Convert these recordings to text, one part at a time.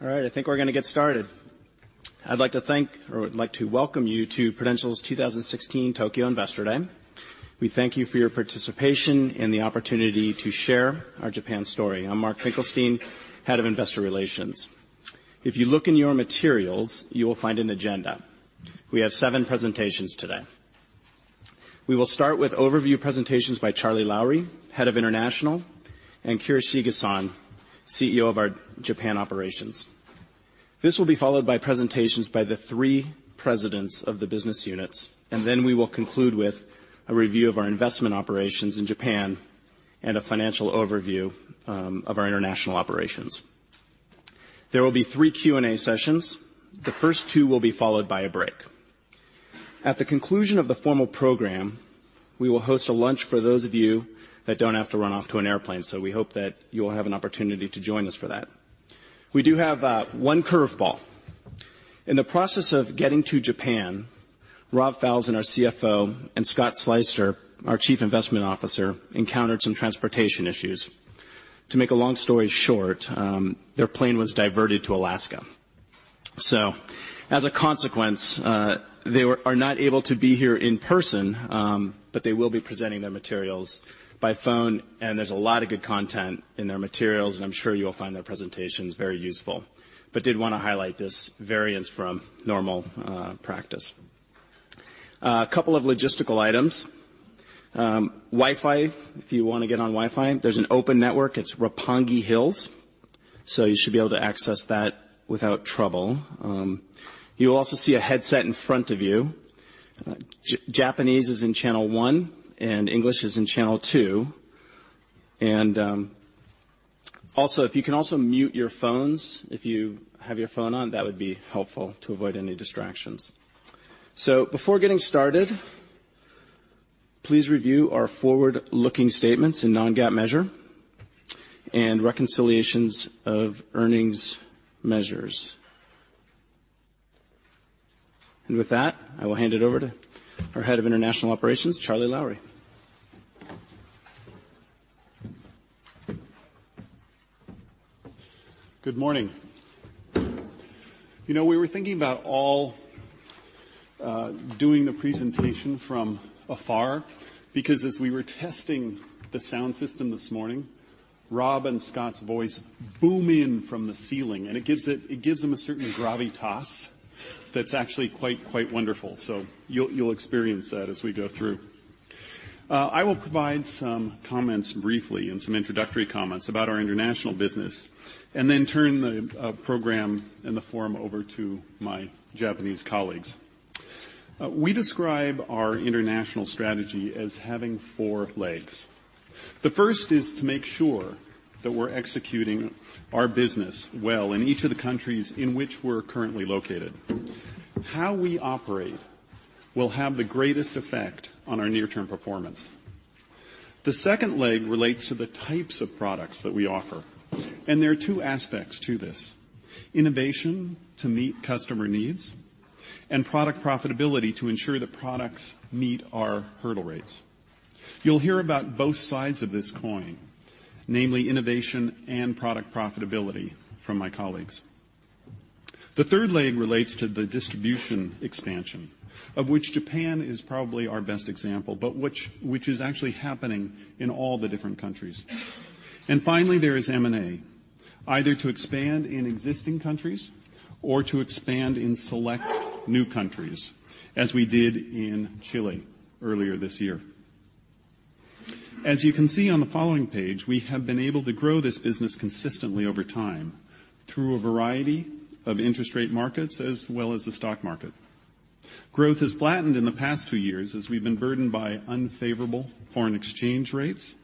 All right. I think we're going to get started. I would like to welcome you to Prudential's 2016 Tokyo Investor Day. We thank you for your participation and the opportunity to share our Japan story. I'm Mark Finkelstein, Head of Investor Relations. If you look in your materials, you will find an agenda. We have seven presentations today. We will start with overview presentations by Charlie Lowrey, Head of International, and Mitsuo Kurashige, CEO of our Japan operations. This will be followed by presentations by the three presidents of the business units. Then we will conclude with a review of our investment operations in Japan and a financial overview of our international operations. There will be three Q&A sessions. The first two will be followed by a break. At the conclusion of the formal program, we will host a lunch for those of you that don't have to run off to an airplane. We hope that you will have an opportunity to join us for that. We do have one curve ball. In the process of getting to Japan, Rob Falzon, our CFO, and Scott Sleyster, our Chief Investment Officer, encountered some transportation issues. To make a long story short, their plane was diverted to Alaska. As a consequence, they are not able to be here in person, but they will be presenting their materials by phone, and there's a lot of good content in their materials, and I'm sure you will find their presentations very useful. Did want to highlight this variance from normal practice. A couple of logistical items. Wi-Fi, if you want to get on Wi-Fi, there's an open network. It's Roppongi Hills. You should be able to access that without trouble. You will also see a headset in front of you. Japanese is in channel one and English is in channel two. Also, if you can also mute your phones, if you have your phone on, that would be helpful to avoid any distractions. Before getting started, please review our forward-looking statements in non-GAAP measure and reconciliations of earnings measures. With that, I will hand it over to our Head of International Operations, Charlie Lowrey. Good morning. We were thinking about all doing the presentation from afar because as we were testing the sound system this morning, Rob and Scott's voice boom in from the ceiling, and it gives them a certain gravitas that's actually quite wonderful. You'll experience that as we go through. I will provide some comments briefly and some introductory comments about our international business. Then turn the program and the forum over to my Japanese colleagues. We describe our international strategy as having four legs. The first is to make sure that we're executing our business well in each of the countries in which we're currently located. How we operate will have the greatest effect on our near-term performance. The second leg relates to the types of products that we offer, and there are two aspects to this. Innovation to meet customer needs and product profitability to ensure that products meet our hurdle rates. You'll hear about both sides of this coin, namely innovation and product profitability from my colleagues. The third leg relates to the distribution expansion, of which Japan is probably our best example, but which is actually happening in all the different countries. Finally, there is M&A, either to expand in existing countries or to expand in select new countries, as we did in Chile earlier this year. As you can see on the following page, we have been able to grow this business consistently over time through a variety of interest rate markets as well as the stock market. Growth has flattened in the past two years as we've been burdened by unfavorable foreign exchange rates,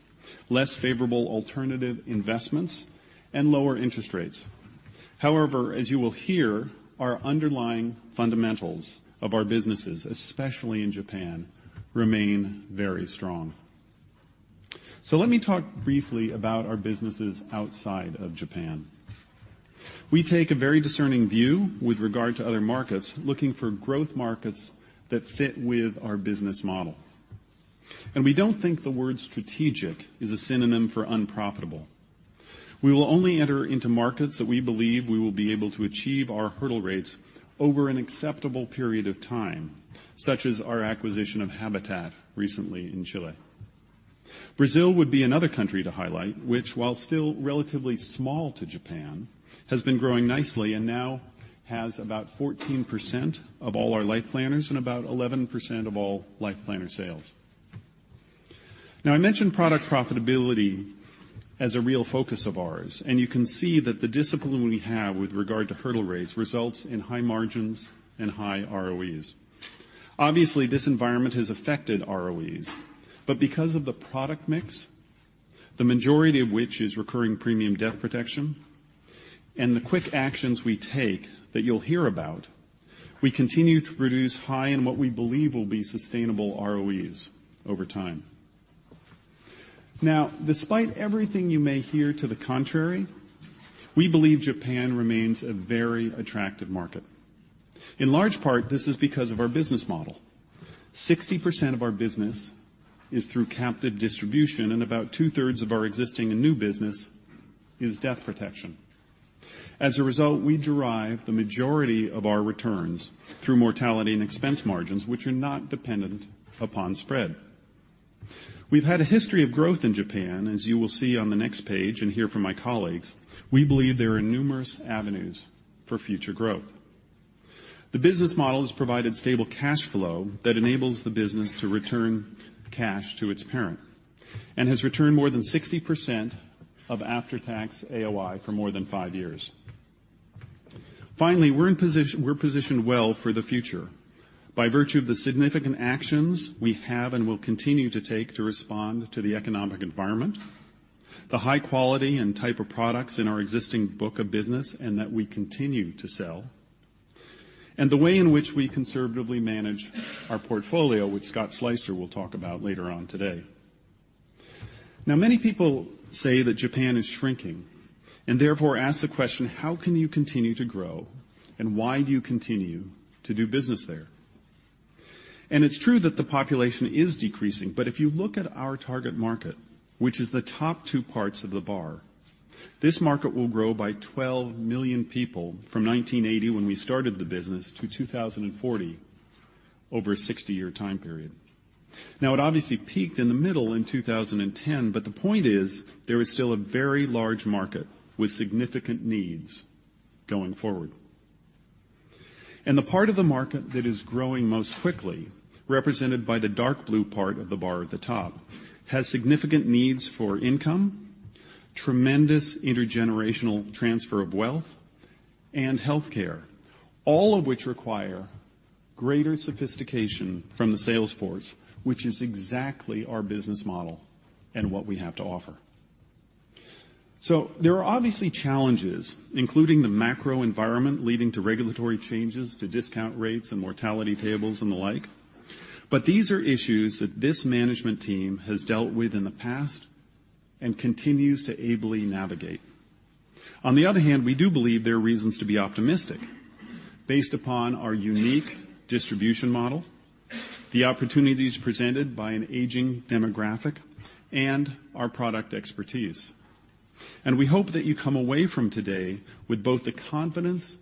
less favorable alternative investments, and lower interest rates. As you will hear, our underlying fundamentals of our businesses, especially in Japan, remain very strong. Let me talk briefly about our businesses outside of Japan. We take a very discerning view with regard to other markets, looking for growth markets that fit with our business model. We don't think the word strategic is a synonym for unprofitable. We will only enter into markets that we believe we will be able to achieve our hurdle rates over an acceptable period of time, such as our acquisition of AFP Habitat recently in Chile. Brazil would be another country to highlight, which while still relatively small to Japan, has been growing nicely and now has about 14% of all our Life Planners and about 11% of all Life Planner sales. I mentioned product profitability as a real focus of ours, and you can see that the discipline we have with regard to hurdle rates results in high margins and high ROEs. Obviously, this environment has affected ROEs, but because of the product mix, the majority of which is recurring premium death protection, and the quick actions we take that you'll hear about, we continue to produce high and what we believe will be sustainable ROEs over time. Despite everything you may hear to the contrary, we believe Japan remains a very attractive market. In large part, this is because of our business model. 60% of our business is through captive distribution, and about two-thirds of our existing and new business is death protection. As a result, we derive the majority of our returns through mortality and expense margins, which are not dependent upon spread. We've had a history of growth in Japan, as you will see on the next page and hear from my colleagues. We believe there are numerous avenues for future growth. The business model has provided stable cash flow that enables the business to return cash to its parent and has returned more than 60% of after-tax AOI for more than five years. We're positioned well for the future by virtue of the significant actions we have and will continue to take to respond to the economic environment, the high quality and type of products in our existing book of business and that we continue to sell, and the way in which we conservatively manage our portfolio, which Scott Sleyster will talk about later on today. Many people say that Japan is shrinking and therefore ask the question: how can you continue to grow, and why do you continue to do business there? It's true that the population is decreasing, but if you look at our target market, which is the top two parts of the bar, this market will grow by 12 million people from 1980, when we started the business, to 2040, over a 60-year time period. It obviously peaked in the middle in 2010, but the point is there is still a very large market with significant needs going forward. The part of the market that is growing most quickly, represented by the dark blue part of the bar at the top, has significant needs for income, tremendous intergenerational transfer of wealth, and healthcare, all of which require greater sophistication from the sales force, which is exactly our business model and what we have to offer. There are obviously challenges, including the macro environment leading to regulatory changes to discount rates and mortality tables and the like. These are issues that this management team has dealt with in the past and continues to ably navigate. On the other hand, we do believe there are reasons to be optimistic based upon our unique distribution model, the opportunities presented by an aging demographic, and our product expertise. We hope that you come away from today with both the confidence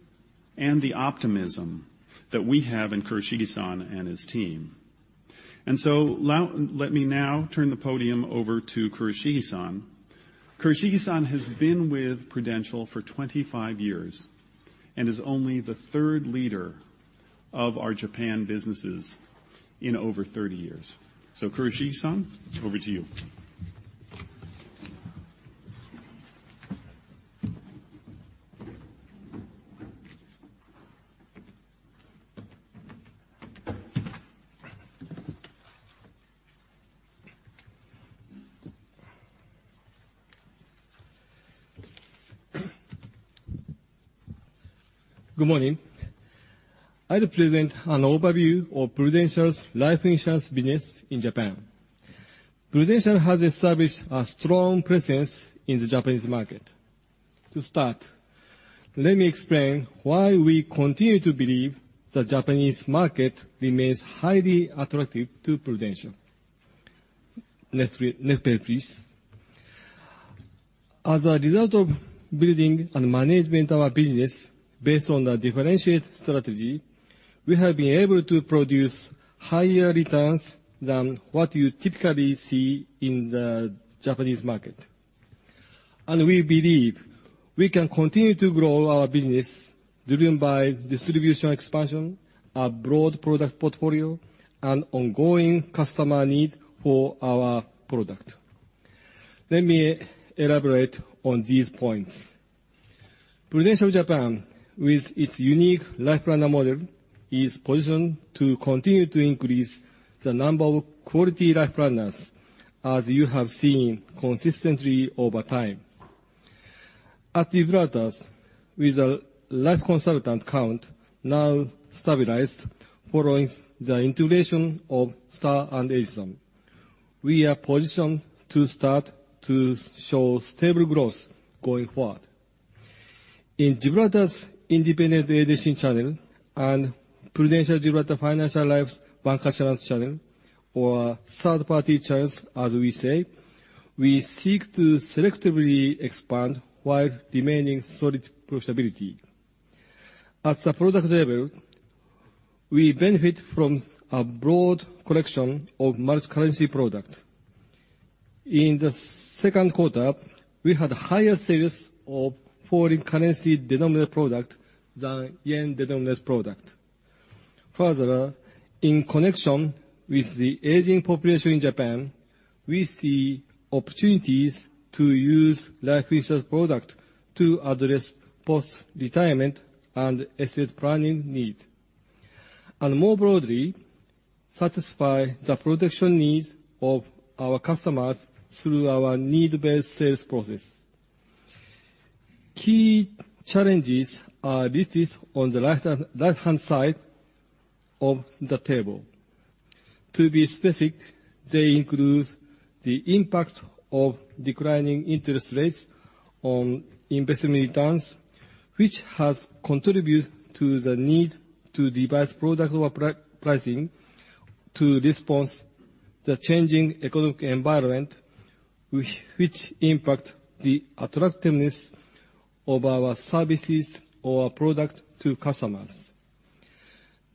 and the optimism that we have in Kurashige-san and his team. Let me now turn the podium over to Kurashige-san. Kurashige-san has been with Prudential for 25 years and is only the third leader of our Japan businesses in over 30 years. Kurashige-san, over to you. Good morning. I'll present an overview of Prudential's life insurance business in Japan. Prudential has established a strong presence in the Japanese market. To start, let me explain why we continue to believe the Japanese market remains highly attractive to Prudential. Next page, please. As a result of building and management our business based on a differentiated strategy, we have been able to produce higher returns than what you typically see in the Japanese market. We believe we can continue to grow our business driven by distribution expansion, a broad product portfolio, and ongoing customer needs for our product. Let me elaborate on these points. Prudential Japan, with its unique Life Planner model, is positioned to continue to increase the number of quality Life Planners as you have seen consistently over time. At Gibraltar, with a life consultant count now stabilized following the integration of Star and Edison, we are positioned to start to show stable growth going forward. In Gibraltar's independent agency channel and Prudential Gibraltar Financial Life's bancassurance channel or third-party channels, as we say, we seek to selectively expand while remaining solid profitability. At the product level, we benefit from a broad collection of multi-currency product. In the second quarter, we had higher sales of foreign currency denominated product than JPY-denominated product. Further, in connection with the aging population in Japan, we see opportunities to use life insurance product to address post-retirement and estate planning needs and more broadly, satisfy the protection needs of our customers through our need-based sales process. Key challenges are listed on the right-hand side of the table. To be specific, they include the impact of declining interest rates on investment returns, which has contributed to the need to revise product pricing to respond to the changing economic environment, which impact the attractiveness of our services or product to customers.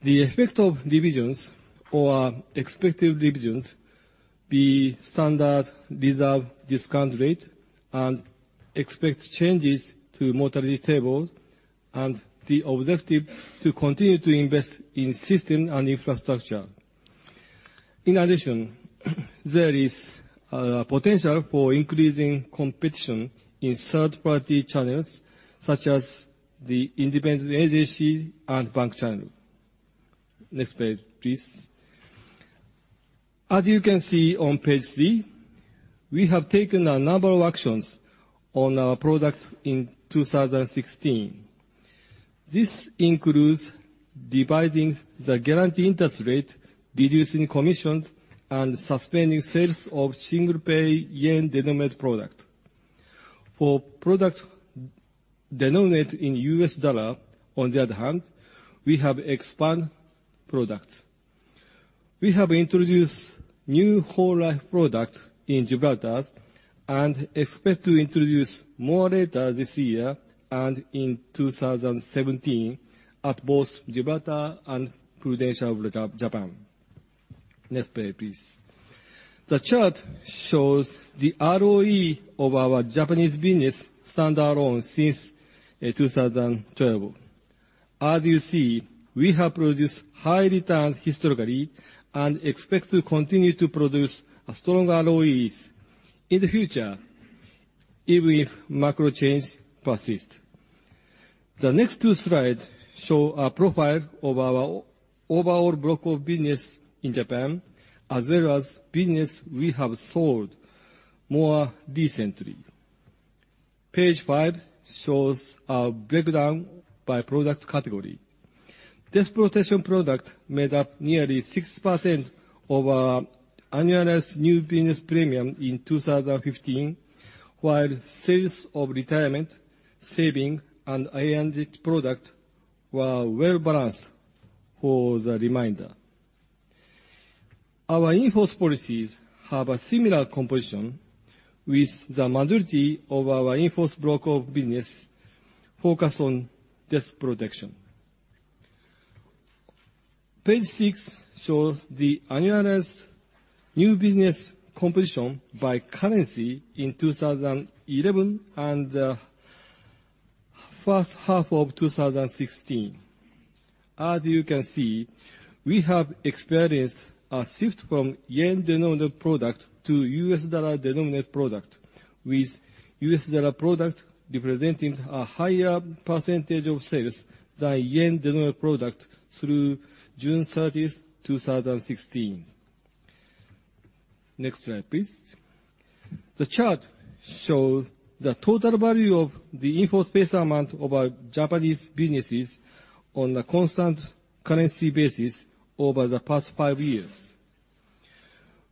The effect of revisions or expected revisions, the standard reserve discount rate, and expect changes to mortality tables, and the objective to continue to invest in system and infrastructure. In addition, there is a potential for increasing competition in third-party channels, such as the independent agency and bank channel. Next page, please. As you can see on page three, we have taken a number of actions on our product in 2016. This includes reducing the guarantee interest rate, reducing commissions, and suspending sales of single pay JPY-denominated product. For product denominated in US dollar, on the other hand, we have expanded product. We have introduced new whole life product in Gibraltar and expect to introduce more later this year and in 2017 at both Gibraltar and Prudential, Japan. Next page, please. The chart shows the ROE of our Japanese business standalone since 2012. As you see, we have produced high returns historically and expect to continue to produce strong ROEs in the future, even if macro change persist. The next two slides show a profile of our overall block of business in Japan, as well as business we have sold more recently. Page five shows a breakdown by product category. This protection product made up nearly 6% of our annualized new business premium in 2015, while sales of retirement, saving, and A&H product were well-balanced for the remainder. Our in-force policies have a similar composition with the majority of our in-force block of business focused on death protection. Page six shows the annualized new business composition by currency in 2011 and the first half of 2016. As you can see, we have experienced a shift from JPY-denominated product to US dollar-denominated product, with US dollar product representing a higher percentage of sales than JPY-denominated product through June 30th, 2016. Next slide, please. The chart shows the total value of the in-force base amount of our Japanese businesses on a constant currency basis over the past five years.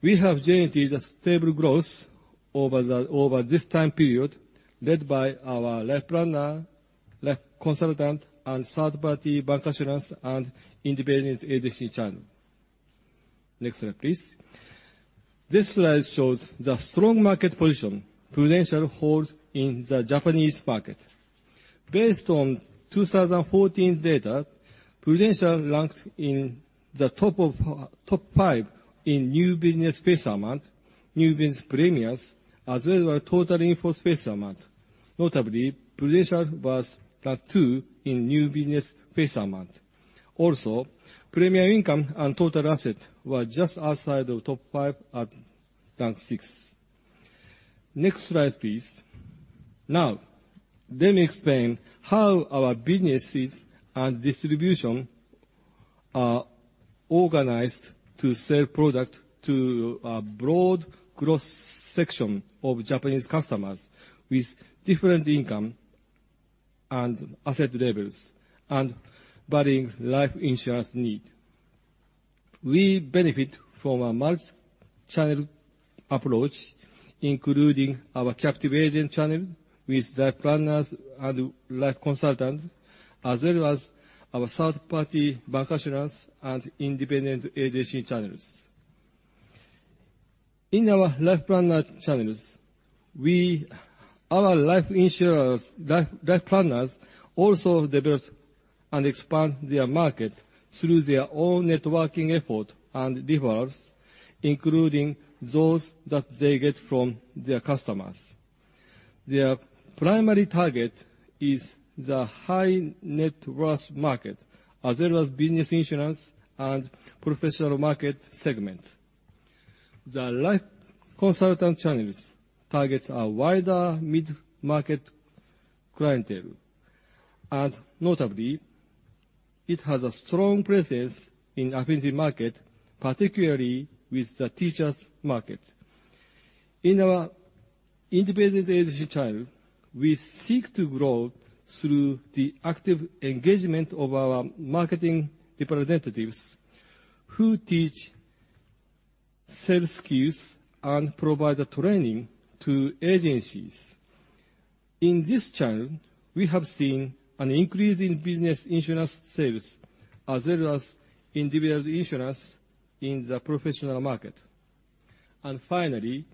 We have generated a stable growth over this time period led by our Life Planner, life consultant, and third-party bancassurance and independent agency channel. Next slide, please. This slide shows the strong market position Prudential holds in the Japanese market. Based on 2014 data, Prudential ranked in the top five in new business base amount, new business premiums, as well as total in-force base amount. Notably, Prudential was ranked two in new business base amount. Also, premium income and total assets were just outside the top five at rank six. Next slide, please. Now, let me explain how our businesses and distribution are organized to sell product to a broad cross-section of Japanese customers with different income and asset levels and varying life insurance need. We benefit from a multi-channel approach, including our captive agent channel with Life Planners and life consultants, as well as our third-party bancassurance and independent agency channels. In our Life Planner channels, our Life Planners also develop and expand their market through their own networking effort and referrals, including those that they get from their customers. Their primary target is the high net worth market, as well as business insurance and professional market segment. The life consultant channels targets a wider mid-market clientele, and notably, it has a strong presence in affinity market, particularly with the teachers market. In our independent agency channel, we seek to grow through the active engagement of our marketing representatives, who teach sales skills and provide the training to agencies. In this channel, we have seen an increase in business insurance sales as well as individual insurance in the professional market. Finally,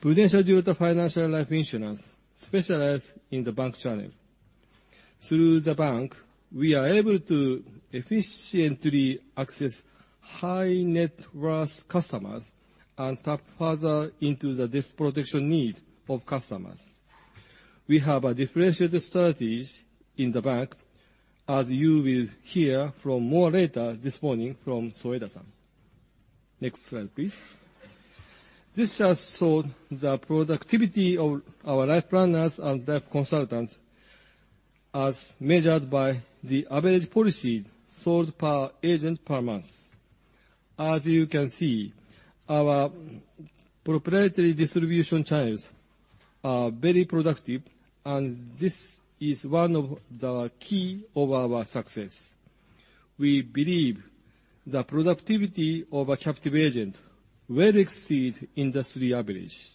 Prudential Gibraltar Financial and Life Insurance specialize in the bank channel. Through the bank, we are able to efficiently access high net worth customers and tap further into the risk protection need of customers. We have a differentiated strategy in the bank, as you will hear from more later this morning from Soeda-san. Next slide, please. This slide shows the productivity of our Life Planners and their consultants as measured by the average policy sold per agent per month. As you can see, our proprietary distribution channels are very productive, and this is one of the key of our success. We believe the productivity of a captive agent will exceed industry average.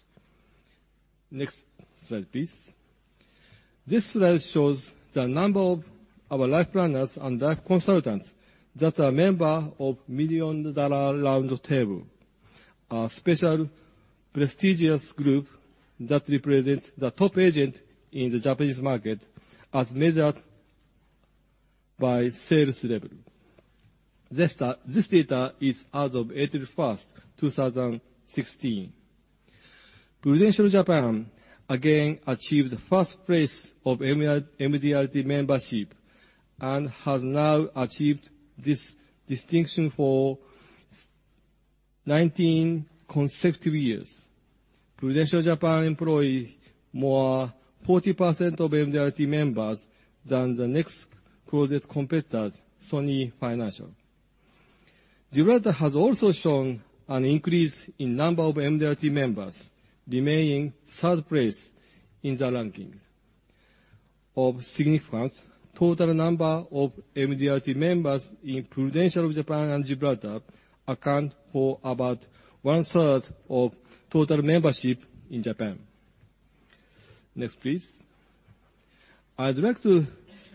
Next slide, please. This slide shows the number of our Life Planners and life consultants that are member of Million Dollar Round Table, a special prestigious group that represents the top agent in the Japanese market as measured by sales level. This data is as of April 1st, 2016. Prudential Japan again achieved first place of MDRT membership and has now achieved this distinction for 19 consecutive years. Prudential Japan employs more than 40% of MDRT members than the next closest competitor, Sony Financial. Gibraltar has also shown an increase in number of MDRT members, remaining third place in the ranking. Of significance, total number of MDRT members in Prudential Japan and Gibraltar account for about one third of total membership in Japan. Next, please. I'd like to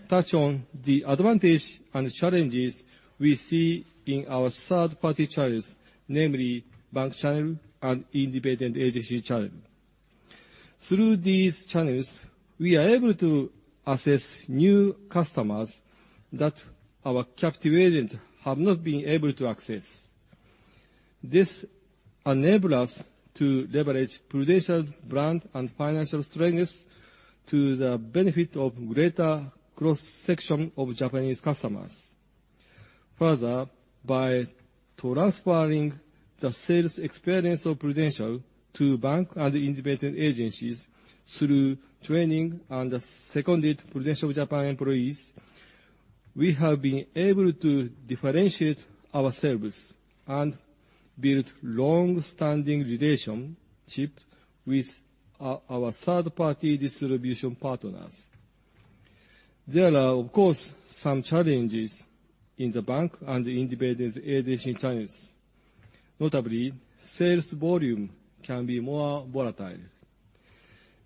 touch on the advantage and challenges we see in our third-party channels, namely bank channel and independent agency channel. Through these channels, we are able to access new customers that our captive agent have not been able to access. This enable us to leverage Prudential's brand and financial strengths to the benefit of greater cross-section of Japanese customers. Further, by transferring the sales experience of Prudential to bank and independent agencies through training and the seconded Prudential Japan employees, we have been able to differentiate ourselves and build long-standing relationship with our third-party distribution partners. There are, of course, some challenges in the bank and the independent agency channels. Notably, sales volume can be more volatile.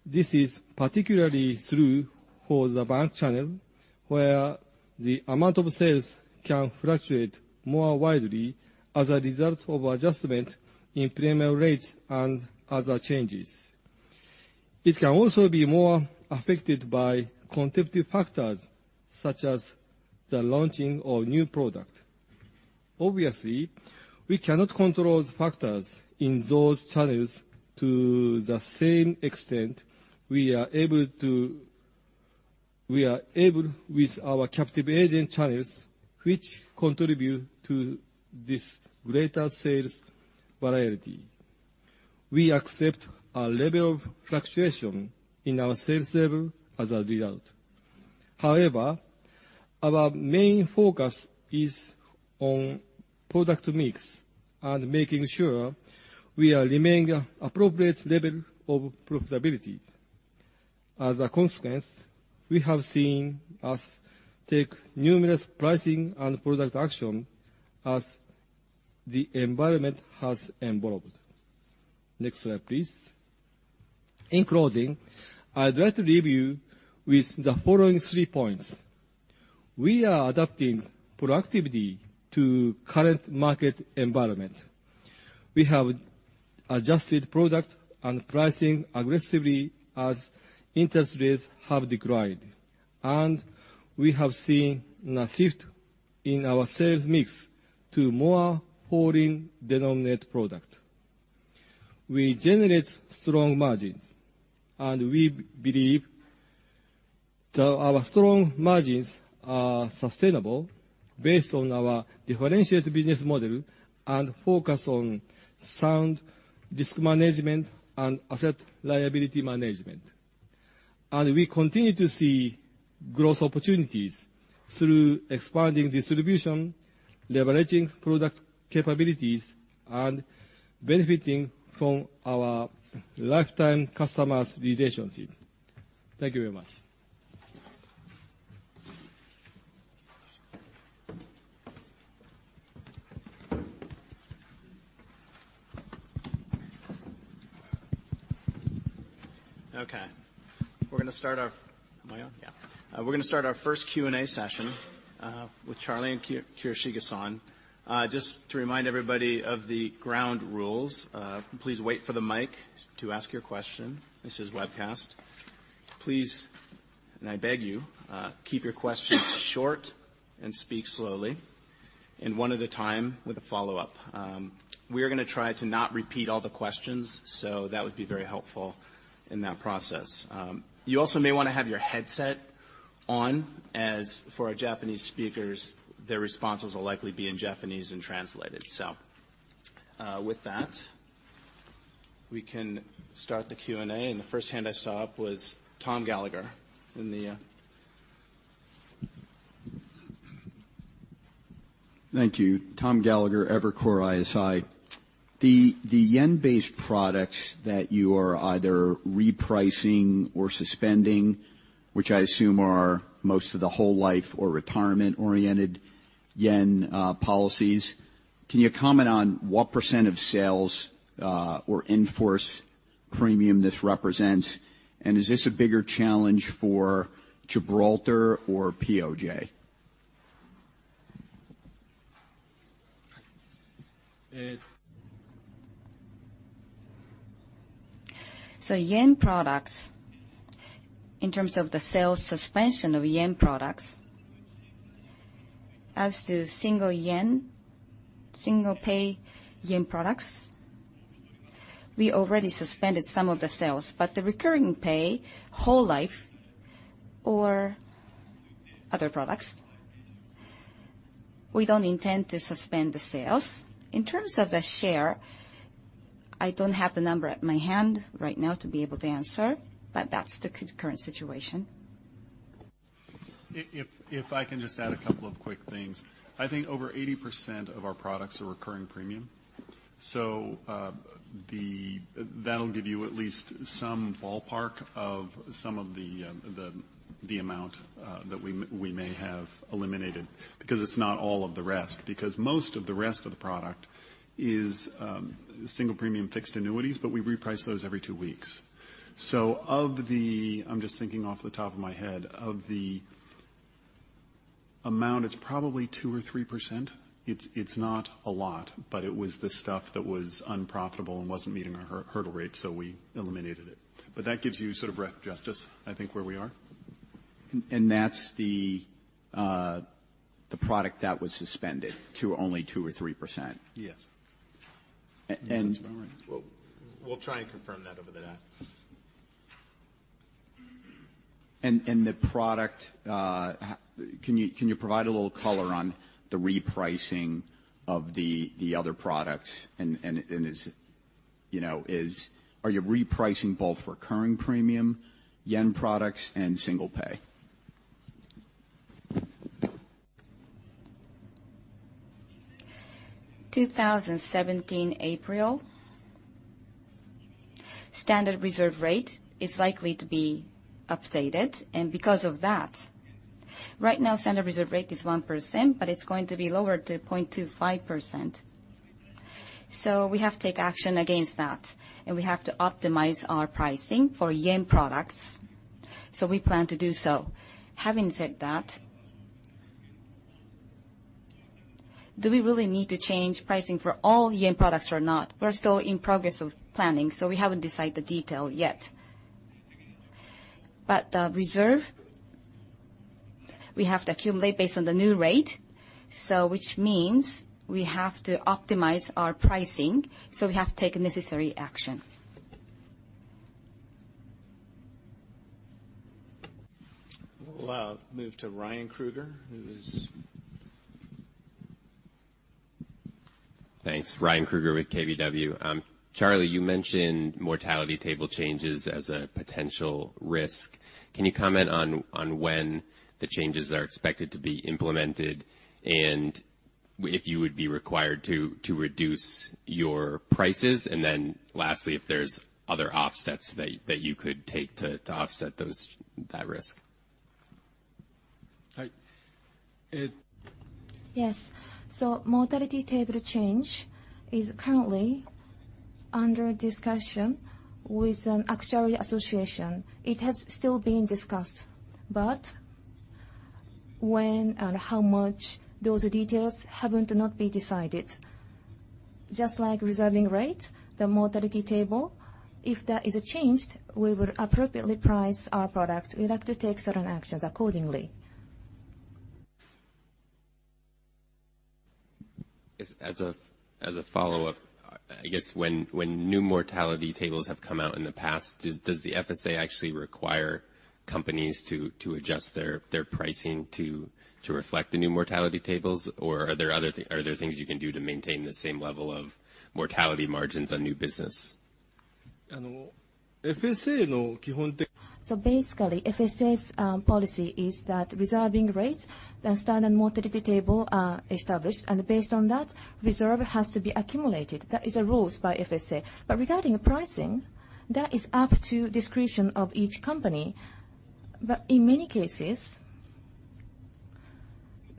This is particularly true for the bank channel, where the amount of sales can fluctuate more widely as a result of adjustment in premium rates and other changes. It can also be more affected by competitive factors such as the launching of new product. Obviously, we cannot control the factors in those channels to the same extent we are able with our captive agent channels, which contribute to this greater sales variety. We accept a level of fluctuation in our sales level as a result. However, our main focus is on product mix and making sure we are remaining appropriate level of profitability. As a consequence, we have seen us take numerous pricing and product action as the environment has evolved. Next slide, please. In closing, I'd like to leave you with the following three points. We are adapting proactively to current market environment. We have adjusted product and pricing aggressively as interest rates have declined, and we have seen a shift in our sales mix to more foreign denominated product. We generate strong margins, and we believe that our strong margins are sustainable based on our differentiated business model and focus on sound risk management and asset liability management. We continue to see growth opportunities through expanding distribution, leveraging product capabilities, and benefiting from our lifetime customer relationships. Thank you very much. Okay. We're going to start our Am I on? Yeah. We're going to start our first Q&A session with Charlie and Kurashige-san. Just to remind everybody of the ground rules, please wait for the mic to ask your question. This is webcast. Please, and I beg you, keep your questions short and speak slowly and one at a time with a follow-up. We are going to try to not repeat all the questions, so that would be very helpful in that process. You also may want to have your headset on as for our Japanese speakers, their responses will likely be in Japanese and translated. With that, we can start the Q&A. The first hand I saw up was Thomas Gallagher. Thank you. Tom Gallagher, Evercore ISI. The yen-based products that you are either repricing or suspending, which I assume are most of the whole life or retirement-oriented yen policies, can you comment on what % of sales or in-force premium this represents? Is this a bigger challenge for Gibraltar or POJ? Yen products, in terms of the sales suspension of yen products, as to single yen, single pay yen products, we already suspended some of the sales. The recurring pay whole life or other products, we don't intend to suspend the sales. In terms of the share, I don't have the number at my hand right now to be able to answer, but that's the current situation. If I can just add a couple of quick things. I think over 80% of our products are recurring premium. That'll give you at least some ballpark of some of the amount that we may have eliminated, because it's not all of the rest. Most of the rest of the product is single premium fixed annuities, but we reprice those every 2 weeks. Of the amount, it's probably 2% or 3%. It's not a lot, but it was the stuff that was unprofitable and wasn't meeting our hurdle rate, so we eliminated it. That gives you sort of rough justice, I think, where we are. That's the product that was suspended to only 2% or 3%? Yes. We'll try and confirm that over the app. The product, can you provide a little color on the repricing of the other products? Are you repricing both recurring premium yen products and single pay? 2017 April, standard reserve rate is likely to be updated. Because of that, right now standard reserve rate is 1%, but it's going to be lowered to 0.25%. We have to take action against that, and we have to optimize our pricing for yen products. We plan to do so. Having said that, do we really need to change pricing for all yen products or not? We are still in progress of planning, so we haven't decided the detail yet. The reserve, we have to accumulate based on the new rate, which means we have to optimize our pricing, so we have to take necessary action. We'll move to Ryan Krueger, who is Thanks. Ryan Krueger with KBW. Charlie, you mentioned mortality table changes as a potential risk. Can you comment on when the changes are expected to be implemented and if you would be required to reduce your prices? Lastly, if there's other offsets that you could take to offset that risk? Yes. Mortality table change is currently under discussion with an actuary association. It has still being discussed. When and how much, those details happen to not be decided. Just like reserving rate, the mortality table, if that is changed, we will appropriately price our product. We'd like to take certain actions accordingly. As a follow-up, I guess when new mortality tables have come out in the past, does the FSA actually require companies to adjust their pricing to reflect the new mortality tables? Are there things you can do to maintain the same level of mortality margins on new business? Basically, FSA's policy is that reserving rates and standard mortality table are established, and based on that, reserve has to be accumulated. That is the rules by FSA. Regarding pricing, that is up to discretion of each company. In many cases,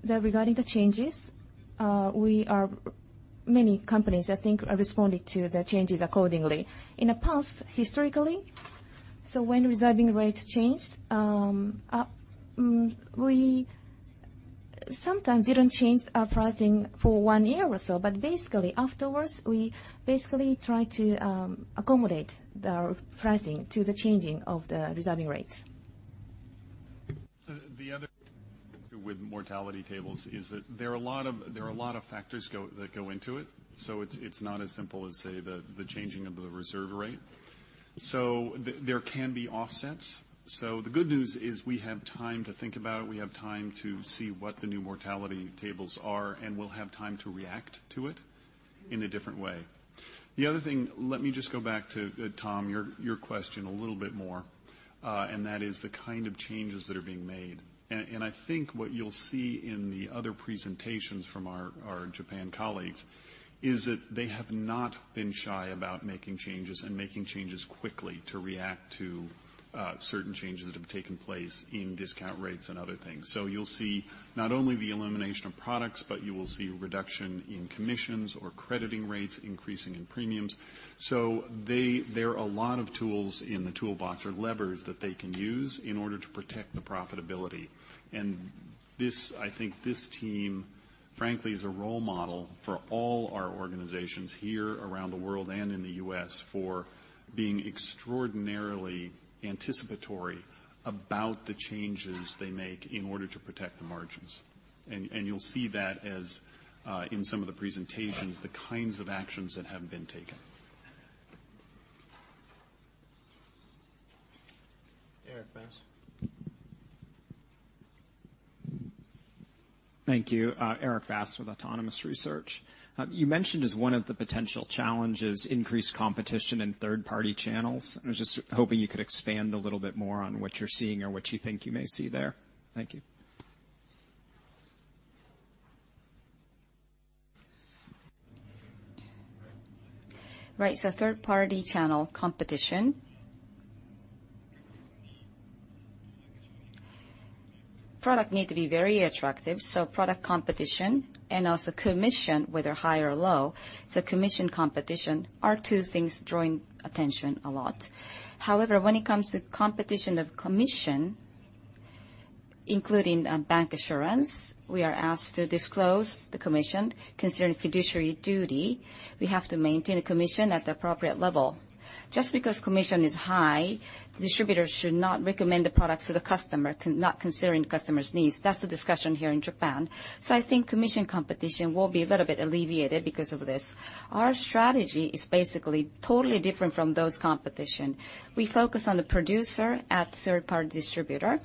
regarding the changes, many companies, I think, are responding to the changes accordingly. In the past, historically, when reserving rates changed, we sometimes didn't change our pricing for one year or so. Basically, afterwards, we basically tried to accommodate the pricing to the changing of the reserving rates. The other with mortality tables is that there are a lot of factors that go into it. It's not as simple as, say, the changing of the reserve rate. There can be offsets. The good news is we have time to think about it. We have time to see what the new mortality tables are, and we'll have time to react to it in a different way. The other thing, let me just go back to, Tom, your question a little bit more, and that is the kind of changes that are being made. I think what you'll see in the other presentations from our Japan colleagues is that they have not been shy about making changes and making changes quickly to react to certain changes that have taken place in discount rates and other things. You'll see not only the elimination of products, but you will see reduction in commissions or crediting rates increasing in premiums. There are a lot of tools in the toolbox or levers that they can use in order to protect the profitability. I think this team, frankly, is a role model for all our organizations here, around the world, and in the U.S. for being extraordinarily anticipatory about the changes they make in order to protect the margins. You'll see that in some of the presentations, the kinds of actions that have been taken. Erik Bass. Thank you. Erik Bass with Autonomous Research. You mentioned as one of the potential challenges increased competition in third-party channels. I was just hoping you could expand a little bit more on what you're seeing or what you think you may see there. Thank you. Right. Third-party channel competition. Product need to be very attractive, product competition, and also commission, whether high or low. Commission competition are two things drawing attention a lot. However, when it comes to competition of commission, including bancassurance, we are asked to disclose the commission concerning fiduciary duty. We have to maintain a commission at the appropriate level. Just because commission is high, distributors should not recommend the product to the customer, not considering the customer's needs. That's the discussion here in Japan. I think commission competition will be a little bit alleviated because of this. Our strategy is basically totally different from those competition. We focus on the producer at third-party distributor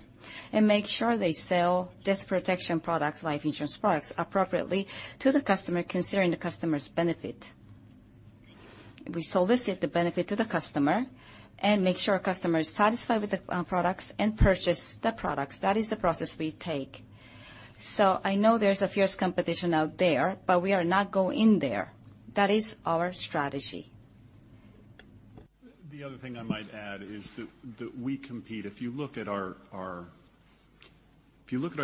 and make sure they sell death protection products, life insurance products, appropriately to the customer considering the customer's benefit. We solicit the benefit to the customer and make sure our customer is satisfied with the products and purchase the products. That is the process we take. I know there's a fierce competition out there, but we are not going in there. That is our strategy. The other thing I might add is that if you look at our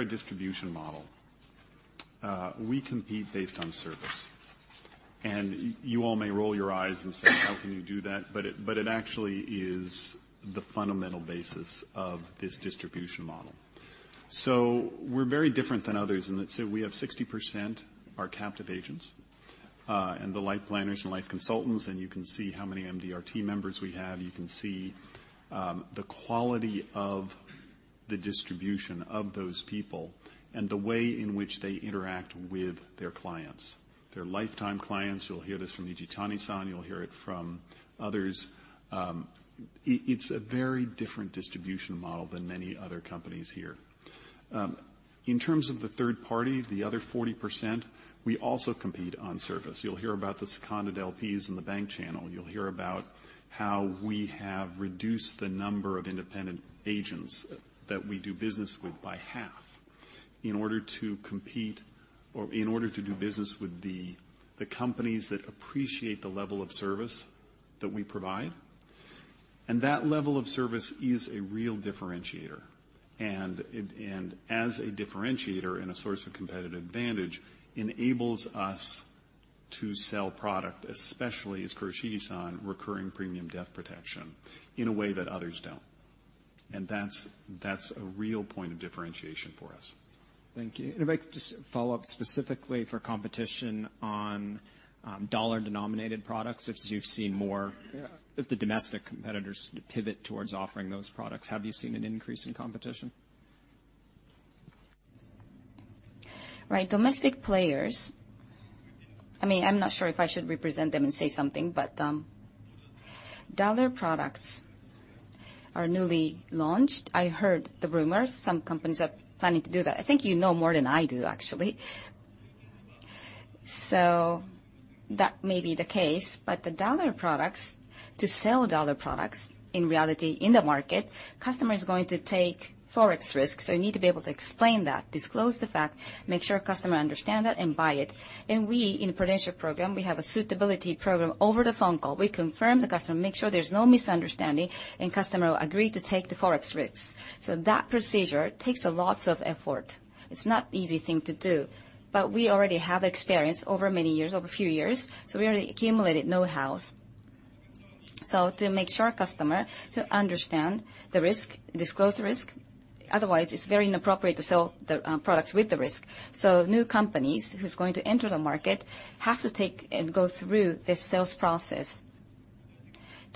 distribution model we compete based on service. You all may roll your eyes and say, "How can you do that?" It actually is the fundamental basis of this distribution model. We're very different than others in that, say, we have 60% are captive agents, the Life Planners and life consultants, and you can see how many MDRT members we have. You can see the quality of the distribution of those people and the way in which they interact with their clients. They're lifetime clients. You'll hear this from Ichitani-san. You'll hear it from others. It's a very different distribution model than many other companies here. In terms of the third party, the other 40%, we also compete on service. You'll hear about the seconded LPs in the bank channel. You'll hear about how we have reduced the number of independent agents that we do business with by half in order to do business with the companies that appreciate the level of service that we provide. That level of service is a real differentiator. As a differentiator and a source of competitive advantage, enables us to sell product, especially as Kurashige-san, recurring premium death protection in a way that others don't. That's a real point of differentiation for us. Thank you. If I could just follow up specifically for competition on dollar-denominated products, if the domestic competitors pivot towards offering those products, have you seen an increase in competition? Right. Domestic players. I'm not sure if I should represent them and say something, dollar products are newly launched. I heard the rumors. Some companies are planning to do that. I think you know more than I do, actually. That may be the case, to sell dollar products, in reality, in the market, customer is going to take Forex risks. You need to be able to explain that, disclose the fact, make sure customer understand that and buy it. We, in Prudential program, we have a suitability program over the phone call. We confirm the customer, make sure there's no misunderstanding, and customer agree to take the Forex risks. That procedure takes a lot of effort. It's not easy thing to do. We already have experience over a few years, we already accumulated know-hows. To make sure customer to understand the risk, disclose the risk, otherwise, it's very inappropriate to sell the products with the risk. New companies who's going to enter the market have to take and go through this sales process.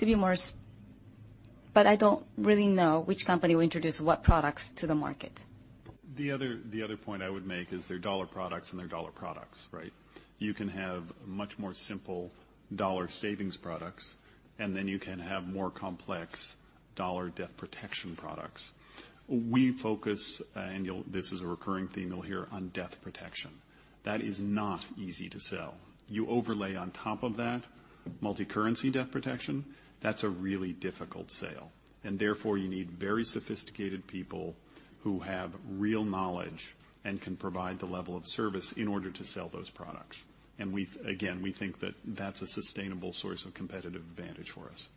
I don't really know which company will introduce what products to the market. The other point I would make is there are dollar products and there are dollar products, right? You can have much more simple dollar savings products, then you can have more complex dollar debt protection products. We focus, and this is a recurring theme you'll hear, on debt protection. That is not easy to sell. You overlay on top of that multi-currency debt protection, that's a really difficult sale. Therefore, you need very sophisticated people who have real knowledge and can provide the level of service in order to sell those products. Again, we think that that's a sustainable source of competitive advantage for us.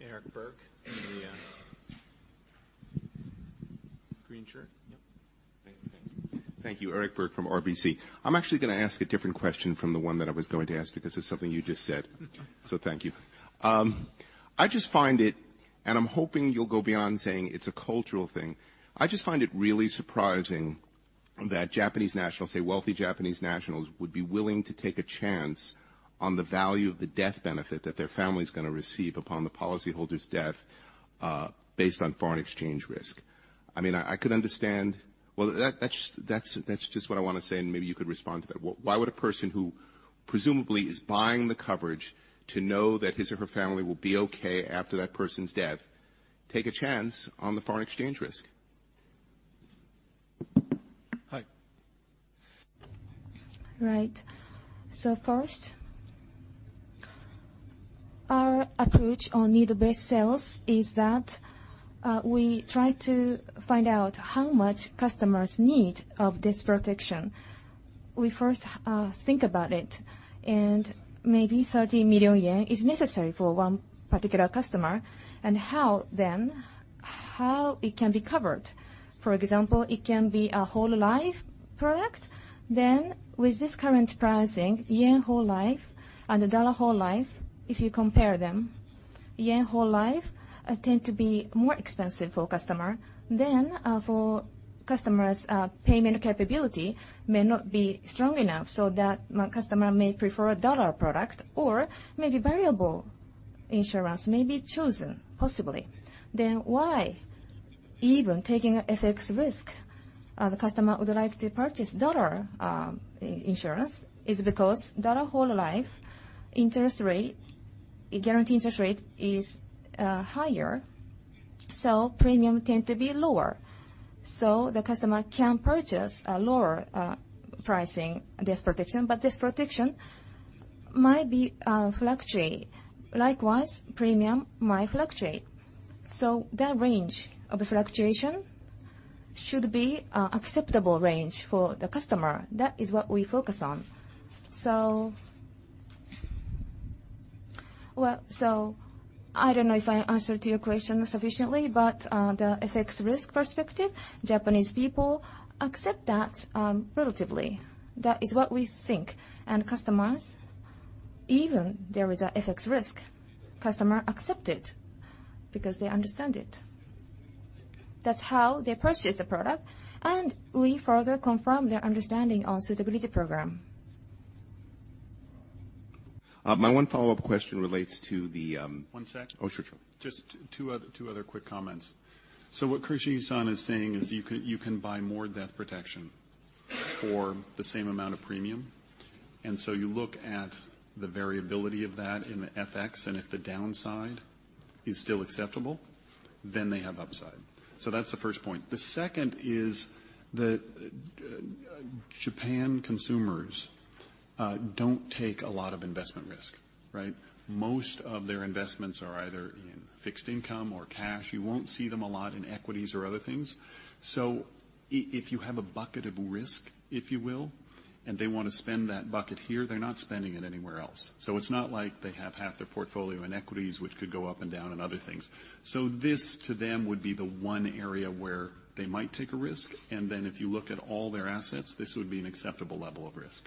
Erik Burke in the green shirt. Yep. Thank you. Erik Burke from RBC. I'm actually going to ask a different question from the one that I was going to ask because of something you just said. Thank you. I just find it, and I'm hoping you'll go beyond saying it's a cultural thing. I just find it really surprising that Japanese nationals, say wealthy Japanese nationals, would be willing to take a chance on the value of the death benefit that their family's going to receive upon the policyholder's death based on foreign exchange risk. That's just what I want to say, and maybe you could respond to that. Why would a person who presumably is buying the coverage to know that his or her family will be okay after that person's death take a chance on the foreign exchange risk? Hi. Right. First, our approach on need-based sales is that we try to find out how much customers need of this protection. We first think about it, and maybe 30 million yen is necessary for one particular customer. How it can be covered. For example, it can be a whole life product. With this current pricing, yen whole life and the dollar whole life, if you compare them, yen whole life tend to be more expensive for customer. For customers, payment capability may not be strong enough so that customer may prefer a dollar product or maybe variable insurance may be chosen possibly. Why even taking a FX risk the customer would like to purchase dollar insurance is because dollar whole life guaranteed interest rate is higher, premium tends to be lower. The customer can purchase a lower pricing death protection. Death protection might fluctuate. Likewise, premium might fluctuate. That range of fluctuation should be acceptable range for the customer. That is what we focus on. I don't know if I answered to your question sufficiently, but the FX risk perspective, Japanese people accept that relatively. That is what we think. Customers, even there is a FX risk, customer accept it because they understand it. That's how they purchase the product. We further confirm their understanding on suitability program. My one follow-up question relates to. One sec. Oh, sure. Just two other quick comments. What Kurashige-san is saying is you can buy more death protection for the same amount of premium. You look at the variability of that in the FX, and if the downside is still acceptable, then they have upside. That's the first point. The second is that Japan consumers don't take a lot of investment risk, right? Most of their investments are either in fixed income or cash. You won't see them a lot in equities or other things. If you have a bucket of risk, if you will, and they want to spend that bucket here, they're not spending it anywhere else. It's not like they have half their portfolio in equities, which could go up and down and other things. This to them would be the one area where they might take a risk. If you look at all their assets, this would be an acceptable level of risk.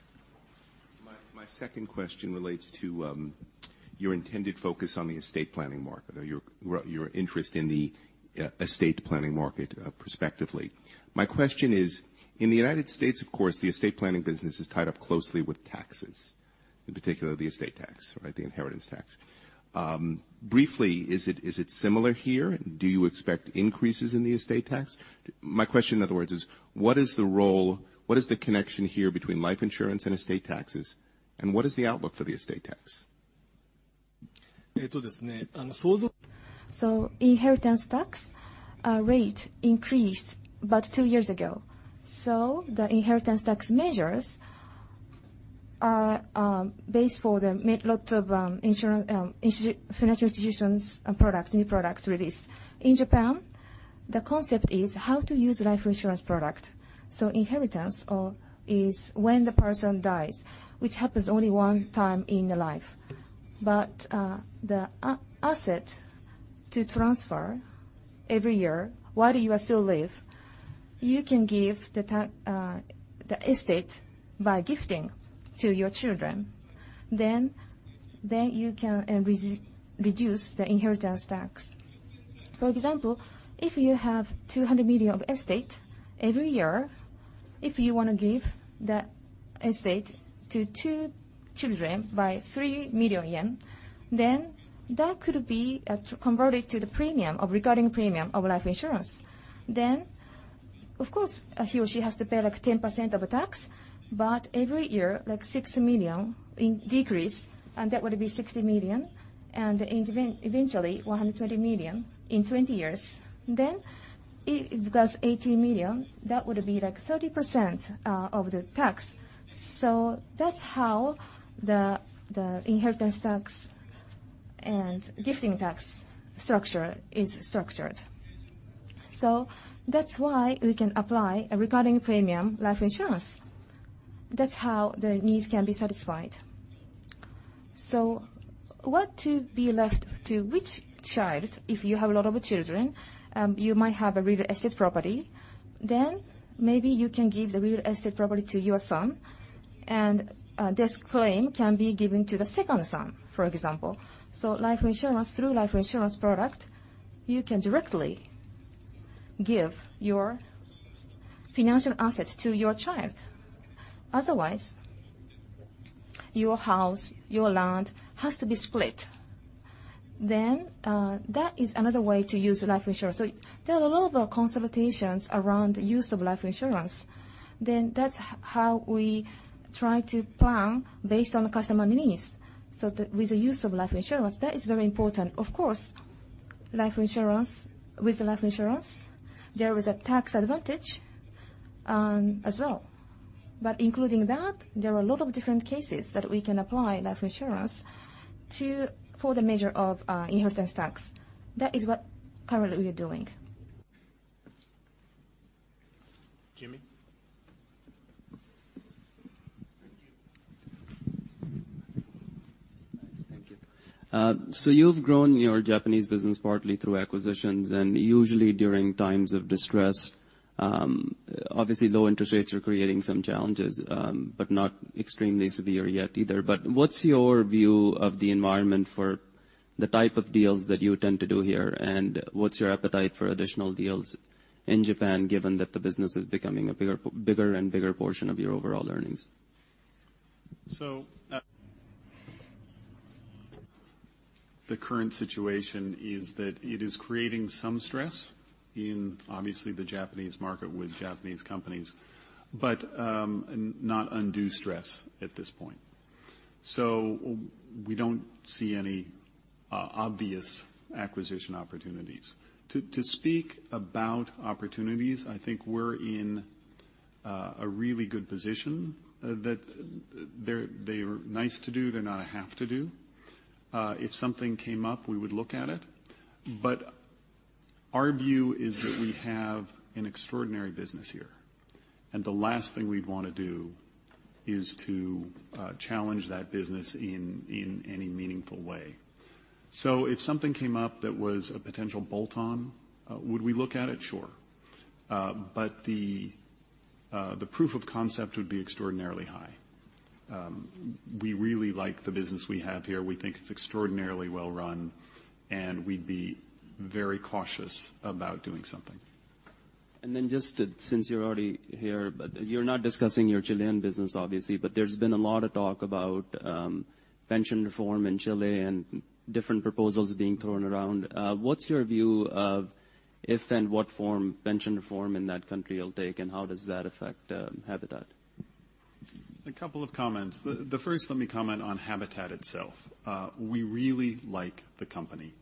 My second question relates to your intended focus on the estate planning market or your interest in the estate planning market perspectively. My question is, in the U.S., of course, the estate planning business is tied up closely with taxes, in particular the estate tax, right? The inheritance tax. Briefly, is it similar here? Do you expect increases in the estate tax? My question, in other words, is what is the connection here between life insurance and estate taxes, and what is the outlook for the estate tax? Inheritance tax rate increased about two years ago. The inheritance tax measures are based for the lots of financial institutions products, new products release. In Japan, the concept is how to use life insurance product. Inheritance is when the person dies, which happens only one time in your life. But the asset to transfer every year while you are still alive, you can give the estate by gifting to your children, then you can reduce the inheritance tax. For example, if you have $200 million of estate, every year, if you want to give that estate to two children by 3 million yen, then that could be converted to the recurring premium of life insurance. Of course, he or she has to pay like 10% of the tax, but every year, like $6 million in decrease, and that would be $60 million, and eventually $120 million in 20 years. It becomes $80 million. That would be like 30% of the tax. That's how the inheritance tax and gifting tax structure is structured. That's why we can apply a recurring premium life insurance. That's how the needs can be satisfied. What to be left to which child, if you have a lot of children, you might have a real estate property. Maybe you can give the real estate property to your son, and this claim can be given to the second son, for example. Through life insurance product, you can directly give your financial asset to your child. Otherwise, your house, your land has to be split. That is another way to use life insurance. There are a lot of consultations around use of life insurance. That's how we try to plan based on the customer needs. With the use of life insurance, that is very important. Of course, with life insurance, there is a tax advantage as well. Including that, there are a lot of different cases that we can apply life insurance for the measure of inheritance tax. That is what currently we are doing. Jimmy? Thank you. You've grown your Japanese business partly through acquisitions and usually during times of distress. Obviously, low interest rates are creating some challenges, but not extremely severe yet either. What's your view of the environment for the type 2 deals that you tend to do here, and what's your appetite for additional deals in Japan, given that the business is becoming a bigger and bigger portion of your overall earnings? The current situation is that it is creating some stress in obviously the Japanese market with Japanese companies, but not undue stress at this point. We don't see any obvious acquisition opportunities. To speak about opportunities, I think we're in a really good position. That they are nice to do. They're not a have to do. If something came up, we would look at it. Our view is that we have an extraordinary business here, and the last thing we'd want to do is to challenge that business in any meaningful way. If something came up that was a potential bolt-on, would we look at it? Sure. The proof of concept would be extraordinarily high. We really like the business we have here. We think it's extraordinarily well run, and we'd be very cautious about doing something. Just since you're already here, but you're not discussing your Chilean business, obviously, there's been a lot of talk about pension reform in Chile and different proposals being thrown around. What's your view of if and what form pension reform in that country will take, and how does that affect Habitat? A couple of comments. The first, let me comment on AFP Habitat itself. We really like the company.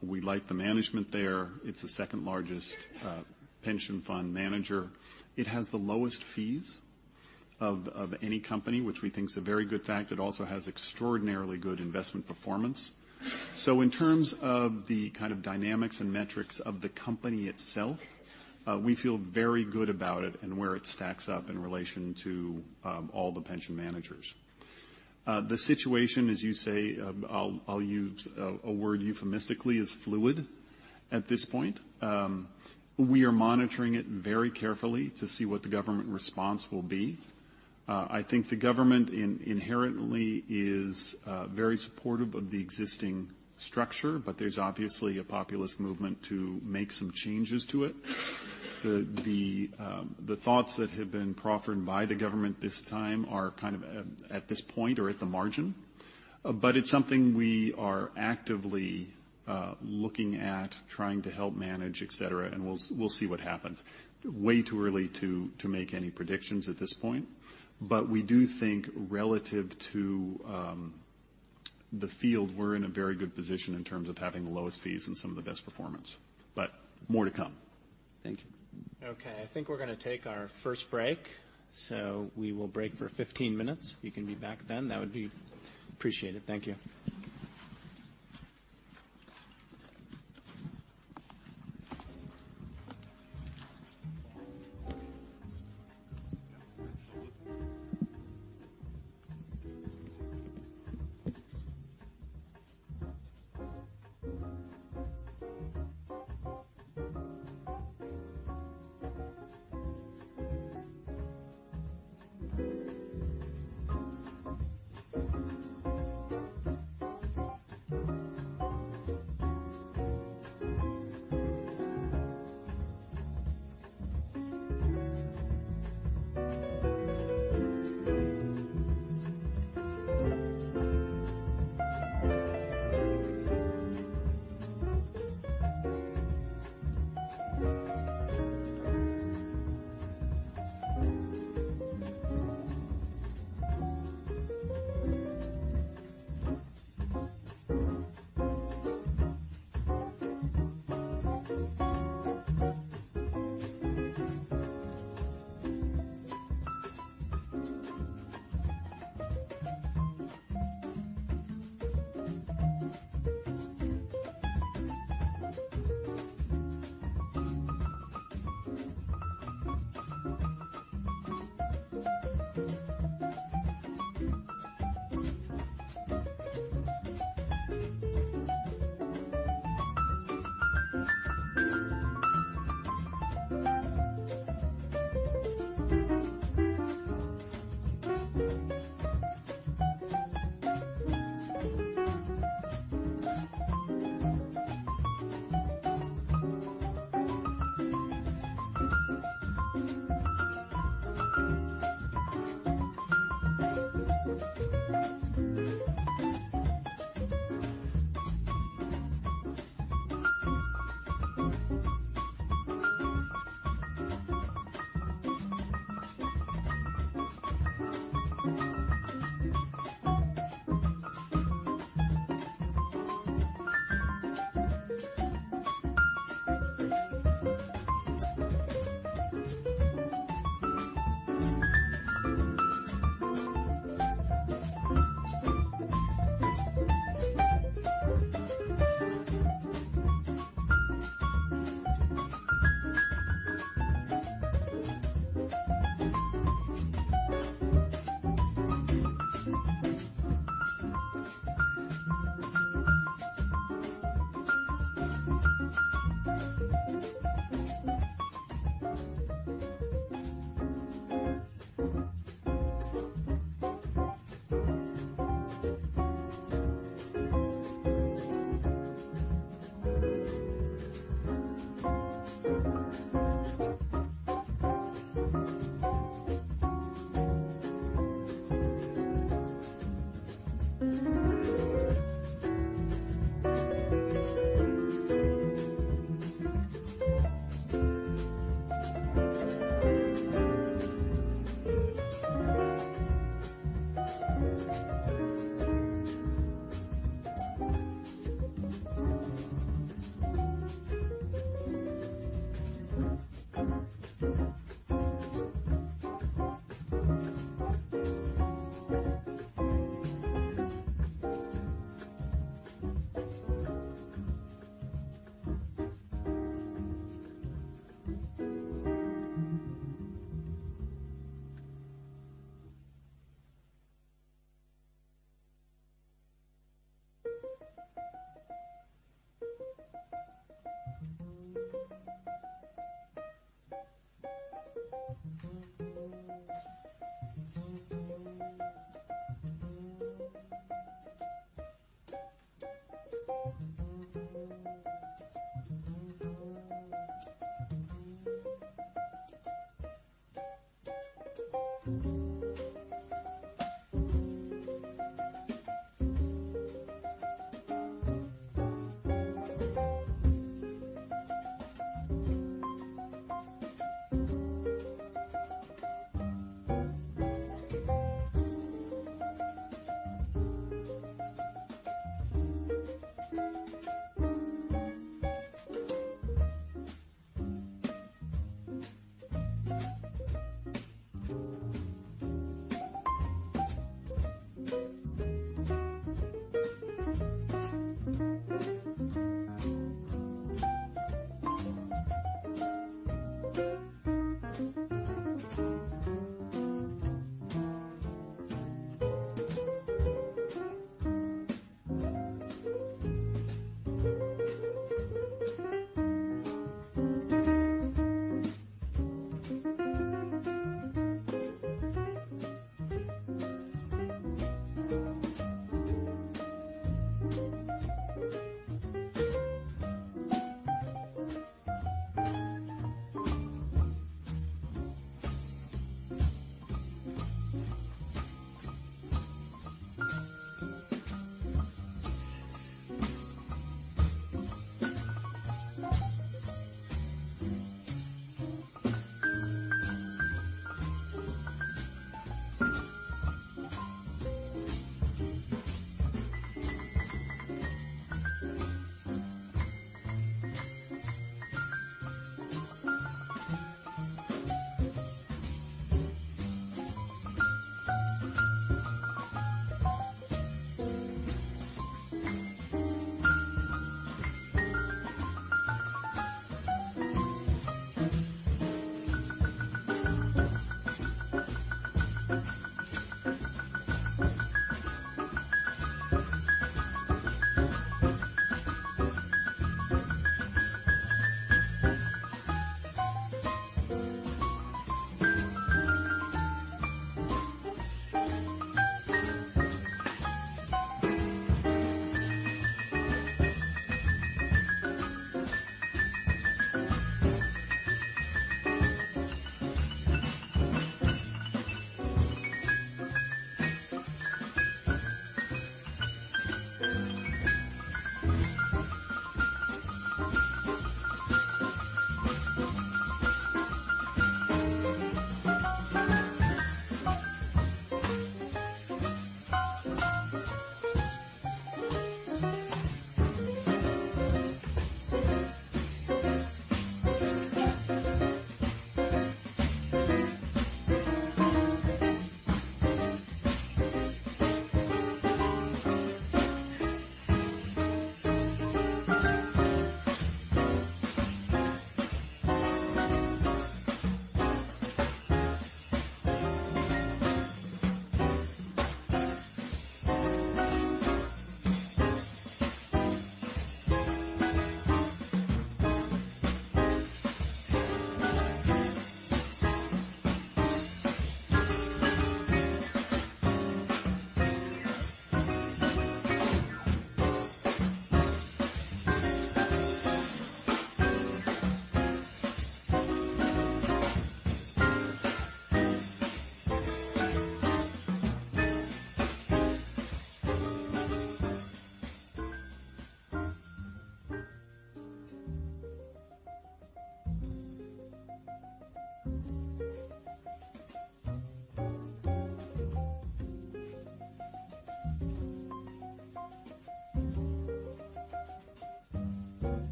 We like the management there. It is the second largest pension fund manager. It has the lowest fees of any company, which we think is a very good fact. It also has extraordinarily good investment performance. In terms of the kind of dynamics and metrics of the company itself, we feel very good about it and where it stacks up in relation to all the pension managers. The situation, as you say, I'll use a word euphemistically, is fluid at this point. We are monitoring it very carefully to see what the government response will be. I think the government inherently is very supportive of the existing structure, but there's obviously a populist movement to make some changes to it. The thoughts that have been proffered by the government this time are kind of at this point or at the margin. It's something we are actively looking at, trying to help manage, et cetera, and we'll see what happens. Way too early to make any predictions at this point. We do think relative to the field, we're in a very good position in terms of having the lowest fees and some of the best performance, but more to come. Thank you. Okay, I think we're going to take our first break. We will break for 15 minutes. If you can be back then, that would be appreciated. Thank you.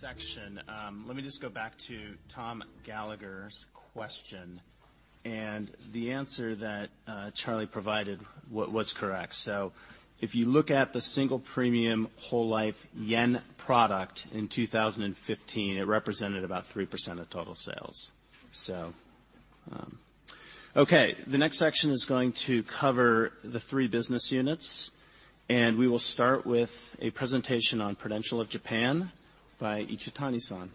Section. Let me just go back to Thomas Gallagher's question, and the answer that Charlie Lowrey provided was correct. If you look at the single premium whole life JPY product in 2015, it represented about 3% of total sales. Okay, the next section is going to cover the three business units, and we will start with a presentation on Prudential of Japan by Ichitani-san.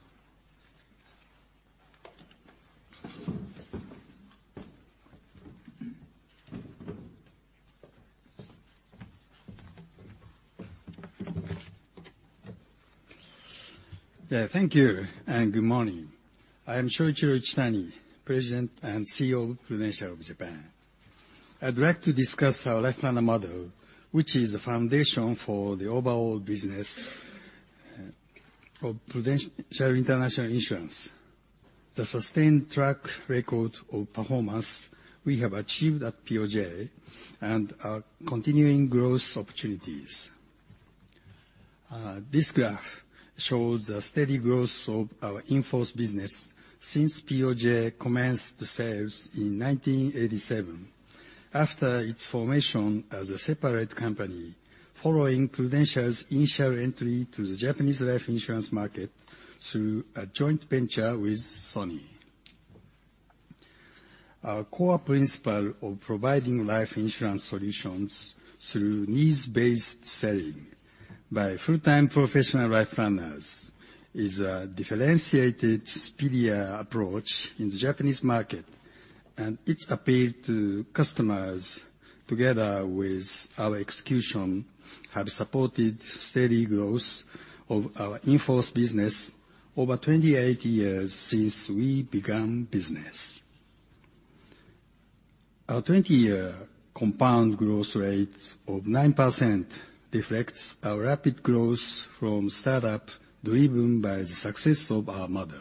Thank you and good morning. I am Shoichiro Ichitani, President and CEO of Prudential of Japan. I'd like to discuss our Life Planner model, which is the foundation for the overall business of Prudential International Businesses, the sustained track record of performance we have achieved at POJ, and our continuing growth opportunities. This graph shows the steady growth of our in-force business since POJ commenced sales in 1987 after its formation as a separate company following Prudential's initial entry to the Japanese life insurance market through a joint venture with Sony. Our core principle of providing life insurance solutions through needs-based selling by full-time professional Life Planners is a differentiated, superior approach in the Japanese market, and its appeal to customers, together with our execution, have supported steady growth of our in-force business over 28 years since we began business. Our 20-year compound growth rate of 9% reflects our rapid growth from startup, driven by the success of our model.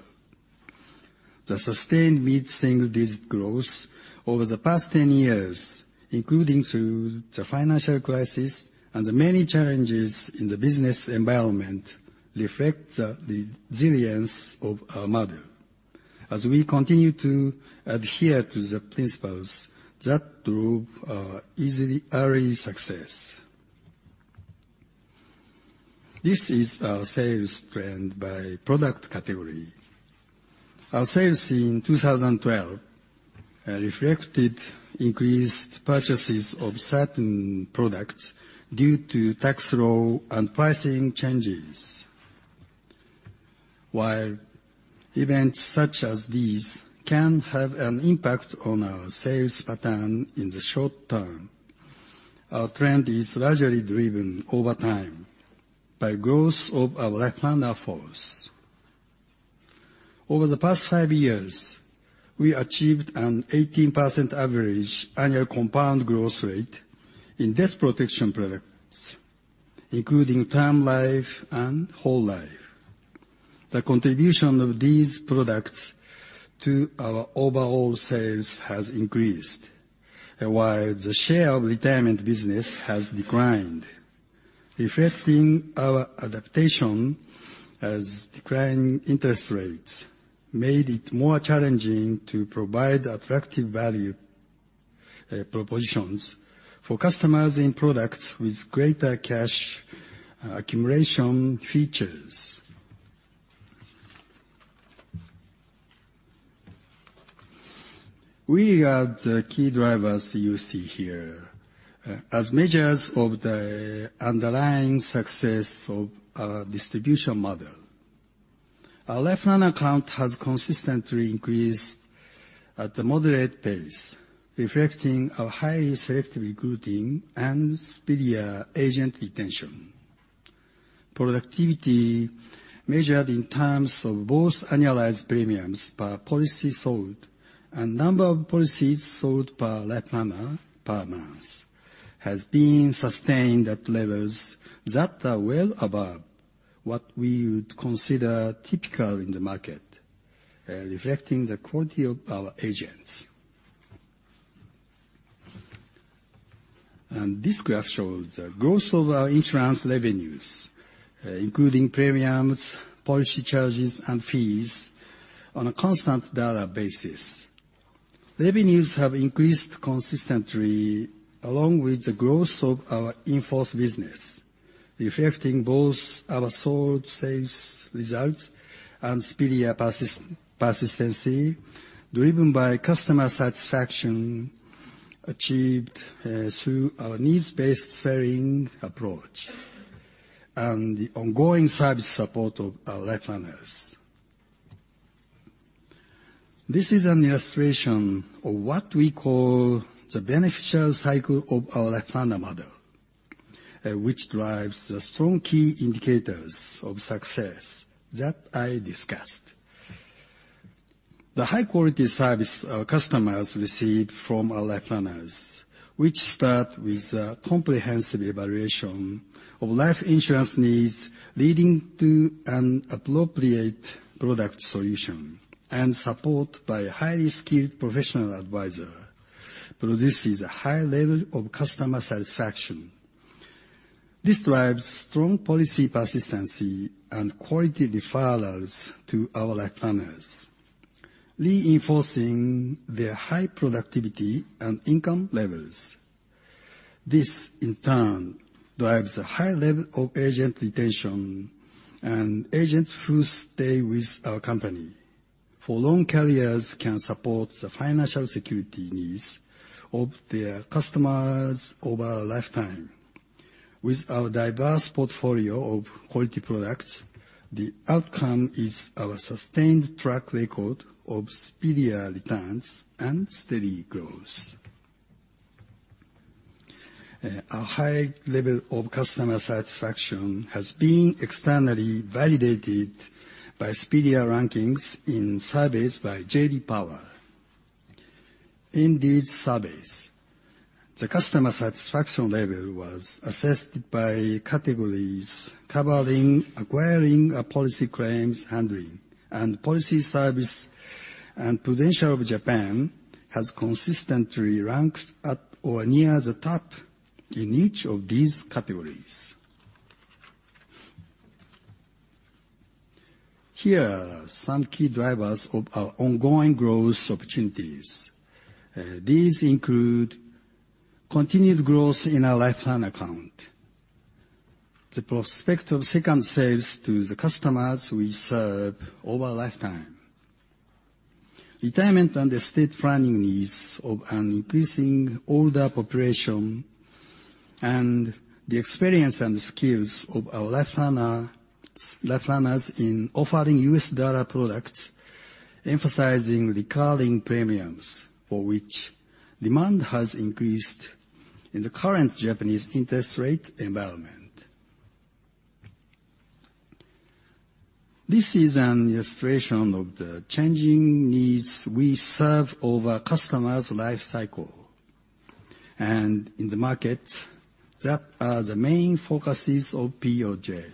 The sustained mid-single digit growth over the past 10 years, including through the financial crisis and the many challenges in the business environment, reflect the resilience of our model as we continue to adhere to the principles that drove our early success. This is our sales trend by product category. Our sales in 2012 reflected increased purchases of certain products due to tax law and pricing changes. While events such as these can have an impact on our sales pattern in the short term, our trend is largely driven over time by growth of our Life Planner force. Over the past five years, we achieved an 18% average annual compound growth rate in death protection products, including term life and whole life. The contribution of these products to our overall sales has increased, while the share of retirement business has declined, reflecting our adaptation as declining interest rates made it more challenging to provide attractive value propositions for customers in products with greater cash accumulation features. We add the key drivers you see here as measures of the underlying success of our distribution model. Our Life Planner count has consistently increased at a moderate pace, reflecting our highly selective recruiting and superior agent retention. Productivity measured in terms of both annualized premiums per policy sold and number of policies sold per Life Planner per month has been sustained at levels that are well above what we would consider typical in the market, reflecting the quality of our agents. This graph shows the growth of our insurance revenues, including premiums, policy charges, and fees on a constant dollar basis. Revenues have increased consistently along with the growth of our in-force business, reflecting both our sold sales results and superior persistency, driven by customer satisfaction achieved through our needs-based selling approach, and the ongoing service support of our Life Planners. This is an illustration of what we call the beneficial cycle of our Life Planner model, which drives the strong key indicators of success that I discussed. The high-quality service our customers receive from our Life Planners, which start with a comprehensive evaluation of life insurance needs, leading to an appropriate product solution, and support by a highly skilled professional advisor, produces a high level of customer satisfaction. This drives strong policy persistency and quality referrals to our Life Planners, reinforcing their high productivity and income levels. This, in turn, drives a high level of agent retention, and agents who stay with our company for long careers can support the financial security needs of their customers over a lifetime. With our diverse portfolio of quality products, the outcome is our sustained track record of superior returns and steady growth. Our high level of customer satisfaction has been externally validated by superior rankings in surveys by J.D. Power. In these surveys, the customer satisfaction level was assessed by categories covering acquiring a policy claims handling and policy service, and Prudential of Japan has consistently ranked at or near the top in each of these categories. Here are some key drivers of our ongoing growth opportunities. These include continued growth in our LifePlan account, the prospect of second sales to the customers we serve over a lifetime, retirement and estate planning needs of an increasing older population, and the experience and skills of our Life Planners in offering U.S. dollar products, emphasizing recalling premiums, for which demand has increased in the current Japanese interest rate environment. This is an illustration of the changing needs we serve over a customer's life cycle, and in the markets that are the main focuses of POJ.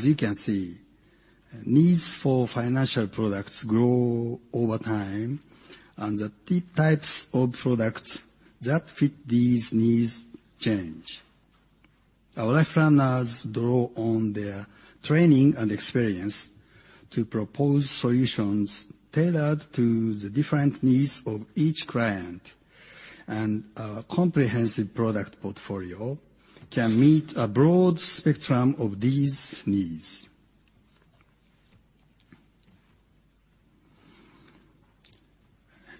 You can see, needs for financial products grow over time, and the types of products that fit these needs change. Our Life Planners draw on their training and experience to propose solutions tailored to the different needs of each client, and our comprehensive product portfolio can meet a broad spectrum of these needs.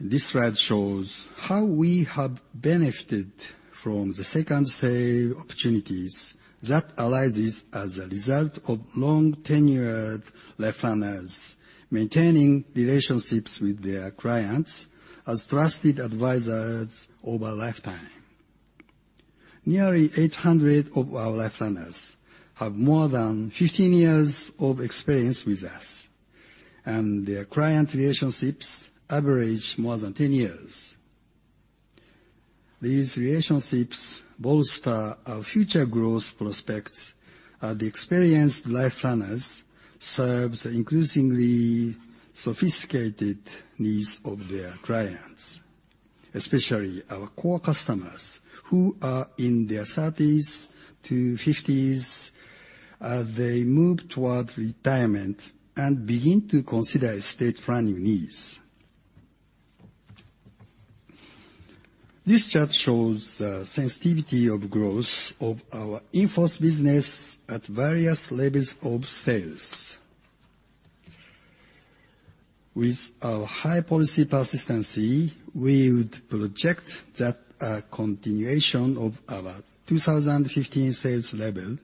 This slide shows how we have benefited from the second sale opportunities that arises as a result of long tenured Life Planners maintaining relationships with their clients as trusted advisors over a lifetime. Nearly 800 of our Life Planners have more than 15 years of experience with us, and their client relationships average more than 10 years. These relationships bolster our future growth prospects as the experienced Life Planners serve the increasingly sophisticated needs of their clients, especially our core customers who are in their 30s-50s as they move toward retirement and begin to consider estate planning needs. This chart shows the sensitivity of growth of our in-force business at various levels of sales. With our high policy persistency, we would project that a continuation of our 2015 sales level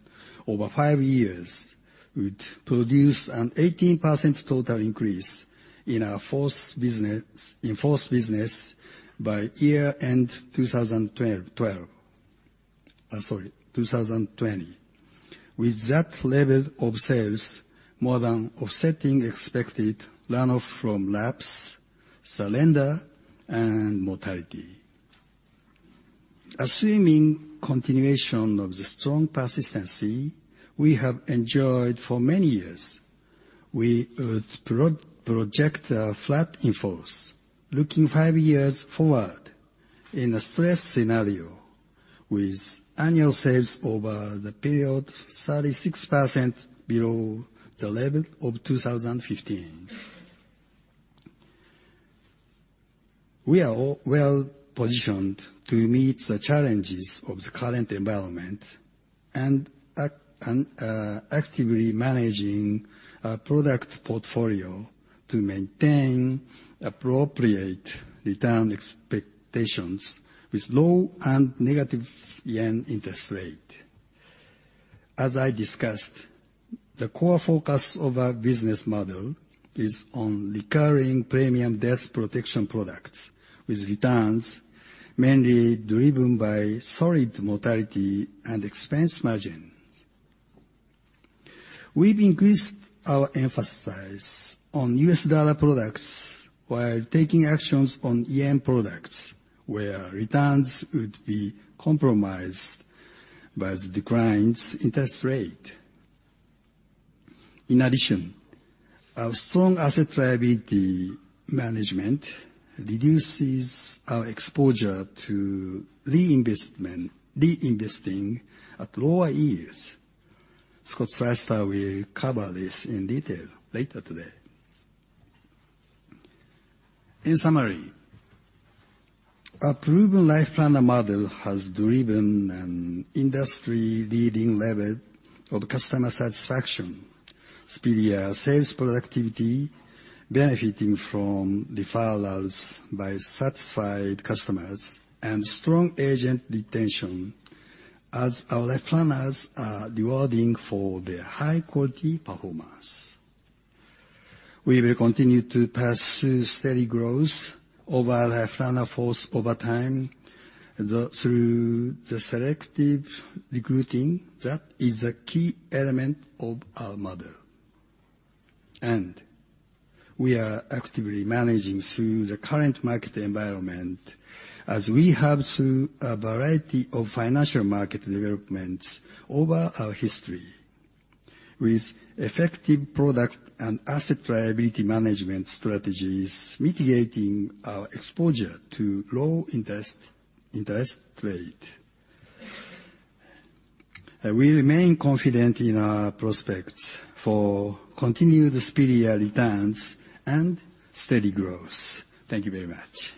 over 5 years would produce an 18% total increase in in-force business by year end 2012. Sorry, 2020. With that level of sales, more than offsetting expected runoff from lapse, surrender, and mortality. Assuming continuation of the strong persistency we have enjoyed for many years, we would project a flat in-force looking 5 years forward in a stress scenario With annual sales over the period 36% below the level of 2015. We are well-positioned to meet the challenges of the current environment and are actively managing our product portfolio to maintain appropriate return expectations with low and negative JPY interest rate. I discussed, the core focus of our business model is on recurring premium death protection products, with returns mainly driven by solid mortality and expense margin. We've increased our emphasis on U.S. dollar products while taking actions on JPY products, where returns would be compromised by the declines interest rate. In addition, our strong asset liability management reduces our exposure to reinvesting at lower yields. Scott Sleyster will cover this in detail later today. In summary, our proven Life Planner model has driven an industry-leading level of customer satisfaction, superior sales productivity, benefiting from referrals by satisfied customers, and strong agent retention as our Life Planners are rewarded for their high-quality performance. We will continue to pursue steady growth of our Life Planner force over time through the selective recruiting that is a key element of our model. We are actively managing through the current market environment as we have through a variety of financial market developments over our history, with effective product and asset liability management strategies mitigating our exposure to low interest rates. We remain confident in our prospects for continued superior returns and steady growth. Thank you very much.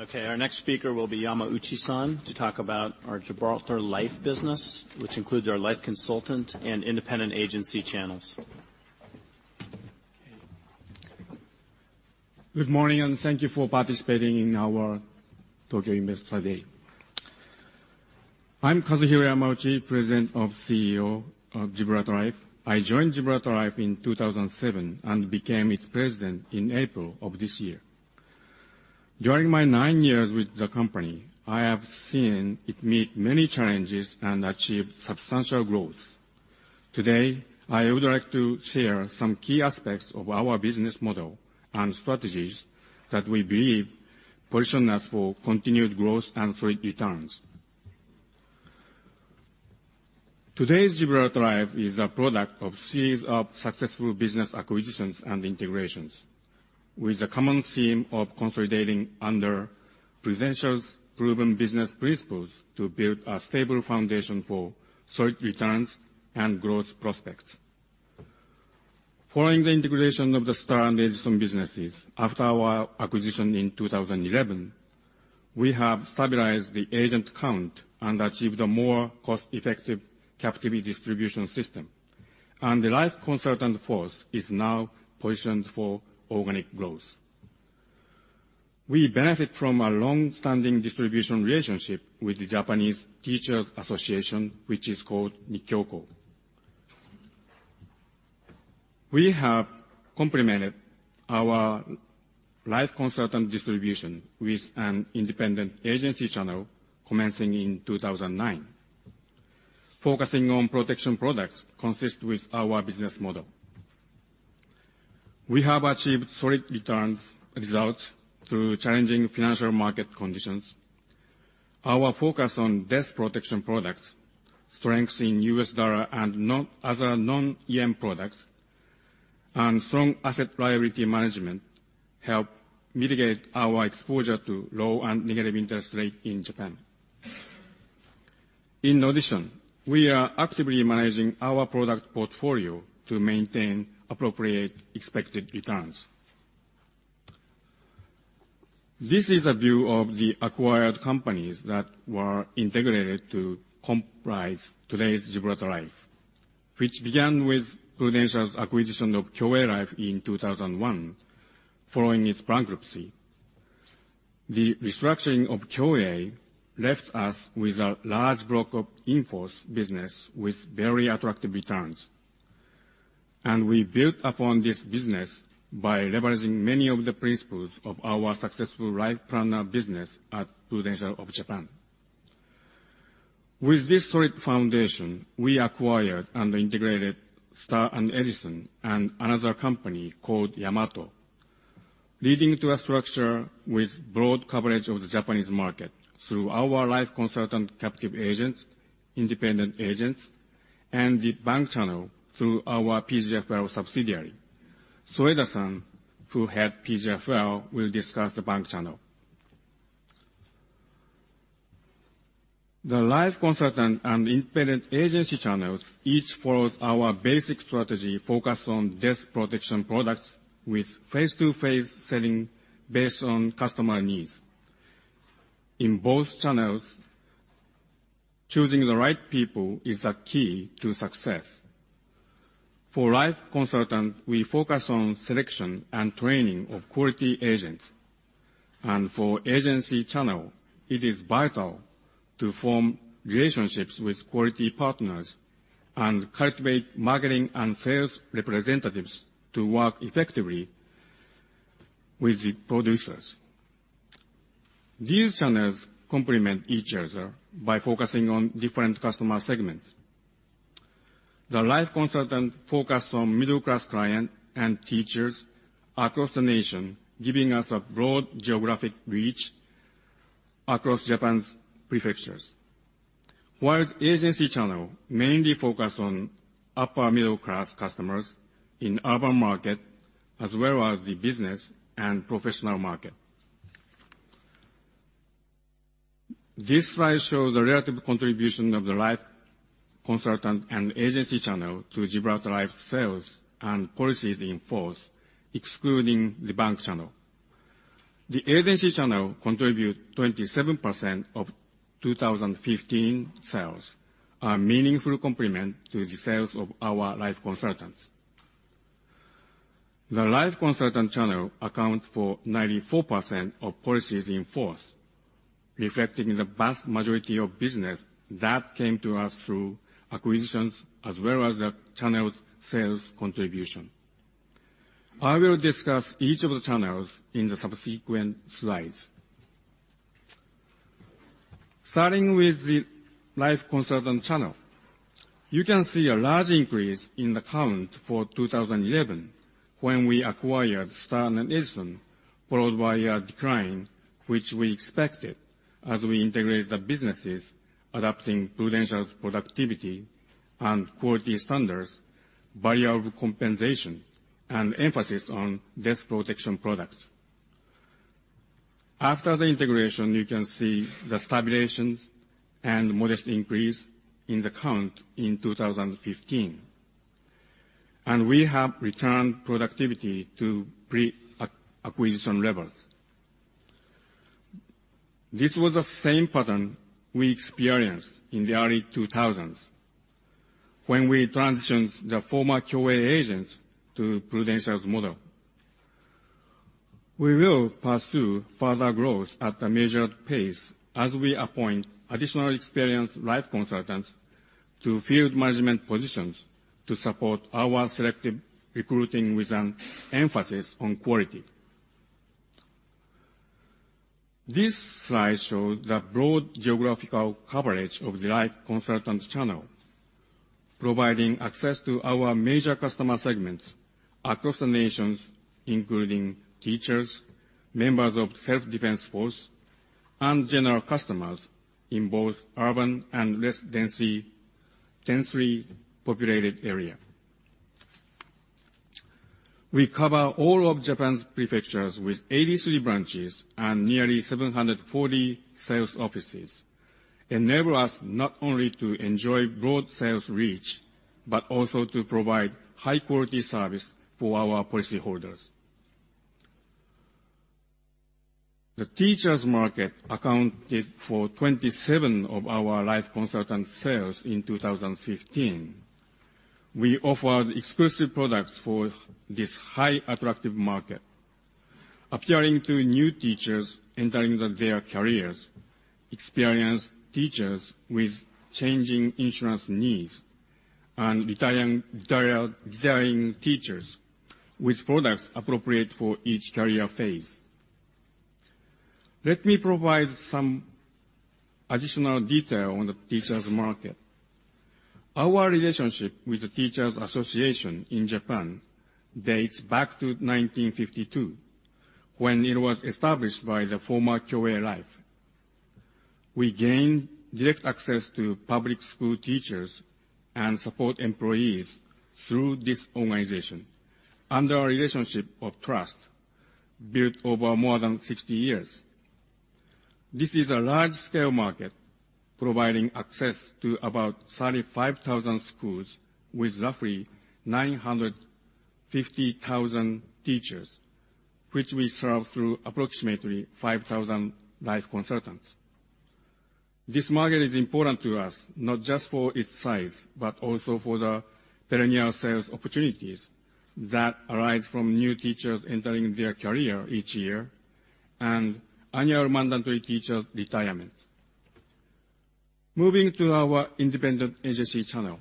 Okay. Our next speaker will be Yamauchi-san to talk about our Gibraltar Life business, which includes our life consultant and independent agency channels. Good morning, and thank you for participating in our Investor Day 2016. I'm Kazuhiro Yamauchi, President and CEO of Gibraltar Life. I joined Gibraltar Life in 2007 and became its president in April of this year. During my nine years with the company, I have seen it meet many challenges and achieve substantial growth. Today, I would like to share some key aspects of our business model and strategies that we believe position us for continued growth and solid returns. Today's Gibraltar Life is a product of a series of successful business acquisitions and integrations, with the common theme of consolidating under Prudential's proven business principles to build a stable foundation for solid returns and growth prospects. Following the integration of the Star and Edison businesses after our acquisition in 2011, we have stabilized the agent count and achieved a more cost-effective captivity distribution system, and the life consultant force is now positioned for organic growth. We benefit from a long-standing distribution relationship with the Japan Teachers Union, which is called Nikkyoko. We have complemented our life consultant distribution with an independent agency channel commencing in 2009. Focusing on protection products consists with our business model. We have achieved solid returns results through challenging financial market conditions. Our focus on death protection products, strength in US dollar and other non-yen products, and strong asset liability management help mitigate our exposure to low and negative interest rates in Japan. In addition, we are actively managing our product portfolio to maintain appropriate expected returns. This is a view of the acquired companies that were integrated to comprise today's Gibraltar Life, which began with Prudential's acquisition of Kyoei Life in 2001, following its bankruptcy. The restructuring of Kyoei left us with a large block of in-force business with very attractive returns. We built upon this business by leveraging many of the principles of our successful Life Planner business at Prudential of Japan. With this solid foundation, we acquired and integrated Star and Edison and another company called Yamato Life Insurance, leading to a structure with broad coverage of the Japanese market through our life consultant captive agents, independent agents and the bank channel through our PGFL subsidiary. Soeda-san, who heads PGFL, will discuss the bank channel. The life consultant and independent agency channels each follow our basic strategy focused on death protection products with face-to-face selling based on customer needs. In both channels, choosing the right people is a key to success. For life consultant, we focus on selection and training of quality agents. For agency channel, it is vital to form relationships with quality partners and cultivate marketing and sales representatives to work effectively with the producers. These channels complement each other by focusing on different customer segments. The life consultant focus on middle-class clients and teachers across the nation, giving us a broad geographic reach across Japan's prefectures, whilst agency channel mainly focus on upper middle-class customers in urban market, as well as the business and professional market. This slide shows the relative contribution of the life consultant and agency channel to Gibraltar Life sales and policies in force, excluding the bank channel. The agency channel contributed 27% of 2015 sales, a meaningful complement to the sales of our life consultants. The life consultant channel accounts for 94% of policies in force, reflecting the vast majority of business that came to us through acquisitions as well as the channel's sales contribution. I will discuss each of the channels in the subsequent slides. Starting with the life consultant channel. You can see a large increase in the count for 2011 when we acquired Star and Edison, followed by a decline, which we expected as we integrated the businesses adapting Prudential's productivity and quality standards, value of compensation, and emphasis on death protection products. After the integration, you can see the stabilization and modest increase in the count in 2015. We have returned productivity to pre-acquisition levels. This was the same pattern we experienced in the early 2000s when we transitioned the former Kyoei agents to Prudential's model. We will pursue further growth at a measured pace as we appoint additional experienced life consultants to field management positions to support our selective recruiting with an emphasis on quality. This slide shows the broad geographical coverage of the life consultant channel, providing access to our major customer segments across the nations, including teachers, members of Self-Defense Force, and general customers in both urban and less densely populated areas. We cover all of Japan's prefectures with 83 branches and nearly 740 sales offices, enabling us not only to enjoy broad sales reach, but also to provide high-quality service for our policyholders. The teachers market accounted for 27 of our life consultant sales in 2015. We offer exclusive products for this highly attractive market, appealing to new teachers entering their careers, experienced teachers with changing insurance needs, and retiring teachers with products appropriate for each career phase. Let me provide some additional detail on the Teachers Association market. Our relationship with the Teachers Association in Japan dates back to 1952 when it was established by the former Kyoei Life. We gained direct access to public school teachers and support employees through this organization under a relationship of trust built over more than 60 years. This is a large-scale market providing access to about 35,000 schools with roughly 950,000 teachers, which we serve through approximately 5,000 Life Planners. This market is important to us not just for its size, but also for the perennial sales opportunities that arise from new teachers entering their career each year and annual mandatory teacher retirement. Moving to our independent agency channel.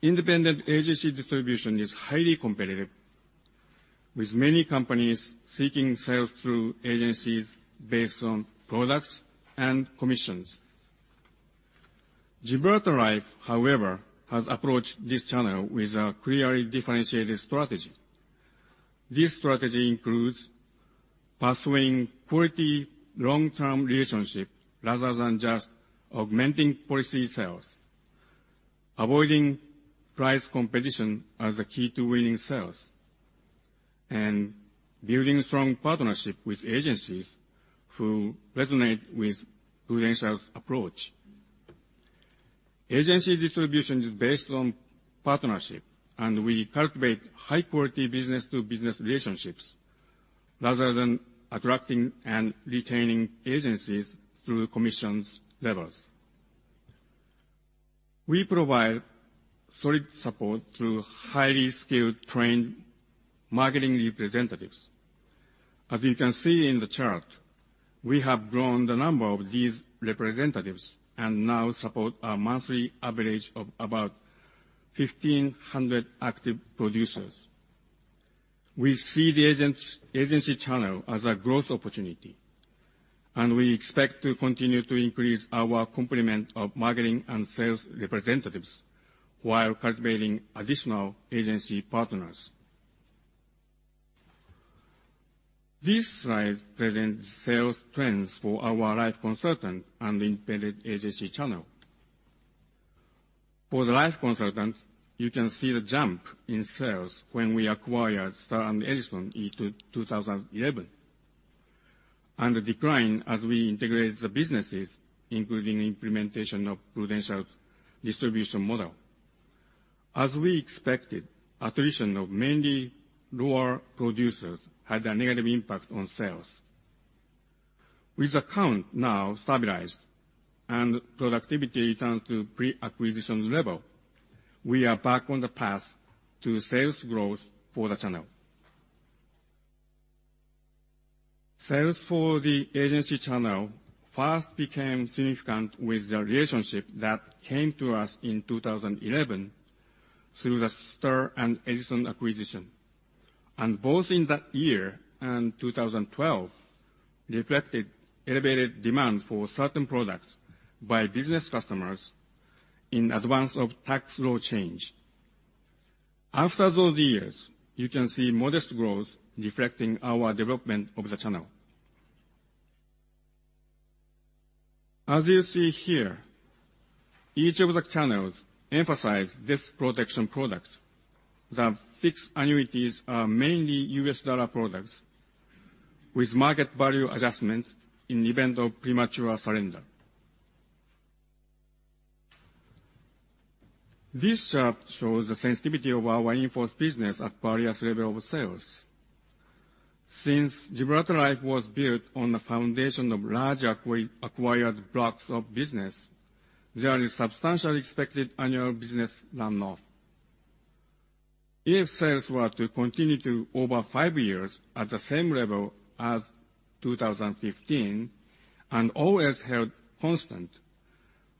Independent agency distribution is highly competitive, with many companies seeking sales through agencies based on products and commissions. Gibraltar Life, however, has approached this channel with a clearly differentiated strategy. This strategy includes pursuing quality long-term relationships rather than just augmenting policy sales, avoiding price competition as a key to winning sales, and building strong partnerships with agencies who resonate with Prudential's approach. Agency distribution is based on partnership, and we cultivate high-quality business-to-business relationships rather than attracting and retaining agencies through commissions levels. We provide solid support through highly skilled trained marketing representatives. As you can see in the chart, we have grown the number of these representatives and now support a monthly average of about 1,500 active producers. We see the agency channel as a growth opportunity, and we expect to continue to increase our complement of marketing and sales representatives while cultivating additional agency partners. This slide presents sales trends for our Life Planner and independent agency channel. For the Life Planner, you can see the jump in sales when we acquired Star and Edison in 2011, and the decline as we integrated the businesses, including implementation of Prudential's distribution model. As we expected, attrition of mainly lower producers had a negative impact on sales. With the count now stabilized and productivity returns to pre-acquisition level, we are back on the path to sales growth for the channel. Sales for the agency channel first became significant with the relationship that came to us in 2011 through the Star and Edison acquisition, and both in that year and 2012 reflected elevated demand for certain products by business customers in advance of tax law change. After those years, you can see modest growth reflecting our development of the channel. As you see here, each of the channels emphasize death protection products. The fixed annuities are mainly U.S. dollar products with market value adjustments in event of premature surrender. This chart shows the sensitivity of our in-force business at various level of sales. Since Gibraltar Life was built on a foundation of large acquired blocks of business, there is substantial expected annual business run-off. If sales were to continue to over five years at the same level as 2015 and always held constant,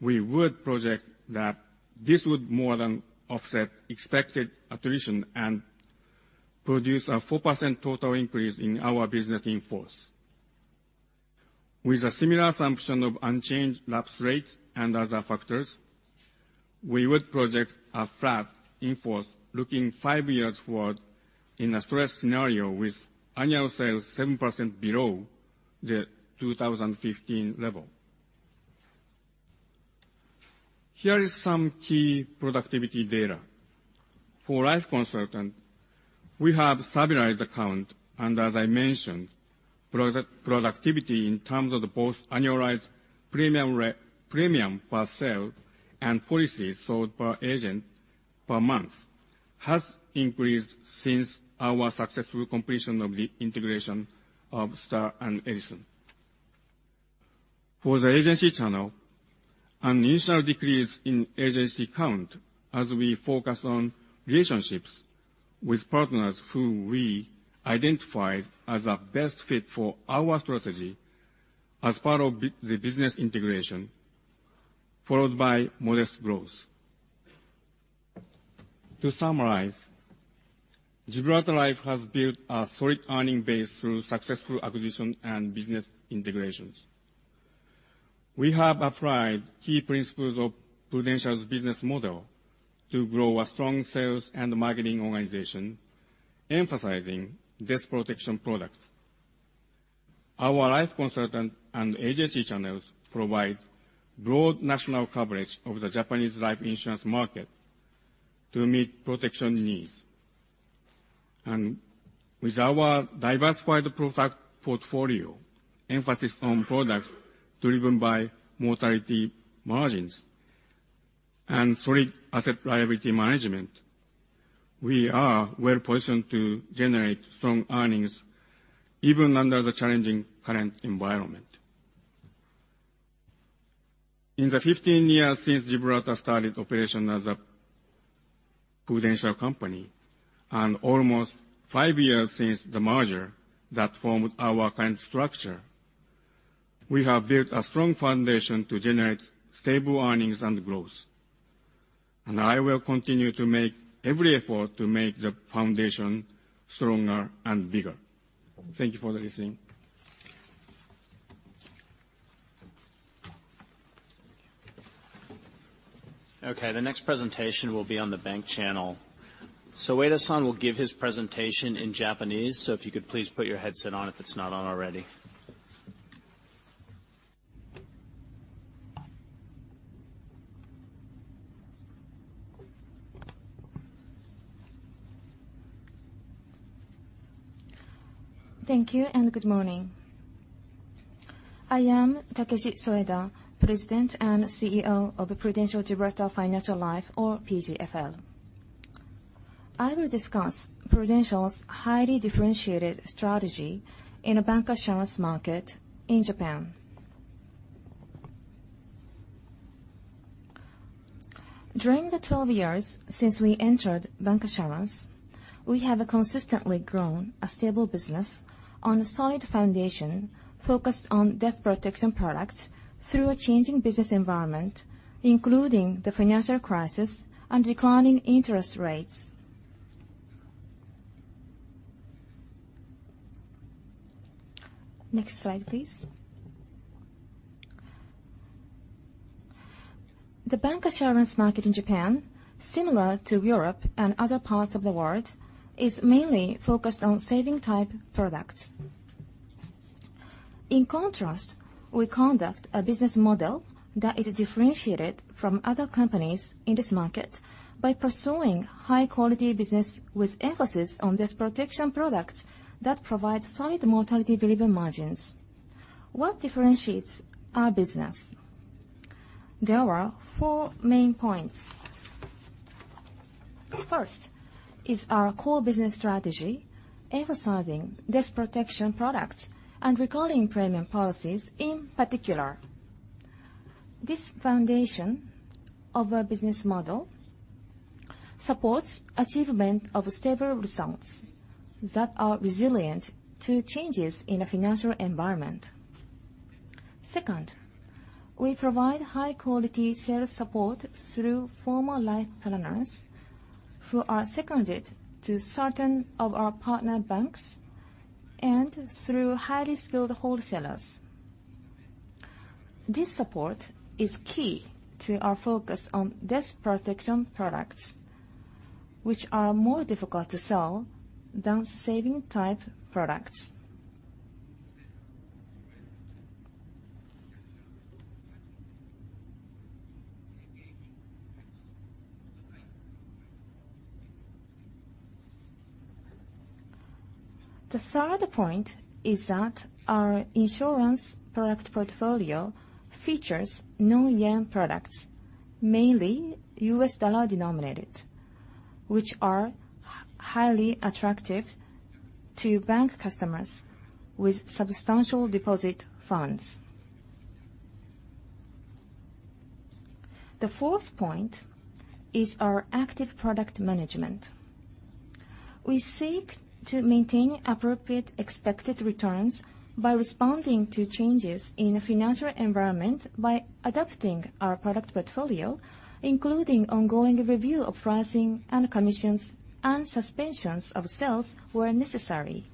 we would project that this would more than offset expected attrition and produce a 4% total increase in our business in-force. With a similar assumption of unchanged lapse rates and other factors, we would project a flat in-force looking five years forward in a stress scenario with annual sales 7% below the 2015 level. Here is some key productivity data. For life consultant, we have stabilized the count. As I mentioned, productivity in terms of the both annualized premium per sale and policies sold per agent per month has increased since our successful completion of the integration of Star and Edison. For the agency channel, an initial decrease in agency count as we focus on relationships with partners who we identified as a best fit for our strategy as part of the business integration, followed by modest growth. To summarize, Gibraltar Life has built a solid earning base through successful acquisition and business integrations. We have applied key principles of Prudential's business model to grow a strong sales and marketing organization, emphasizing death protection products. Our life consultant and agency channels provide broad national coverage of the Japanese life insurance market to meet protection needs. With our diversified product portfolio, emphasis on products driven by mortality margins, and solid asset liability management, we are well-positioned to generate strong earnings, even under the challenging current environment. In the 15 years since Gibraltar started operation as a Prudential company, and almost five years since the merger that formed our current structure, we have built a strong foundation to generate stable earnings and growth. I will continue to make every effort to make the foundation stronger and bigger. Thank you for listening The next presentation will be on the bank channel. Soeda-san will give his presentation in Japanese, so if you could please put your headset on if it's not on already. Thank you, and good morning. I am Takeshi Soeda, President and CEO of Prudential Gibraltar Financial Life or PGFL. I will discuss Prudential's highly differentiated strategy in a bancassurance market in Japan. During the 12 years since we entered bancassurance, we have consistently grown a stable business on a solid foundation focused on death protection products through a changing business environment, including the financial crisis and declining interest rates. Next slide, please. The bancassurance market in Japan, similar to Europe and other parts of the world, is mainly focused on saving-type products. In contrast, we conduct a business model that is differentiated from other companies in this market by pursuing high-quality business with emphasis on these protection products that provide solid mortality delivery margins. What differentiates our business? There are four main points. First is our core business strategy, emphasizing death protection products and recording premium policies in particular. This foundation of our business model supports achievement of stable results that are resilient to changes in the financial environment. Second, we provide high-quality sales support through former Life Planners who are seconded to certain of our partner banks and through highly skilled wholesalers. This support is key to our focus on death protection products, which are more difficult to sell than saving-type products. The third point is that our insurance product portfolio features non-JPY products, mainly U.S. dollar denominated, which are highly attractive to bank customers with substantial deposit funds. The fourth point is our active product management. We seek to maintain appropriate expected returns by responding to changes in the financial environment by adapting our product portfolio, including ongoing review of pricing and commissions, and suspensions of sales where necessary.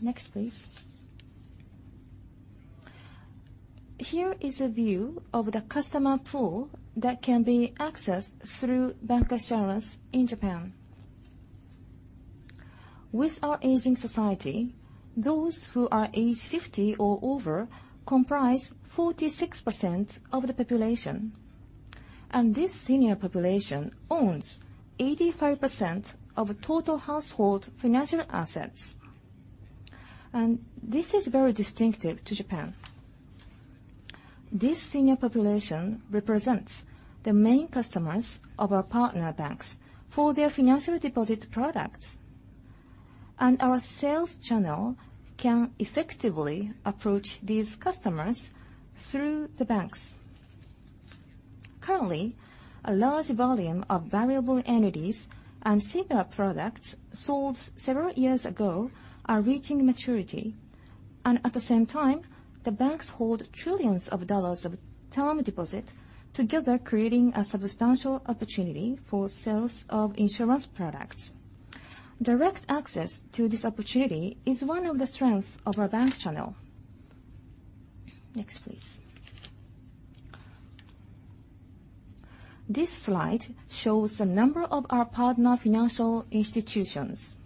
Next, please. Here is a view of the customer pool that can be accessed through bancassurance in Japan. With our aging society, those who are age 50 or over comprise 46% of the population, and this senior population owns 85% of total household financial assets. This is very distinctive to Japan. This senior population represents the main customers of our partner banks for their financial deposit products. Our sales channel can effectively approach these customers through the banks. Currently, a large volume of variable annuities and similar products sold several years ago are reaching maturity, and at the same time, the banks hold trillions of dollars of term deposit together creating a substantial opportunity for sales of insurance products. Direct access to this opportunity is one of the strengths of our banks channel. Next, please. This slide shows the number of our partner financial institutions.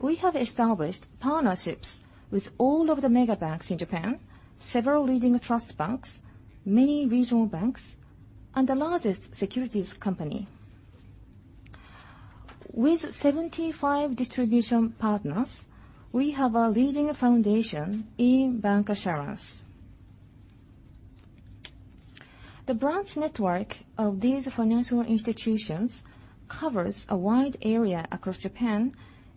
We have established partnerships with all of the mega banks in Japan, several leading trust banks, many regional banks, and the largest securities company. With 75 distribution partners, we have a leading foundation in bancassurance. The branch network of these financial institutions covers a wide area across Japan,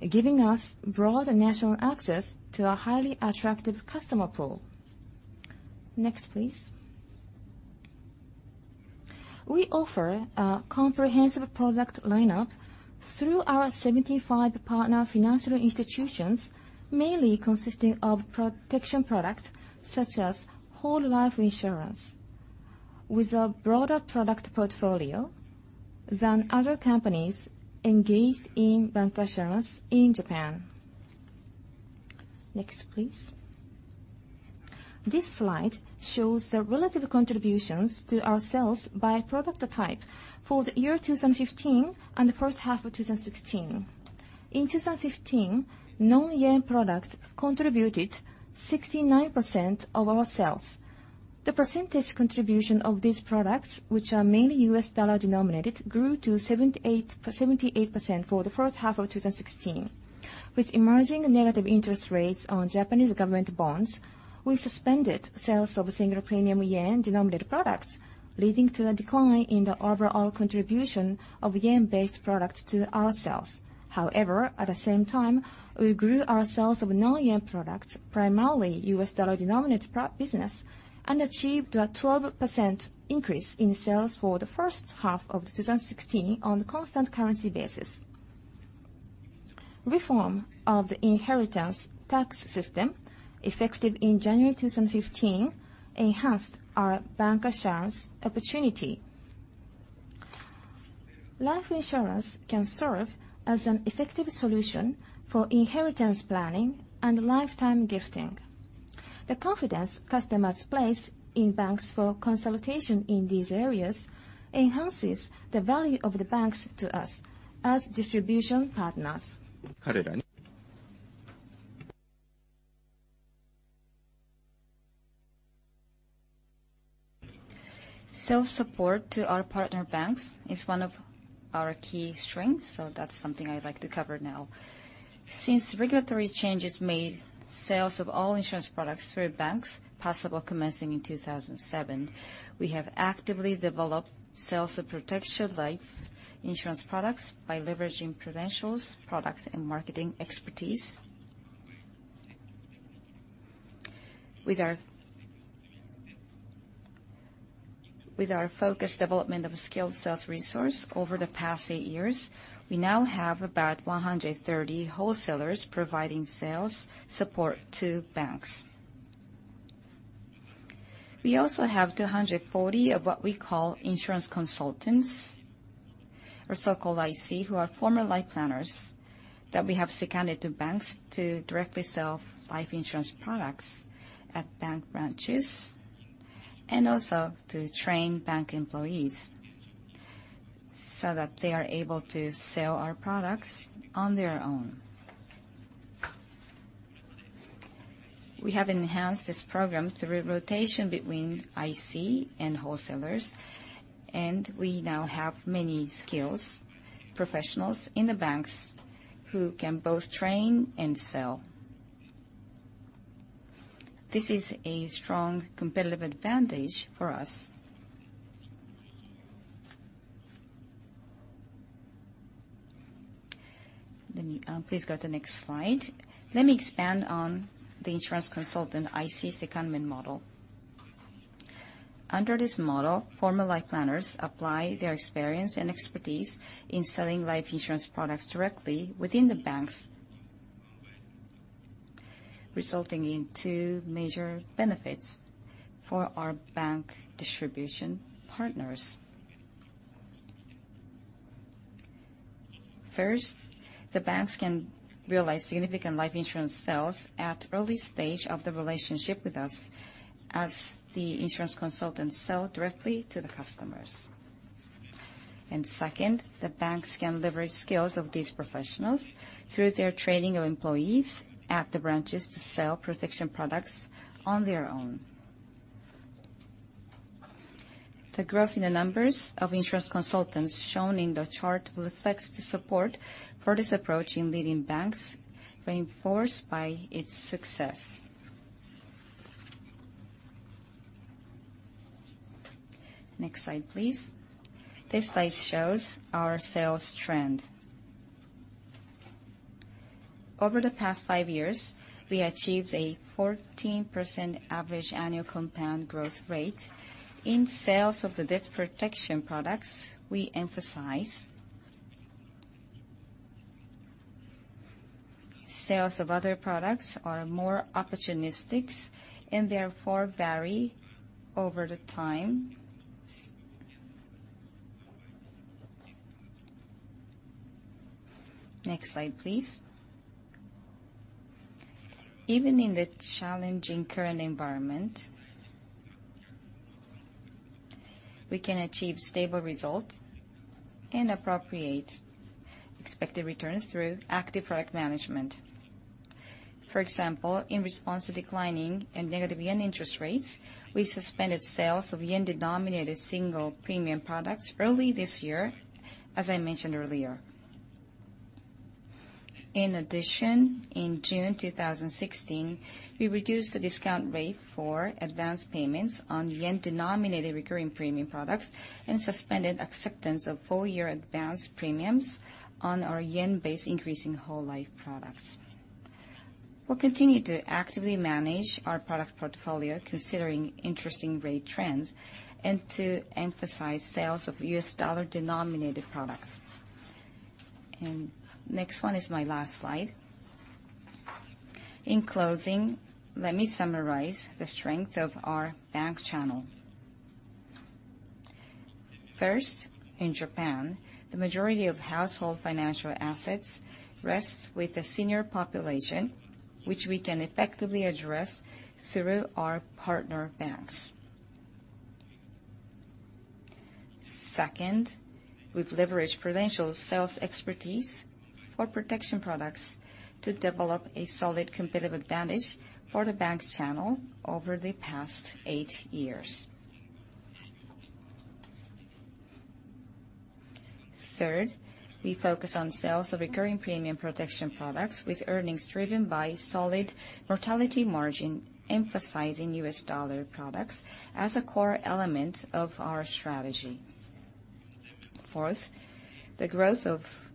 giving us broad national access to a highly attractive customer pool. Next, please. We offer a comprehensive product lineup through our 75 partner financial institutions, mainly consisting of protection products such as whole life insurance. With a broader product portfolio than other companies engaged in bancassurance in Japan. Next, please. This slide shows the relative contributions to our sales by product type for the year 2015 and the first half of 2016. In 2015, non-JPY products contributed 69% of our sales. The percentage contribution of these products, which are mainly U.S. dollar denominated, grew to 78% for the first half of 2016. With emerging negative interest rates on Japanese government bonds, we suspended sales of single premium JPY-denominated products, leading to a decline in the overall contribution of JPY-based products to our sales. However, at the same time, we grew our sales of non-JPY products, primarily U.S. dollar denominated business, and achieved a 12% increase in sales for the first half of 2016 on a constant currency basis. Reform of the inheritance tax system, effective in January 2015, enhanced our bancassurance opportunity. Life insurance can serve as an effective solution for inheritance planning and lifetime gifting. The confidence customers place in banks for consultation in these areas enhances the value of the banks to us as distribution partners. That's something I'd like to cover now. Since regulatory changes made sales of all insurance products through banks possible commencing in 2007, we have actively developed sales of protection life insurance products by leveraging credentials, product, and marketing expertise. With our focused development of a skilled sales resource over the past eight years, we now have about 130 wholesalers providing sales support to banks. We also have 240 of what we call insurance consultants, or so-called IC, who are former Life Planners that we have seconded to banks to directly sell life insurance products at bank branches, and also to train bank employees so that they are able to sell our products on their own. We have enhanced this program through rotation between IC and wholesalers, and we now have many skilled professionals in the banks who can both train and sell. This is a strong competitive advantage for us. Please go to the next slide. Let me expand on the insurance consultant IC secondment model. Under this model, former Life Planners apply their experience and expertise in selling life insurance products directly within the banks, resulting in two major benefits for our bank distribution partners. First, the banks can realize significant life insurance sales at early stage of the relationship with us as the insurance consultants sell directly to the customers. Second, the banks can leverage skills of these professionals through their training of employees at the branches to sell protection products on their own. The growth in the numbers of insurance consultants shown in the chart reflects the support for this approach in leading banks, reinforced by its success. Next slide, please. This slide shows our sales trend. Over the past five years, we achieved a 14% average annual compound growth rate in sales of the debt protection products we emphasize. Sales of other products are more opportunistic and therefore vary over the time. Next slide, please. Even in the challenging current environment, we can achieve stable result and appropriate expected returns through active product management. For example, in response to declining and negative yen interest rates, we suspended sales of yen-denominated single premium products early this year, as I mentioned earlier. In addition, in June 2016, we reduced the discount rate for advanced payments on yen-denominated recurring premium products and suspended acceptance of full year advanced premiums on our yen-based increasing whole life products. We'll continue to actively manage our product portfolio considering interest rate trends and to emphasize sales of U.S. dollar denominated products. Next one is my last slide. In closing, let me summarize the strength of the bank channel. First, in Japan, the majority of household financial assets rest with the senior population, which we can effectively address through our partner banks. Second, we've leveraged Prudential's sales expertise for protection products to develop a solid competitive advantage for the bank channel over the past eight years. Third, we focus on sales of recurring premium protection products with earnings driven by solid mortality margin, emphasizing U.S. dollar products as a core element of our strategy. Fourth, the growth of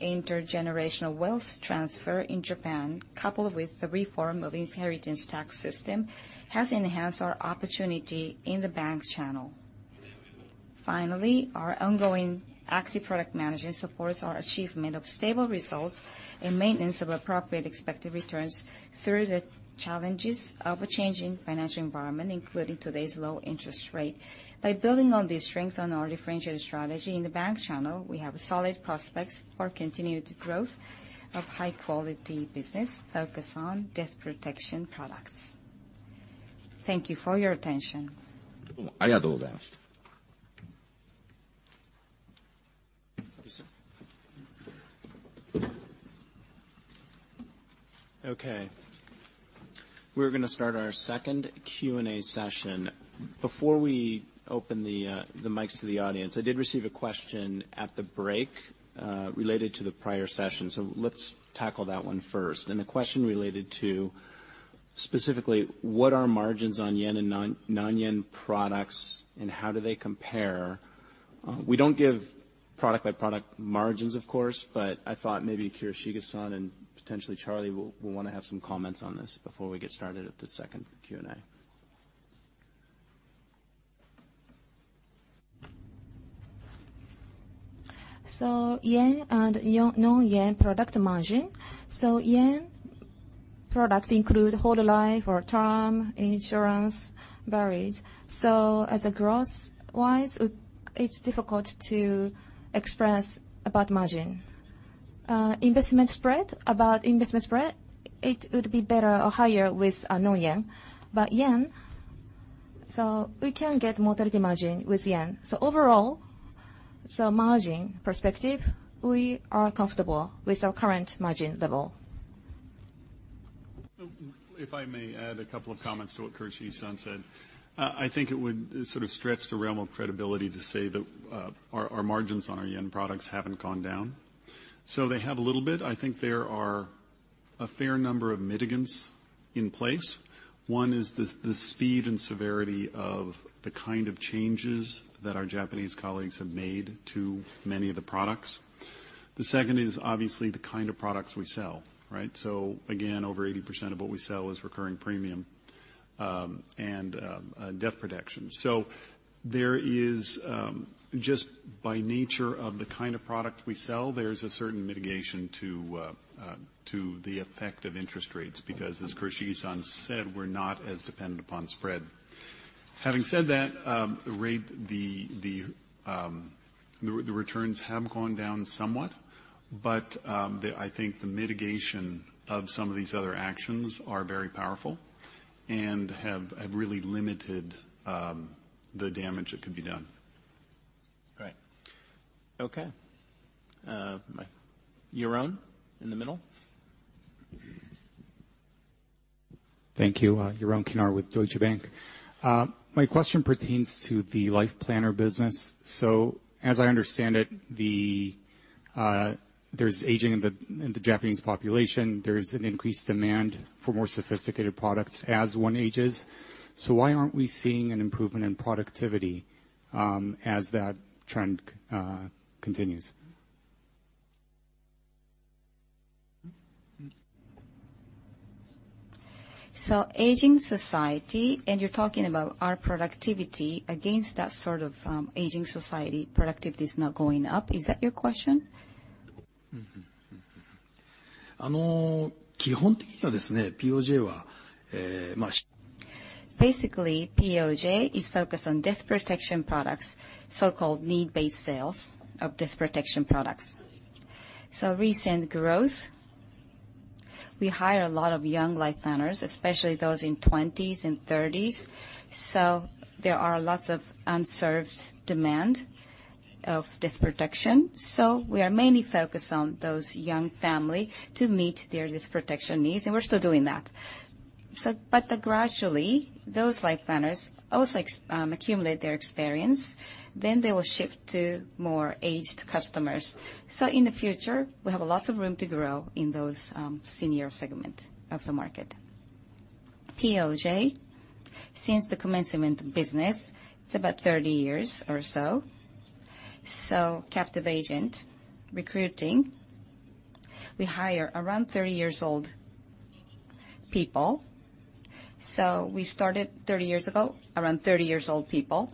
intergenerational wealth transfer in Japan, coupled with the reform of inheritance tax system, has enhanced our opportunity in the bank channel. Finally, our ongoing active product management supports our achievement of stable results and maintenance of appropriate expected returns through the challenges of a changing financial environment, including today's low interest rate. By building on the strength on our differentiated strategy in the bank channel, we have solid prospects for continued growth of high-quality business focused on death protection products. Thank you for your attention. Thank you, sir. Okay. We're going to start our second Q&A session. Before we open the mics to the audience, I did receive a question at the break, related to the prior session. Let's tackle that one first. The question related to specifically, what are margins on JPY and non-JPY products, and how do they compare? We don't give product-by-product margins, of course, but I thought maybe Kurashige-san and potentially Charlie will want to have some comments on this before we get started with the second Q&A. JPY and non-JPY product margin. JPY products include whole life or term insurance varies. As a growth wise, it's difficult to express about margin. Investment spread. About investment spread, it would be better or higher with non-JPY. JPY, we can get mortality margin with JPY. Overall, margin perspective, we are comfortable with our current margin level. If I may add a couple of comments to what Kurashige-san said. I think it would sort of stretch the realm of credibility to say that our margins on our JPY products haven't gone down. They have a little bit. I think there are a fair number of mitigants in place. One is the speed and severity of the kind of changes that our Japanese colleagues have made to many of the products. The second is obviously the kind of products we sell, right? Again, over 80% of what we sell is recurring premium, and death protection. There is, just by nature of the kind of product we sell, there's a certain mitigation to the effect of interest rates, because as Kurashige-san said, we're not as dependent upon spread. Having said that, the returns have gone down somewhat, but, I think the mitigation of some of these other actions are very powerful and have really limited the damage that could be done. Great. Okay. Yaron in the middle. Thank you. Yaron Kinar with Deutsche Bank. My question pertains to the Life Planner business. As I understand it, there's aging in the Japanese population, there's an increased demand for more sophisticated products as one ages. Why aren't we seeing an improvement in productivity as that trend continues? Aging society, and you're talking about our productivity against that sort of aging society, productivity is not going up. Is that your question? Basically, POJ is focused on death protection products, so-called need-based sales of death protection products. Recent growth, we hire a lot of young Life Planners, especially those in 20s and 30s. There are lots of unserved demand of death protection. We are mainly focused on those young family to meet their death protection needs, and we're still doing that. Gradually, those Life Planners also accumulate their experience, then they will shift to more aged customers. In the future, we have lots of room to grow in those senior segment of the market. POJ, since the commencement of business, it's about 30 years or so. Captive agent recruiting, we hire around 30 years old people. We started 30 years ago, around 30-year-old people,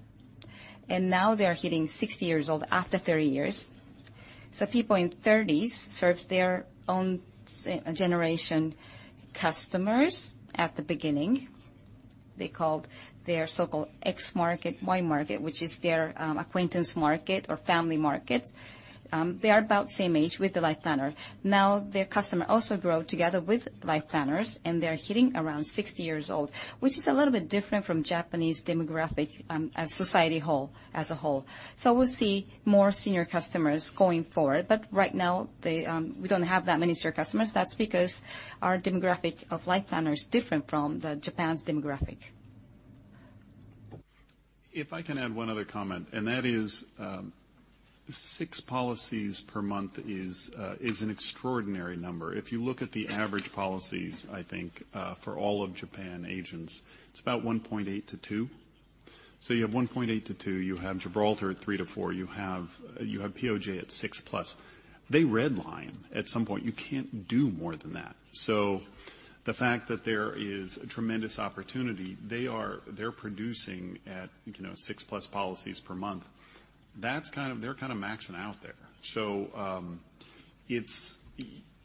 and now they are hitting 60 years old after 30 years. People in their 30s served their own generation customers at the beginning. They called their so-called X market, Y market, which is their acquaintance market or family markets. They are about same age with the Life Planner. Their customer also grew together with Life Planners, and they're hitting around 60 years old, which is a little bit different from Japanese demographic as a society as a whole. We'll see more senior customers going forward. Right now, we don't have that many senior customers. That's because our demographic of Life Planner is different from the Japan's demographic. If I can add one other comment, and that is, six policies per month is an extraordinary number. If you look at the average policies, I think, for all of Japan agents, it's about 1.8 to 2. You have 1.8 to 2, you have Gibraltar at 3 to 4, you have POJ at 6 plus. They redline at some point. You can't do more than that. The fact that there is a tremendous opportunity, they're producing at 6 plus policies per month. They're kind of maxing out there.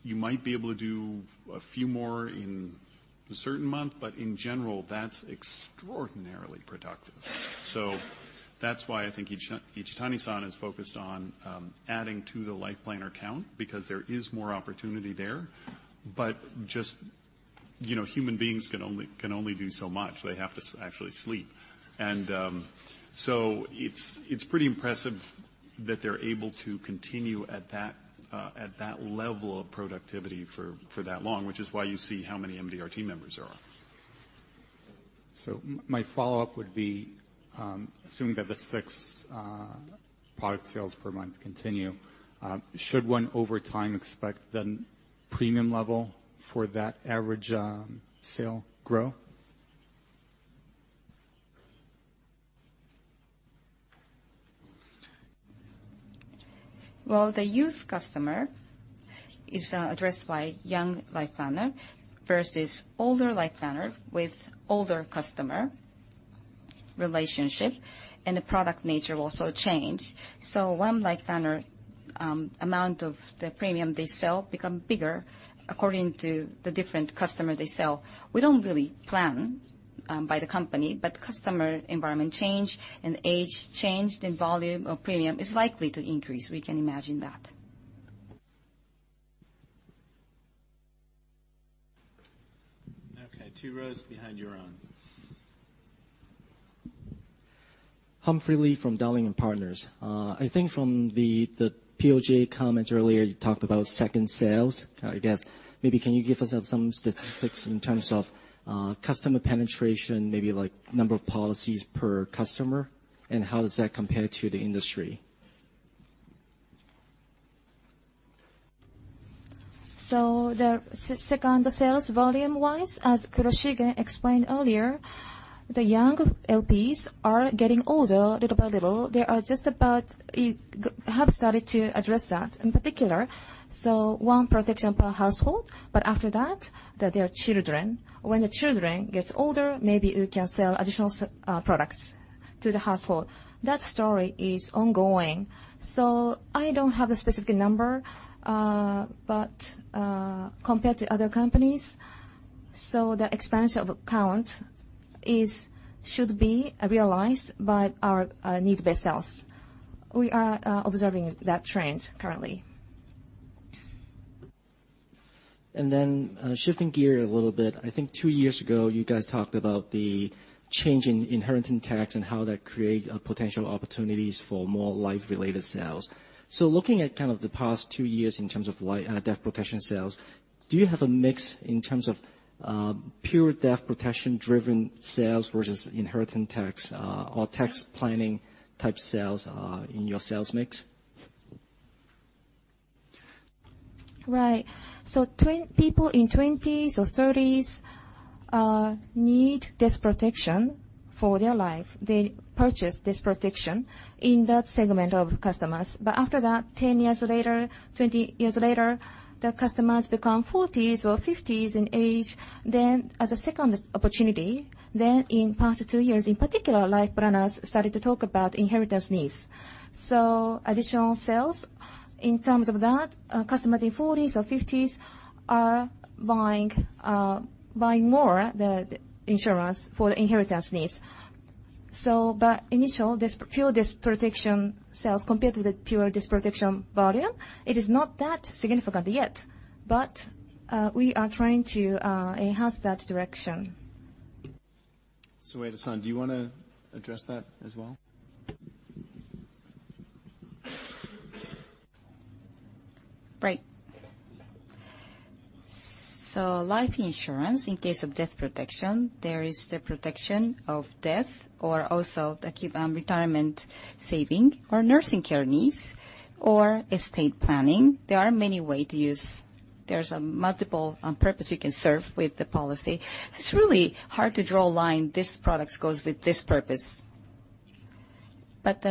You might be able to do a few more in a certain month, but in general, that's extraordinarily productive. That's why I think Ichitani-san is focused on adding to the Life Planner count because there is more opportunity there. Just human beings can only do so much. They have to actually sleep. It's pretty impressive that they're able to continue at that level of productivity for that long, which is why you see how many MDRT members there are. My follow-up would be, assuming that the 6 product sales per month continue, should one over time expect the premium level for that average sale grow? The youth customer is addressed by young Life Planner versus older Life Planner with older customer relationship, and the product nature also changes. One Life Planner amount of the premium they sell becomes bigger according to the different customer they sell. We don't really plan by the company, but customer environment changes, and age changes, then volume of premium is likely to increase. We can imagine that. Okay, two rows behind Yaron. Humphrey Lee from Dowling & Partners. I think from the POJ comments earlier, you talked about second sales. I guess, maybe can you give us some statistics in terms of customer penetration, maybe number of policies per customer, and how does that compare to the industry? The second sales volume-wise, as Kurashige explained earlier, the young LPs are getting older little by little. They have started to address that in particular. One protection per household, but after that, there are children. When the children gets older, maybe you can sell additional products to the household. That story is ongoing. I don't have a specific number, but compared to other companies, the expansion of account should be realized by our need-based sales. We are observing that trend currently. Shifting gear a little bit. I think two years ago, you guys talked about the change in inheritance tax and how that create potential opportunities for more life-related sales. Looking at kind of the past two years in terms of death protection sales, do you have a mix in terms of pure death protection driven sales versus inheritance tax or tax planning type sales in your sales mix? Right. People in 20s or 30s need death protection for their life. They purchase death protection in that segment of customers. After that, 10 years later, 20 years later, the customers become 40s or 50s in age. As a second opportunity, in past two years in particular, Life Planners started to talk about inheritance needs. Additional sales in terms of that, customers in 40s or 50s are buying more the insurance for the inheritance needs. Initial pure death protection sales compared to the pure death protection volume, it is not that significant yet. We are trying to enhance that direction. Soeda-san, do you want to address that as well? Right. Life insurance, in case of death protection, there is the protection of death or also the retirement saving or nursing care needs or estate planning. There are many way to use. There's a multiple purpose you can serve with the policy. It's really hard to draw a line, this product goes with this purpose.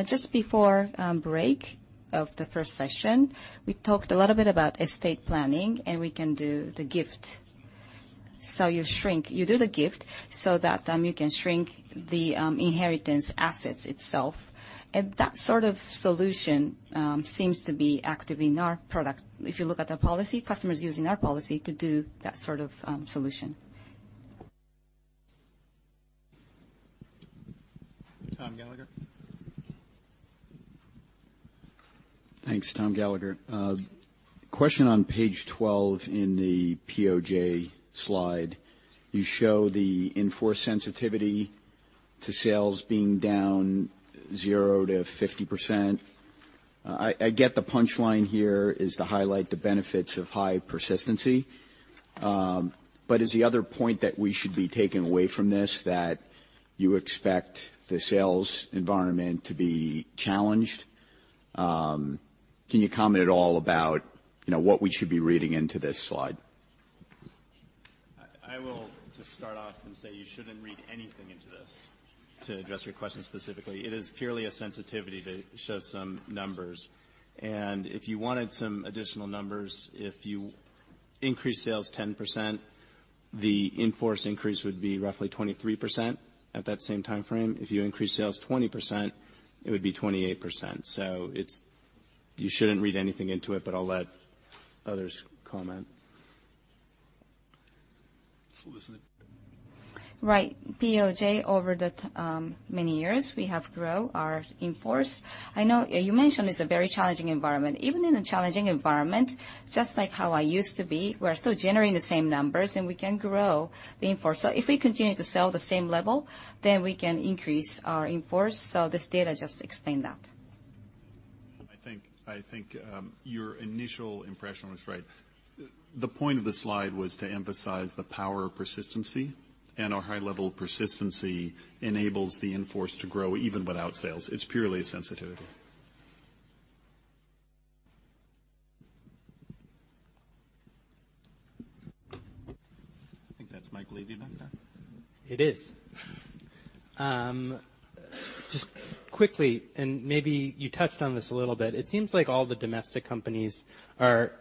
Just before break of the first session, we talked a little bit about estate planning, and we can do the gift. You shrink. You do the gift so that you can shrink the inheritance assets itself. That sort of solution seems to be active in our product. If you look at the policy, customers using our policy to do that sort of solution. Thomas Gallagher. Thanks. Tom Gallagher. Question on page 12 in the POJ slide. You show the in-force sensitivity to sales being down zero to 50%. I get the punchline here is to highlight the benefits of high persistency. Is the other point that we should be taking away from this that you expect the sales environment to be challenged? Can you comment at all about what we should be reading into this slide? I will just start off and say you shouldn't read anything into this, to address your question specifically. It is purely a sensitivity that shows some numbers. If you wanted some additional numbers, if you increase sales 10%, the in-force increase would be roughly 23% at that same timeframe. If you increase sales 20%, it would be 28%. You shouldn't read anything into it, but I'll let others comment. Listen. Right. POJ, over many years, we have grow our in-force. I know you mentioned it's a very challenging environment. Even in a challenging environment, just like how I used to be, we're still generating the same numbers, and we can grow the in-force. If we continue to sell the same level, then we can increase our in-force. This data just explain that. I think your initial impression was right. The point of the slide was to emphasize the power of persistency. Our high level of persistency enables the in-force to grow even without sales. It's purely a sensitivity. I think that's Mike Levy that time. It is. Just quickly, maybe you touched on this a little bit. It seems like all the domestic companies are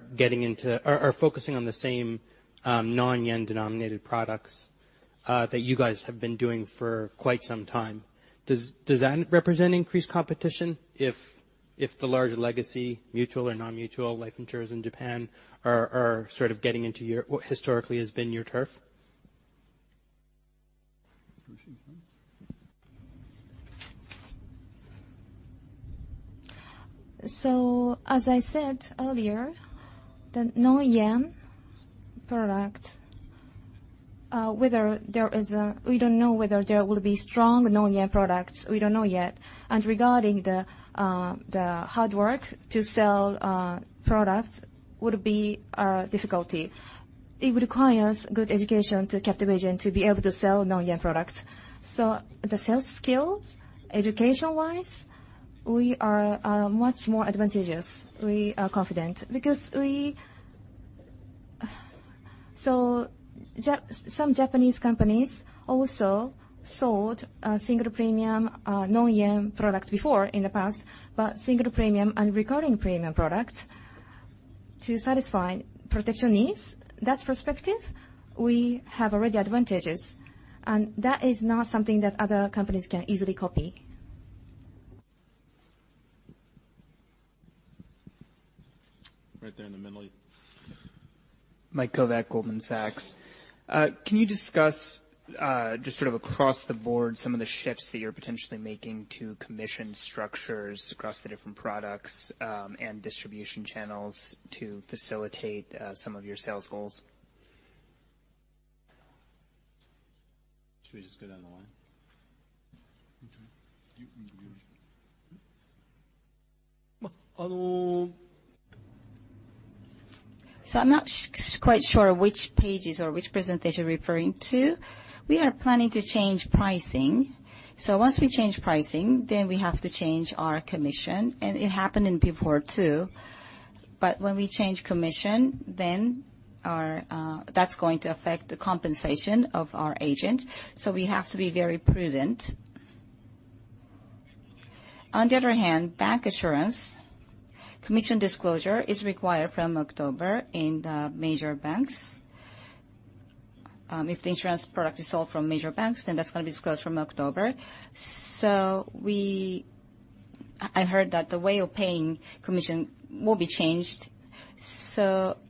focusing on the same non-yen-denominated products that you guys have been doing for quite some time. Does that represent increased competition if the larger legacy mutual or non-mutual life insurers in Japan are sort of getting into what historically has been your turf? Toshiko. As I said earlier, the non-yen product, we don't know whether there will be strong non-yen products. We don't know yet. Regarding the hard work to sell products would be a difficulty. It requires good education to Life Planner to be able to sell non-yen products. The sales skills, education-wise, we are much more advantageous. We are confident because some Japanese companies also sold a single premium non-yen product before in the past, but single premium and recurring premium product to satisfy protection needs. That perspective, we have already advantages. That is not something that other companies can easily copy. Right there in the middle. Michael Kovac, Goldman Sachs. Can you discuss, just sort of across the board, some of the shifts that you're potentially making to commission structures across the different products and distribution channels to facilitate some of your sales goals? Should we just go down the line? Okay. You. I'm not quite sure which pages or which presentation you're referring to. We are planning to change pricing. Once we change pricing, then we have to change our commission, and it happened in before, too. When we change commission, then that's going to affect the compensation of our agent. We have to be very prudent. On the other hand, bancassurance. Commission disclosure is required from October in the major banks. If the insurance product is sold from major banks, then that's going to be disclosed from October. I heard that the way of paying commission will be changed.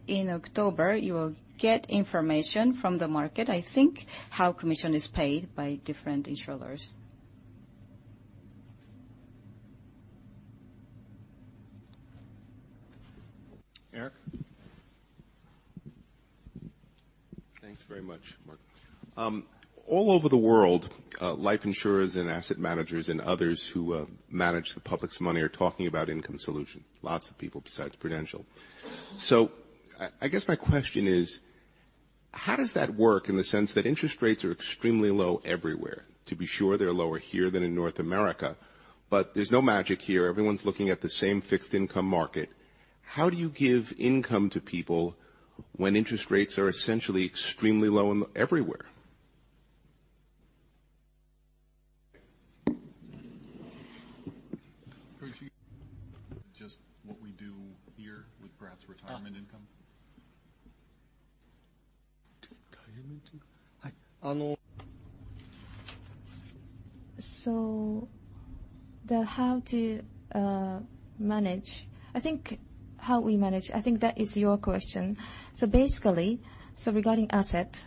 In October, you will get information from the market, I think, how commission is paid by different insurers. Erik. Thanks very much, Mark. All over the world, life insurers and asset managers and others who manage the public's money are talking about income solutions. Lots of people besides Prudential. I guess my question is: how does that work in the sense that interest rates are extremely low everywhere? To be sure, they're lower here than in North America, but there's no magic here. Everyone's looking at the same fixed income market. How do you give income to people when interest rates are essentially extremely low everywhere? Just what we do here with perhaps retirement income? How to manage. I think how we manage, I think that is your question. Basically, regarding asset,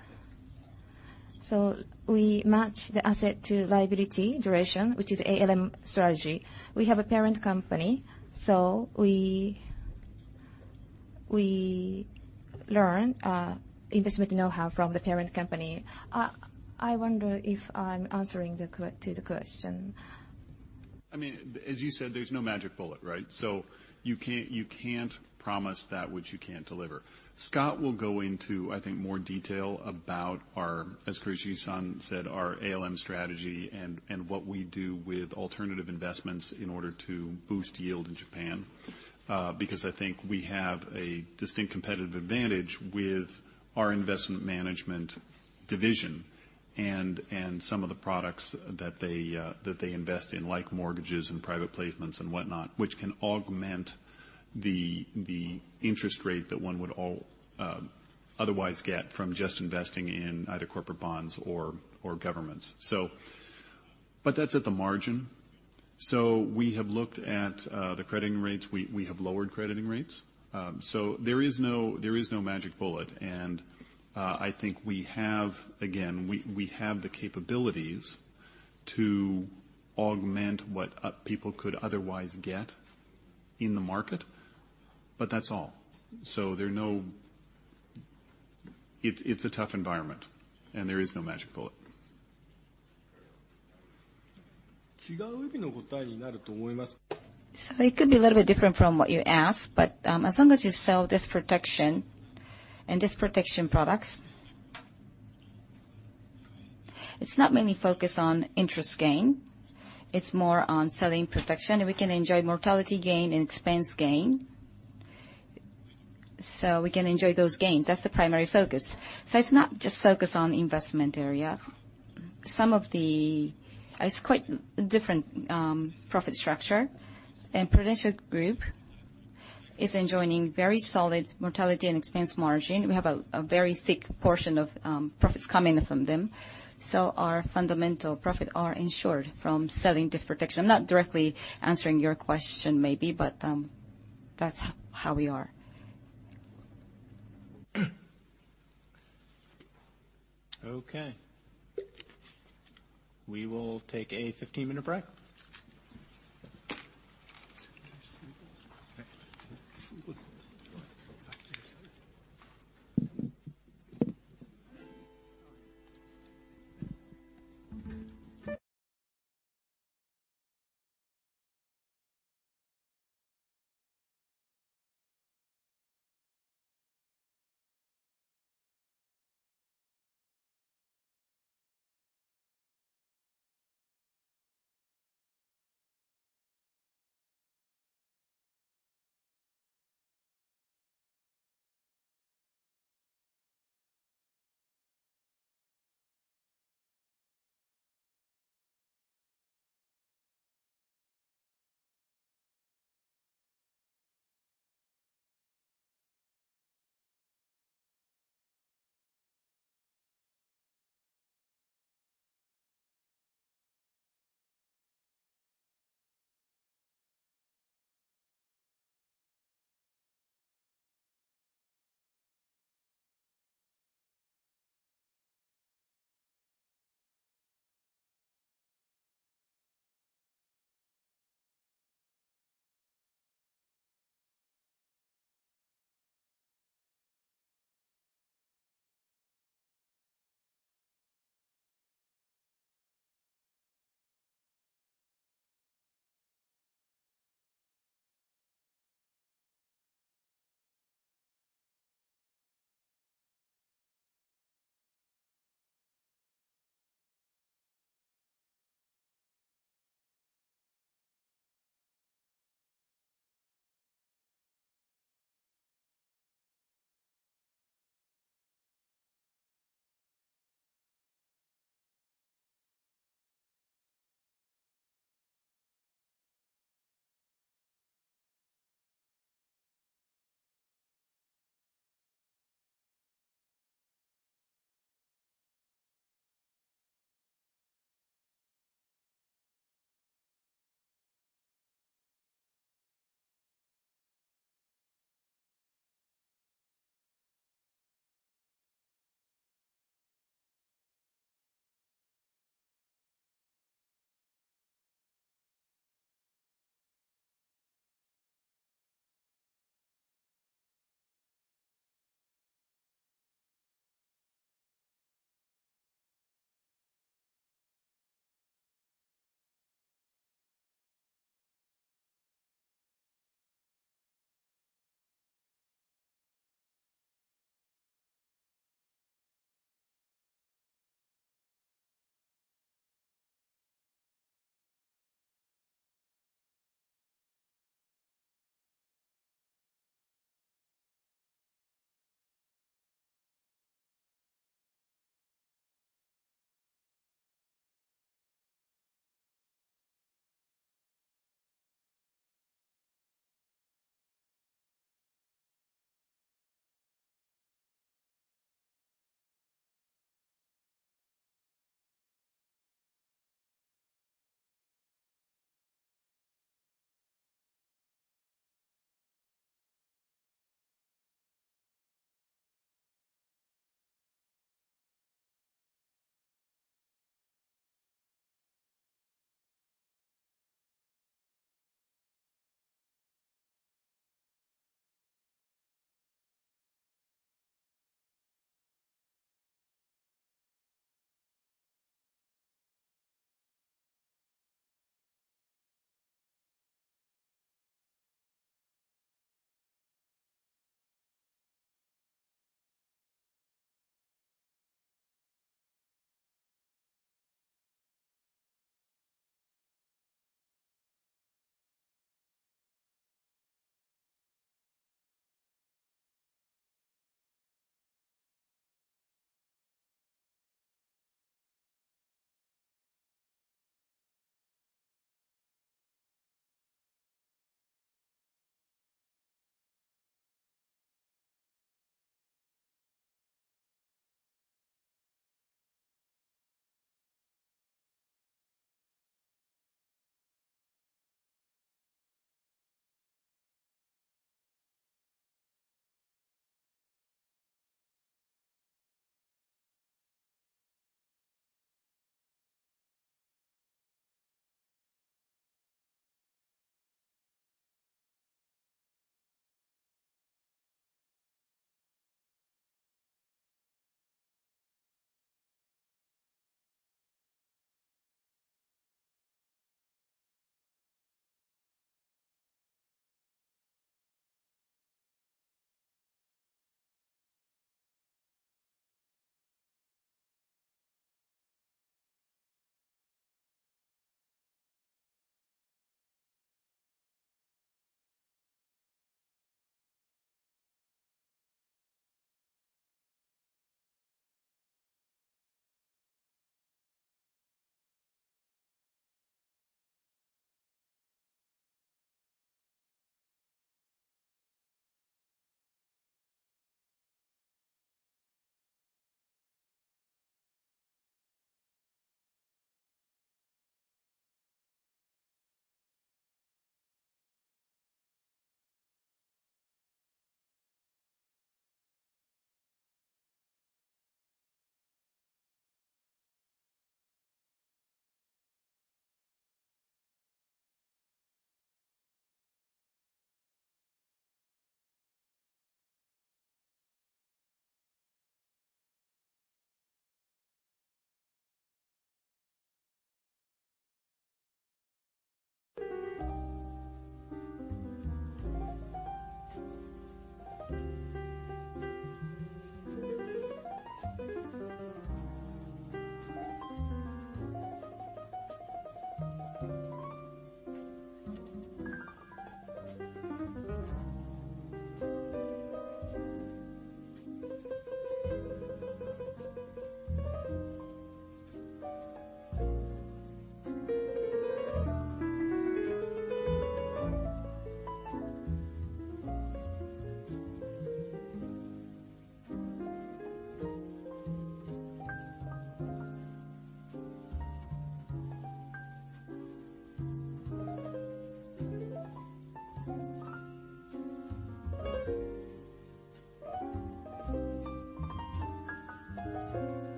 we match the asset to liability duration, which is ALM strategy. We have a parent company, we learn investment knowhow from the parent company. I wonder if I'm answering to the question. As you said, there's no magic bullet, right? You can't promise that which you can't deliver. Scott will go into, I think, more detail about our, as Kurashige-san said, our ALM strategy and what we do with alternative investments in order to boost yield in Japan. I think we have a distinct competitive advantage with our investment management division and some of the products that they invest in, like mortgages and private placements and whatnot, which can augment the interest rate that one would otherwise get from just investing in either corporate bonds or governments. That's at the margin. We have looked at the crediting rates. We have lowered crediting rates. There is no magic bullet, and I think we have, again, we have the capabilities to augment what people could otherwise get in the market, but that's all. It's a tough environment, and there is no magic bullet. It could be a little bit different from what you asked, but as long as you sell death protection and death protection products, it's not mainly focused on interest gain. It's more on selling protection, and we can enjoy mortality gain and expense gain. We can enjoy those gains. That's the primary focus. It's not just focused on investment area. It's quite different profit structure, and Prudential group is enjoying very solid mortality and expense margin. We have a very thick portion of profits coming from them. Our fundamental profit are insured from selling death protection. I'm not directly answering your question, maybe, but that's how we are. Okay. We will take a 15-minute break. What you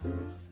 really need is a little different. I actually love that. Oh, yeah. All right. You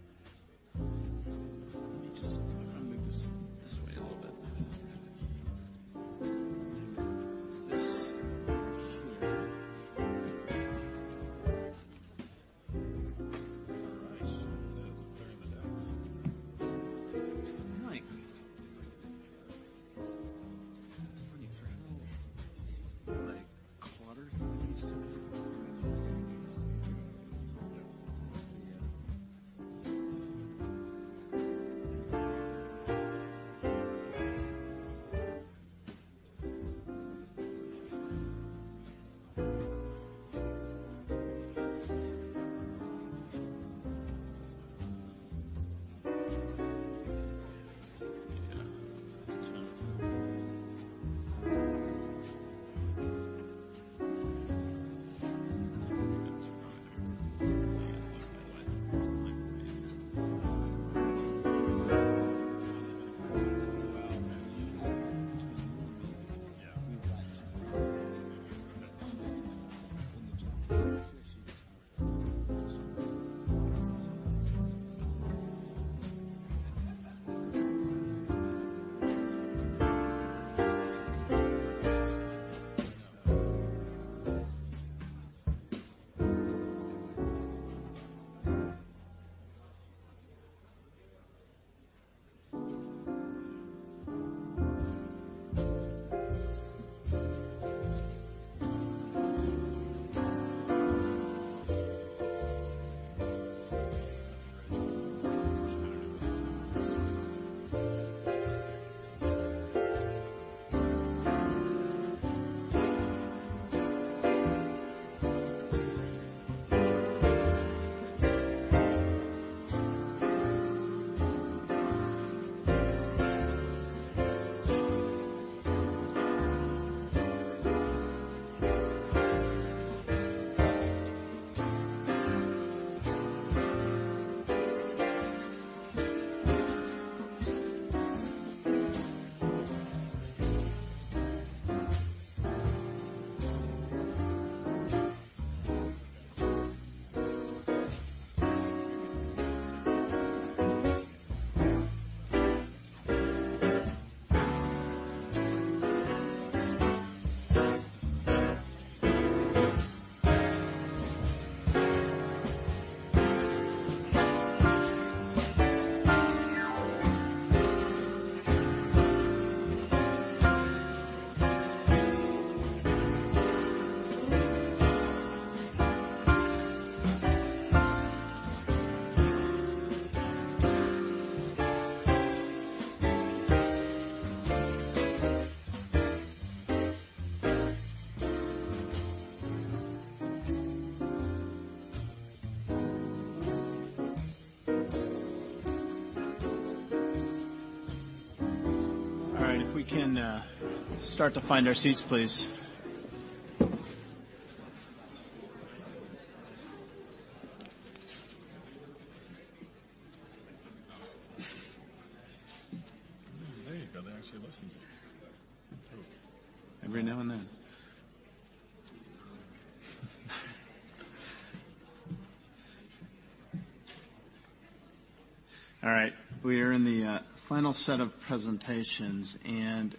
There you go. They actually listened to you. Every now and then. All right. We are in the final set of presentations.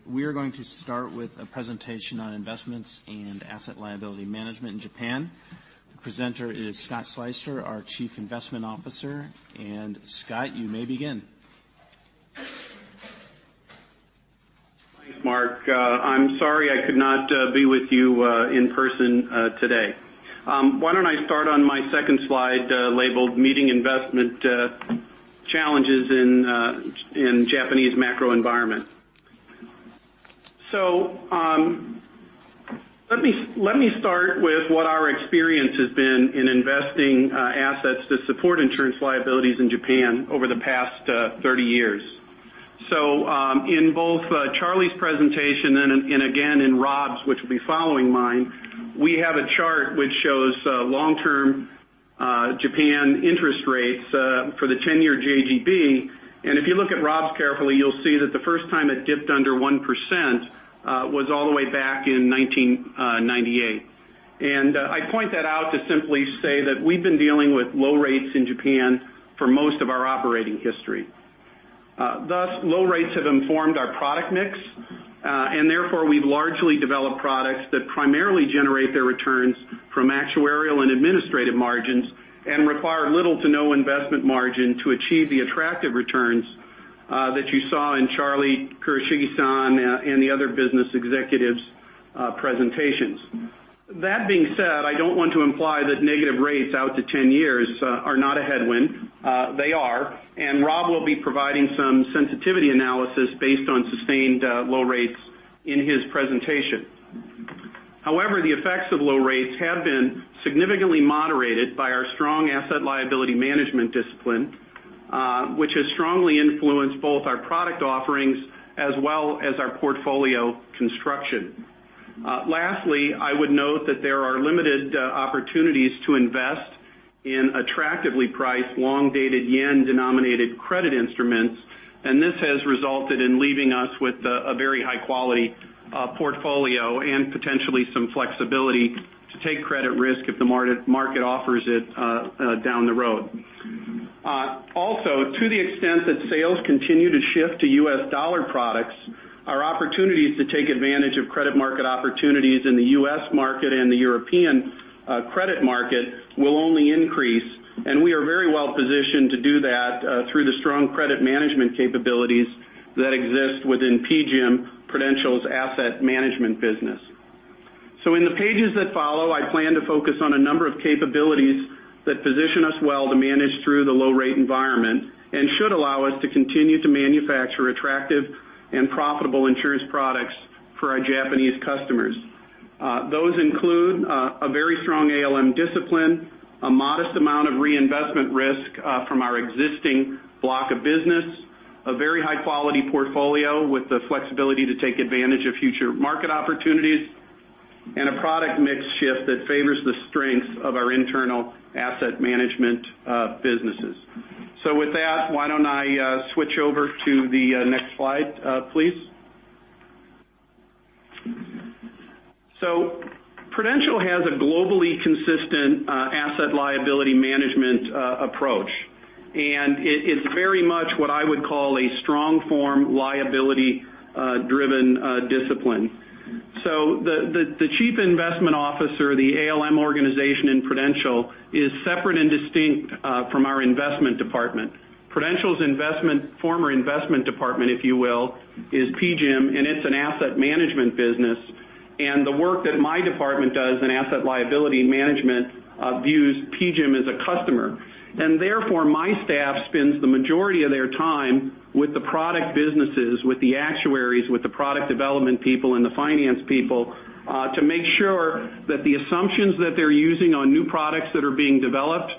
We are going to start with a presentation on investments and asset liability management in Japan. The presenter is Scott Sleyster, our Chief Investment Officer. Scott, you may begin. Thanks, Mark. I'm sorry I could not be with you in person today. Why don't I start on my second slide, labeled Meeting Investment Challenges in Japanese Macro Environment? Let me start with what our experience has been in investing assets to support insurance liabilities in Japan over the past 30 years. In both Charlie's presentation and again in Rob's, which will be following mine, we have a chart which shows long-term Japan interest rates for the 10-year JGB. If you look at Rob's carefully, you'll see that the first time it dipped under 1% was all the way back in 1998. I point that out to simply say that we've been dealing with low rates in Japan for most of our operating history. Thus, low rates have informed our product mix, and therefore, we've largely developed products that primarily generate their returns from actuarial and administrative margins and require little to no investment margin to achieve the attractive returns that you saw in Charlie, Kurashige-san, and the other business executives' presentations. That being said, I don't want to imply that negative rates out to 10 years are not a headwind. They are. Rob will be providing some sensitivity analysis based on sustained low rates in his presentation. However, the effects of low rates have been significantly moderated by our strong asset liability management discipline, which has strongly influenced both our product offerings as well as our portfolio construction. Lastly, I would note that there are limited opportunities to invest in attractively priced, long-dated yen-denominated credit instruments. This has resulted in leaving us with a very high-quality portfolio and potentially some flexibility to take credit risk if the market offers it down the road. Also, to the extent that sales continue to shift to US dollar products, our opportunities to take advantage of credit market opportunities in the U.S. market and the European credit market will only increase. We are very well positioned to do that through the strong credit management capabilities that exist within PGIM, Prudential's asset management business. In the pages that follow, I plan to focus on a number of capabilities that position us well to manage through the low rate environment and should allow us to continue to manufacture attractive and profitable insurance products for our Japanese customers. Those include a very strong ALM discipline, a modest amount of reinvestment risk from our existing block of business, a very high-quality portfolio with the flexibility to take advantage of future market opportunities, a product mix shift that favors the strengths of our internal asset management businesses. With that, why don't I switch over to the next slide, please? Prudential has a globally consistent asset liability management approach, and it is very much what I would call a strong form liability driven discipline. The chief investment officer, the ALM organization in Prudential, is separate and distinct from our investment department. Prudential's former investment department, if you will, is PGIM, and it's an asset management business. The work that my department does in asset liability management views PGIM as a customer. Therefore, my staff spends the majority of their time with the product businesses, with the actuaries, with the product development people and the finance people, to make sure that the assumptions that they're using on new products that are being developed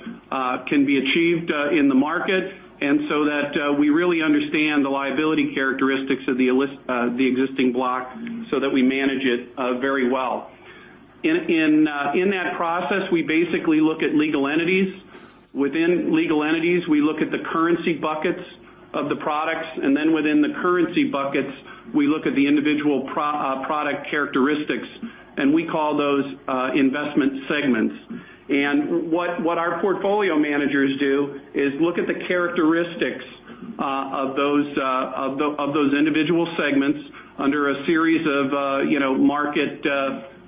can be achieved in the market, and so that we really understand the liability characteristics of the existing block so that we manage it very well. In that process, we basically look at legal entities. Within legal entities, we look at the currency buckets of the products, and then within the currency buckets, we look at the individual product characteristics, and we call those investment segments. What our portfolio managers do is look at the characteristics of those individual segments under a series of market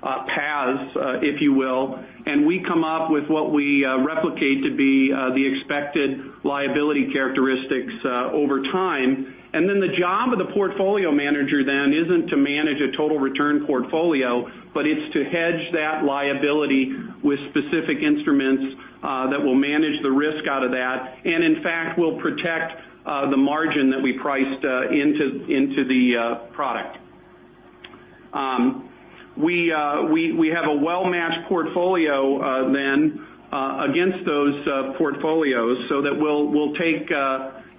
paths, if you will, and we come up with what we replicate to be the expected liability characteristics over time. The job of the portfolio manager then isn't to manage a total return portfolio, but it's to hedge that liability with specific instruments that will manage the risk out of that, and in fact, will protect the margin that we priced into the product. We have a well-matched portfolio then against those portfolios so that we'll take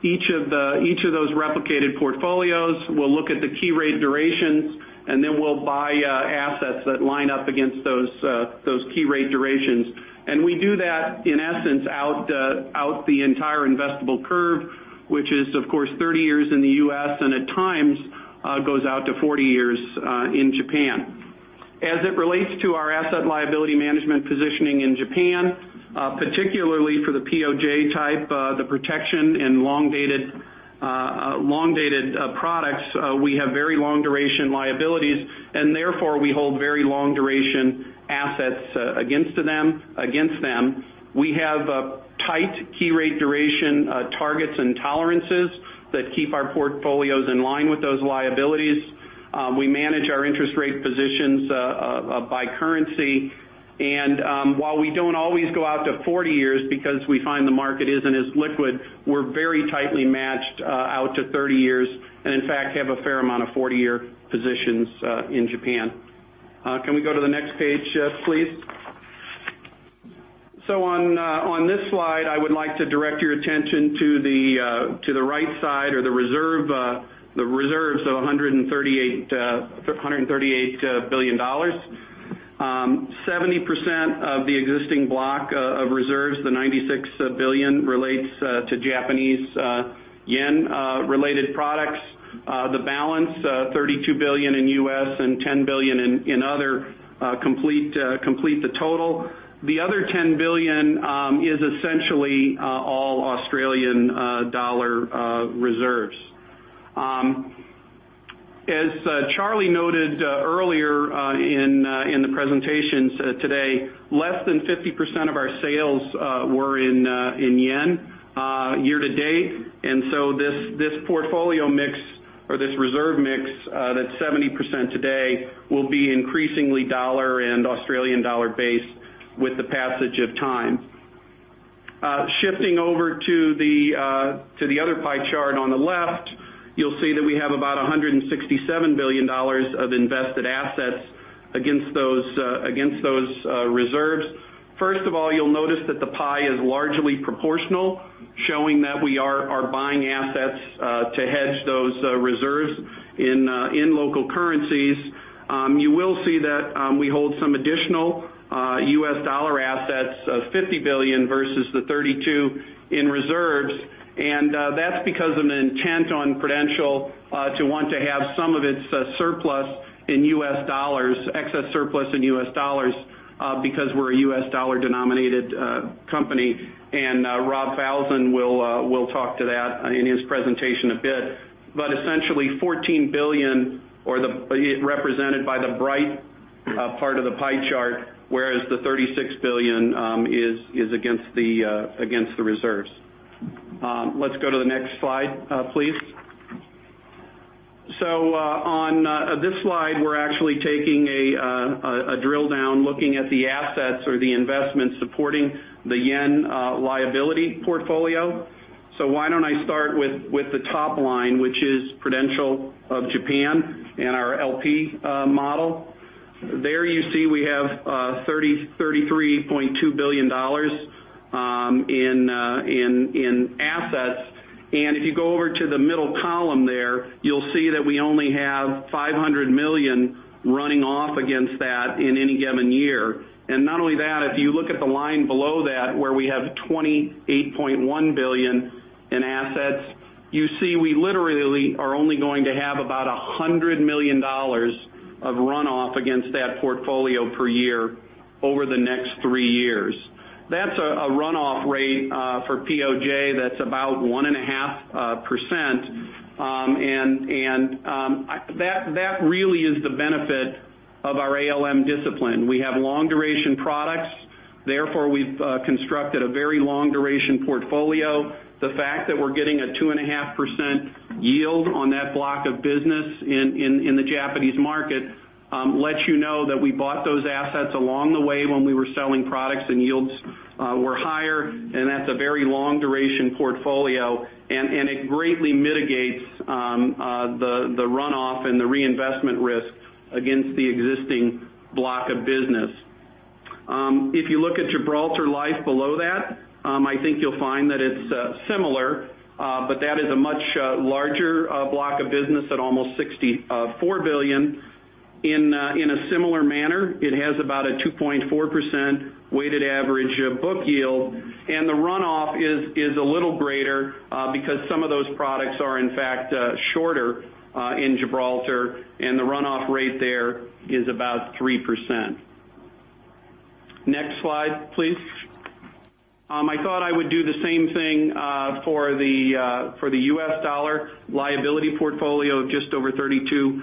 each of those replicated portfolios, we'll look at the key rate durations, and then we'll buy assets that line up against those key rate durations. We do that, in essence, out the entire investable curve, which is, of course, 30 years in the U.S., and at times, goes out to 40 years in Japan. As it relates to our asset liability management positioning in Japan, particularly for the POJ type, the protection and long-dated products, we have very long duration liabilities, and therefore, we hold very long duration assets against them. We have tight key rate duration targets and tolerances that keep our portfolios in line with those liabilities. We manage our interest rate positions by currency. While we don't always go out to 40 years because we find the market isn't as liquid, we're very tightly matched out to 30 years and, in fact, have a fair amount of 40-year positions in Japan. Can we go to the next page, please? On this slide, I would like to direct your attention to the right side or the reserves of $138 billion. 70% of the existing block of reserves, the $96 billion, relates to Japanese yen related products. The balance, $32 billion in U.S. and $10 billion in other, complete the total. The other $10 billion is essentially all Australian dollar reserves. As Charlie noted earlier in the presentations today, less than 50% of our sales were in yen year to date, this portfolio mix or this reserve mix that's 70% today will be increasingly dollar and Australian dollar based with the passage of time. Shifting over to the other pie chart on the left, you'll see that we have about $167 billion of invested assets against those reserves. First of all, you'll notice that the pie is largely proportional, showing that we are buying assets to hedge those reserves in local currencies. You will see that we hold some additional US dollar assets of $50 billion versus the 32 in reserves, and that's because of an intent on Prudential to want to have some of its excess surplus in US dollars because we're a US dollar denominated company, and Rob Falzon will talk to that in his presentation a bit. Essentially, $14 billion represented by the bright part of the pie chart, whereas the $36 billion is against the reserves. Let's go to the next slide, please. On this slide, we're actually taking a drill down looking at the assets or the investments supporting the yen liability portfolio. Why don't I start with the top line, which is Prudential of Japan and our LP model. There you see we have $33.2 billion in assets. If you go over to the middle column there, you'll see that we only have $500 million running off against that in any given year. Not only that, if you look at the line below that where we have $28.1 billion in assets, you see we literally are only going to have about $100 million of runoff against that portfolio per year over the next three years. That's a runoff rate for POJ that's about 1.5%, and that really is the benefit of our ALM discipline. We have long-duration products, therefore we've constructed a very long-duration portfolio. The fact that we're getting a 2.5% yield on that block of business in the Japanese market lets you know that we bought those assets along the way when we were selling products and yields were higher, and that's a very long-duration portfolio. It greatly mitigates the runoff and the reinvestment risk against the existing block of business. If you look at Gibraltar Life below that, I think you'll find that it's similar. That is a much larger block of business at almost $64 billion. In a similar manner, it has about a 2.4% weighted average book yield, and the runoff is a little greater because some of those products are, in fact, shorter in Gibraltar, and the runoff rate there is about 3%. Next slide, please. I thought I would do the same thing for the US dollar liability portfolio of just over $32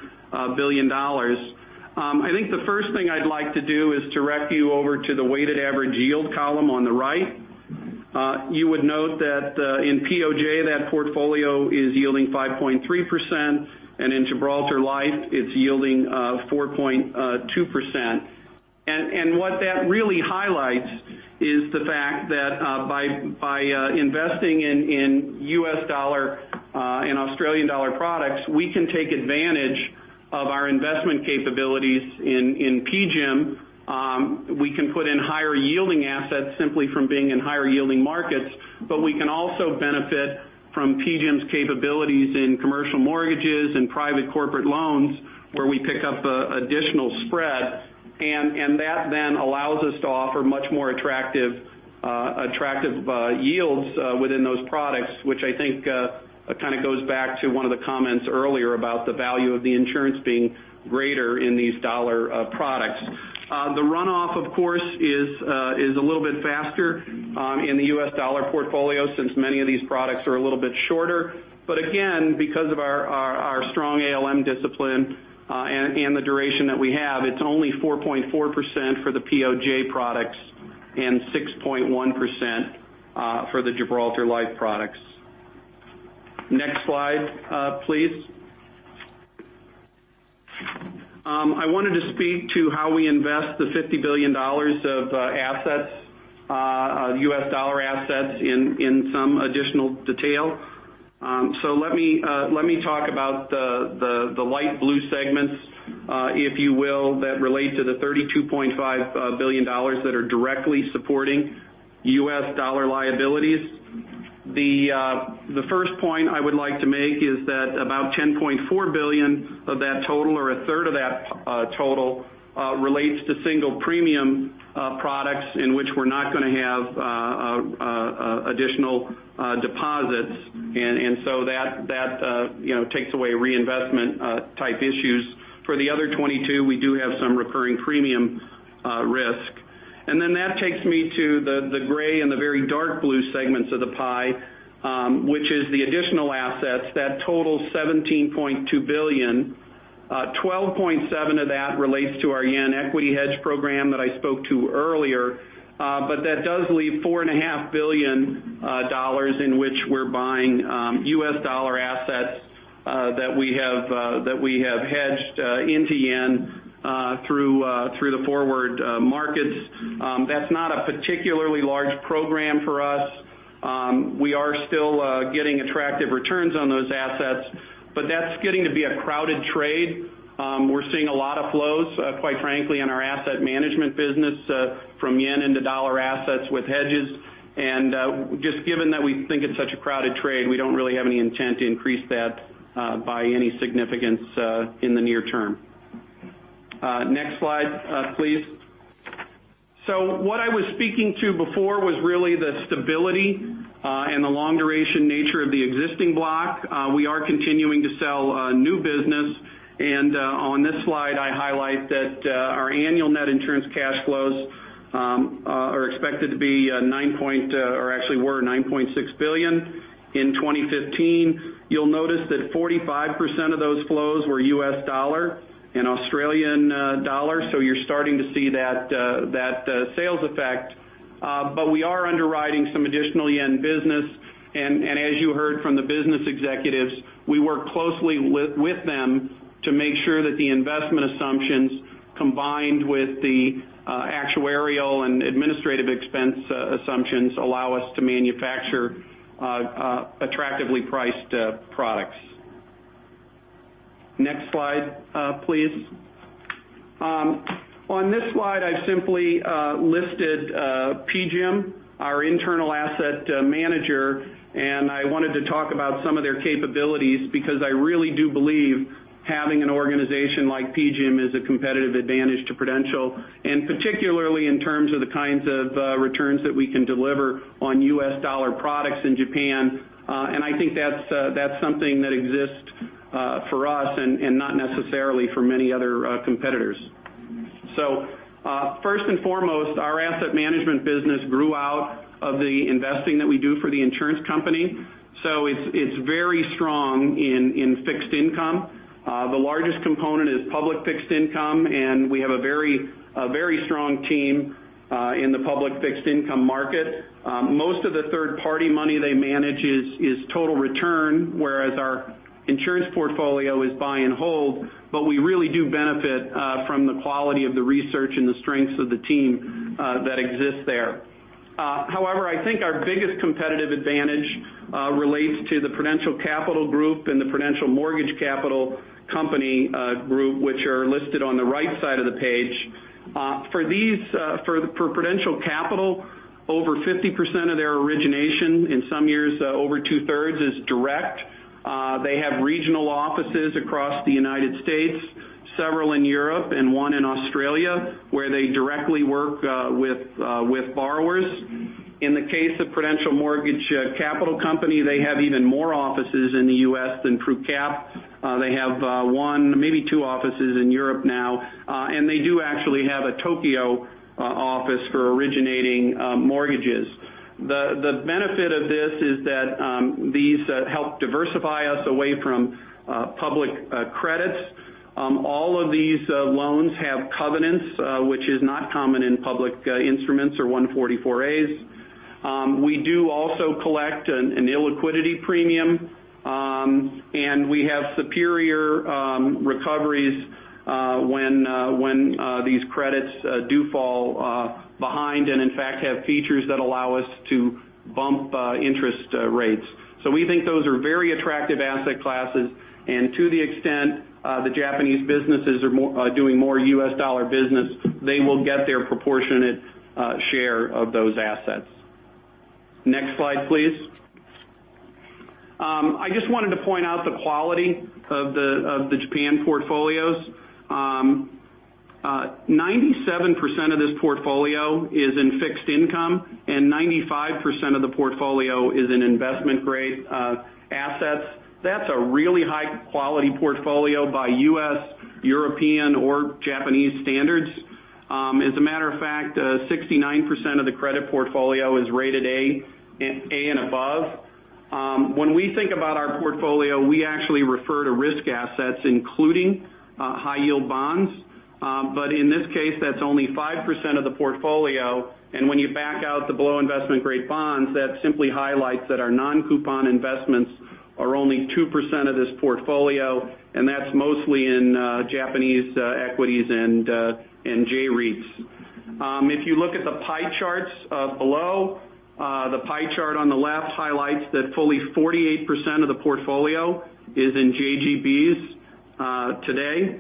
billion. I think the first thing I'd like to do is direct you over to the weighted average yield column on the right. You would note that in POJ, that portfolio is yielding 5.3%, and in Gibraltar Life, it's yielding 4.2%. What that really highlights is the fact that by investing in US dollar and Australian dollar products, we can take advantage of our investment capabilities in PGIM. We can put in higher-yielding assets simply from being in higher-yielding markets. We can also benefit from PGIM's capabilities in commercial mortgages and private corporate loans, where we pick up additional spread. That then allows us to offer much more attractive yields within those products, which I think kind of goes back to one of the comments earlier about the value of the insurance being greater in these dollar products. The runoff, of course, is a little bit faster in the US dollar portfolio since many of these products are a little bit shorter. Because of our strong ALM discipline and the duration that we have, it's only 4.4% for the POJ products and 6.1% for the Gibraltar Life products. Next slide, please. I wanted to speak to how we invest the $50 billion of U.S. dollar assets in some additional detail. Let me talk about the light blue segments, if you will, that relate to the $32.5 billion that are directly supporting U.S. dollar liabilities. The first point I would like to make is that about $10.4 billion of that total or a third of that total relates to single premium products in which we're not going to have additional deposits, that takes away reinvestment-type issues. For the other $22 billion, we do have some recurring premium risk. That takes me to the gray and the very dark blue segments of the pie, which is the additional assets that total $17.2 billion. $12.7 billion of that relates to our JPY equity hedge program that I spoke to earlier. That does leave $4.5 billion in which we're buying U.S. dollar assets that we have hedged into JPY through the forward markets. That's not a particularly large program for us. We are still getting attractive returns on those assets, but that's getting to be a crowded trade. We're seeing a lot of flows, quite frankly, in our asset management business from JPY into U.S. dollar assets with hedges. Just given that we think it's such a crowded trade, we don't really have any intent to increase that by any significance in the near term. Next slide, please. What I was speaking to before was really the stability and the long-duration nature of the existing block. We are continuing to sell new business. On this slide, I highlight that our annual net insurance cash flows are expected to be, or actually were $9.6 billion in 2015. You'll notice that 45% of those flows were U.S. dollar and AUD, you're starting to see that sales effect. We are underwriting some additional JPY business. As you heard from the business executives, we work closely with them to make sure that the investment assumptions, combined with the actuarial and administrative expense assumptions, allow us to manufacture attractively priced products. Next slide, please. On this slide, I've simply listed PGIM, our internal asset manager. I wanted to talk about some of their capabilities because I really do believe having an organization like PGIM is a competitive advantage to Prudential, particularly in terms of the kinds of returns that we can deliver on U.S. dollar products in Japan. I think that's something that exists for us and not necessarily for many other competitors. First and foremost, our asset management business grew out of the investing that we do for the insurance company. It's very strong in fixed income. The largest component is public fixed income, we have a very strong team in the public fixed income market. Most of the third-party money they manage is total return, whereas our insurance portfolio is buy and hold. We really do benefit from the quality of the research and the strengths of the team that exists there. However, I think our biggest competitive advantage relates to the Prudential Capital Group and the Prudential Mortgage Capital Company, which are listed on the right side of the page. For Prudential Capital, over 50% of their origination, in some years over two-thirds, is direct. They have regional offices across the U.S., several in Europe, and one in Australia, where they directly work with borrowers. In the case of Prudential Mortgage Capital Company, they have even more offices in the U.S. than Pru Cap. They have one, maybe two offices in Europe now, and they do actually have a Tokyo office for originating mortgages. The benefit of this is that these help diversify us away from public credits. All of these loans have covenants, which is not common in public instruments or 144As. We do also collect an illiquidity premium. We have superior recoveries when these credits do fall behind and, in fact, have features that allow us to bump interest rates. We think those are very attractive asset classes, and to the extent the Japanese businesses are doing more U.S. dollar business, they will get their proportionate share of those assets. Next slide, please. I just wanted to point out the quality of the Japan portfolios. 97% of this portfolio is in fixed income, and 95% of the portfolio is in investment-grade assets. That's a really high-quality portfolio by U.S., European, or Japanese standards. As a matter of fact, 69% of the credit portfolio is rated A and above. When we think about our portfolio, we actually refer to risk assets, including high-yield bonds. In this case, that's only 5% of the portfolio, and when you back out the below investment-grade bonds, that simply highlights that our non-coupon investments are only 2% of this portfolio, and that's mostly in Japanese equities and J-REITs. If you look at the pie charts below, the pie chart on the left highlights that fully 48% of the portfolio is in JGBs today.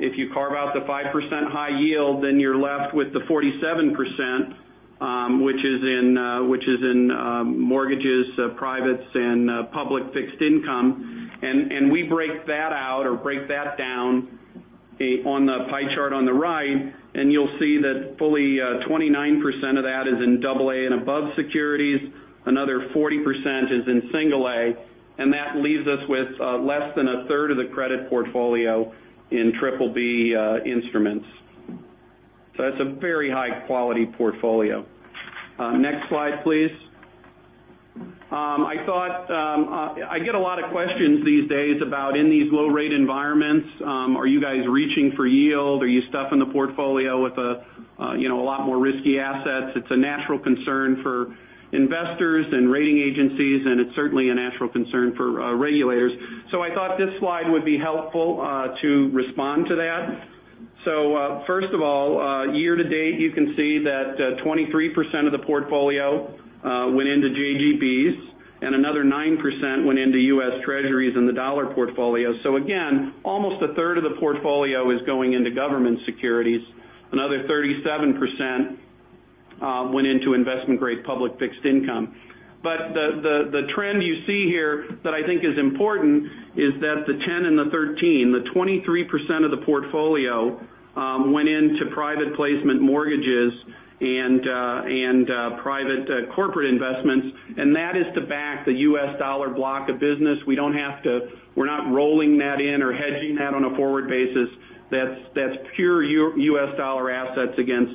If you carve out the 5% high yield, you're left with the 47%, which is in mortgages, privates, and public fixed income. We break that out or break that down on the pie chart on the right, and you'll see that fully 29% of that is in double A and above securities. Another 40% is in single A, and that leaves us with less than a third of the credit portfolio in triple B instruments. That's a very high-quality portfolio. Next slide, please. I get a lot of questions these days about in these low-rate environments, are you guys reaching for yield? Are you stuffing the portfolio with a lot more risky assets? It's a natural concern for investors and rating agencies, and it's certainly a natural concern for regulators. I thought this slide would be helpful to respond to that. First of all, year-to-date, you can see that 23% of the portfolio went into JGBs and another 9% went into U.S. Treasuries in the dollar portfolio. Again, almost a third of the portfolio is going into government securities. Another 37% went into investment-grade public fixed income. The trend you see here that I think is important is that the 10 and 13, the 23% of the portfolio went into private placement mortgages and private corporate investments. That is to back the U.S. dollar block of business. We're not rolling that in or hedging that on a forward basis. That's pure U.S. dollar assets against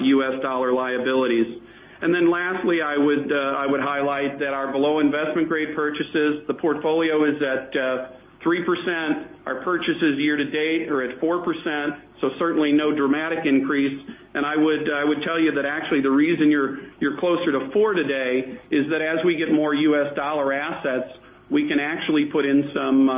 U.S. dollar liabilities. Then lastly, I would highlight that our below investment-grade purchases, the portfolio is at 3%. Our purchases year-to-date are at 4%, so certainly no dramatic increase. I would tell you that actually the reason you're closer to four today is that as we get more U.S. dollar assets, we can actually put in some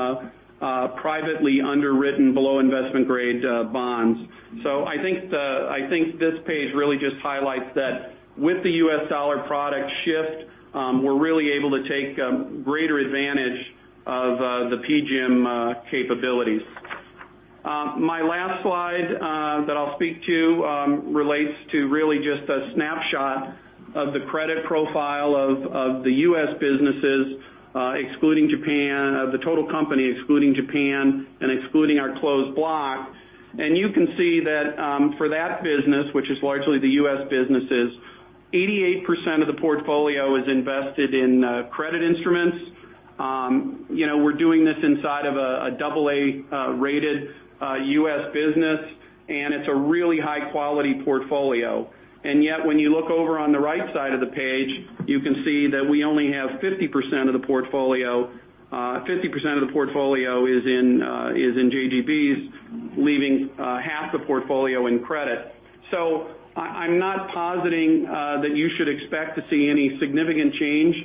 privately underwritten below investment-grade bonds. I think this page really just highlights that with the U.S. dollar product shift, we're really able to take greater advantage of the PGIM capabilities. My last slide that I'll speak to relates to really just a snapshot of the credit profile of the U.S. businesses, excluding Japan, of the total company, excluding Japan and excluding our closed block. You can see that for that business, which is largely the U.S. businesses, 88% of the portfolio is invested in credit instruments. We're doing this inside of a double A rated U.S. business, and it's a really high-quality portfolio. Yet, when you look over on the right side of the page, you can see that we only have 50% of the portfolio is in JGBs, leaving half the portfolio in credit. I'm not positing that you should expect to see any significant change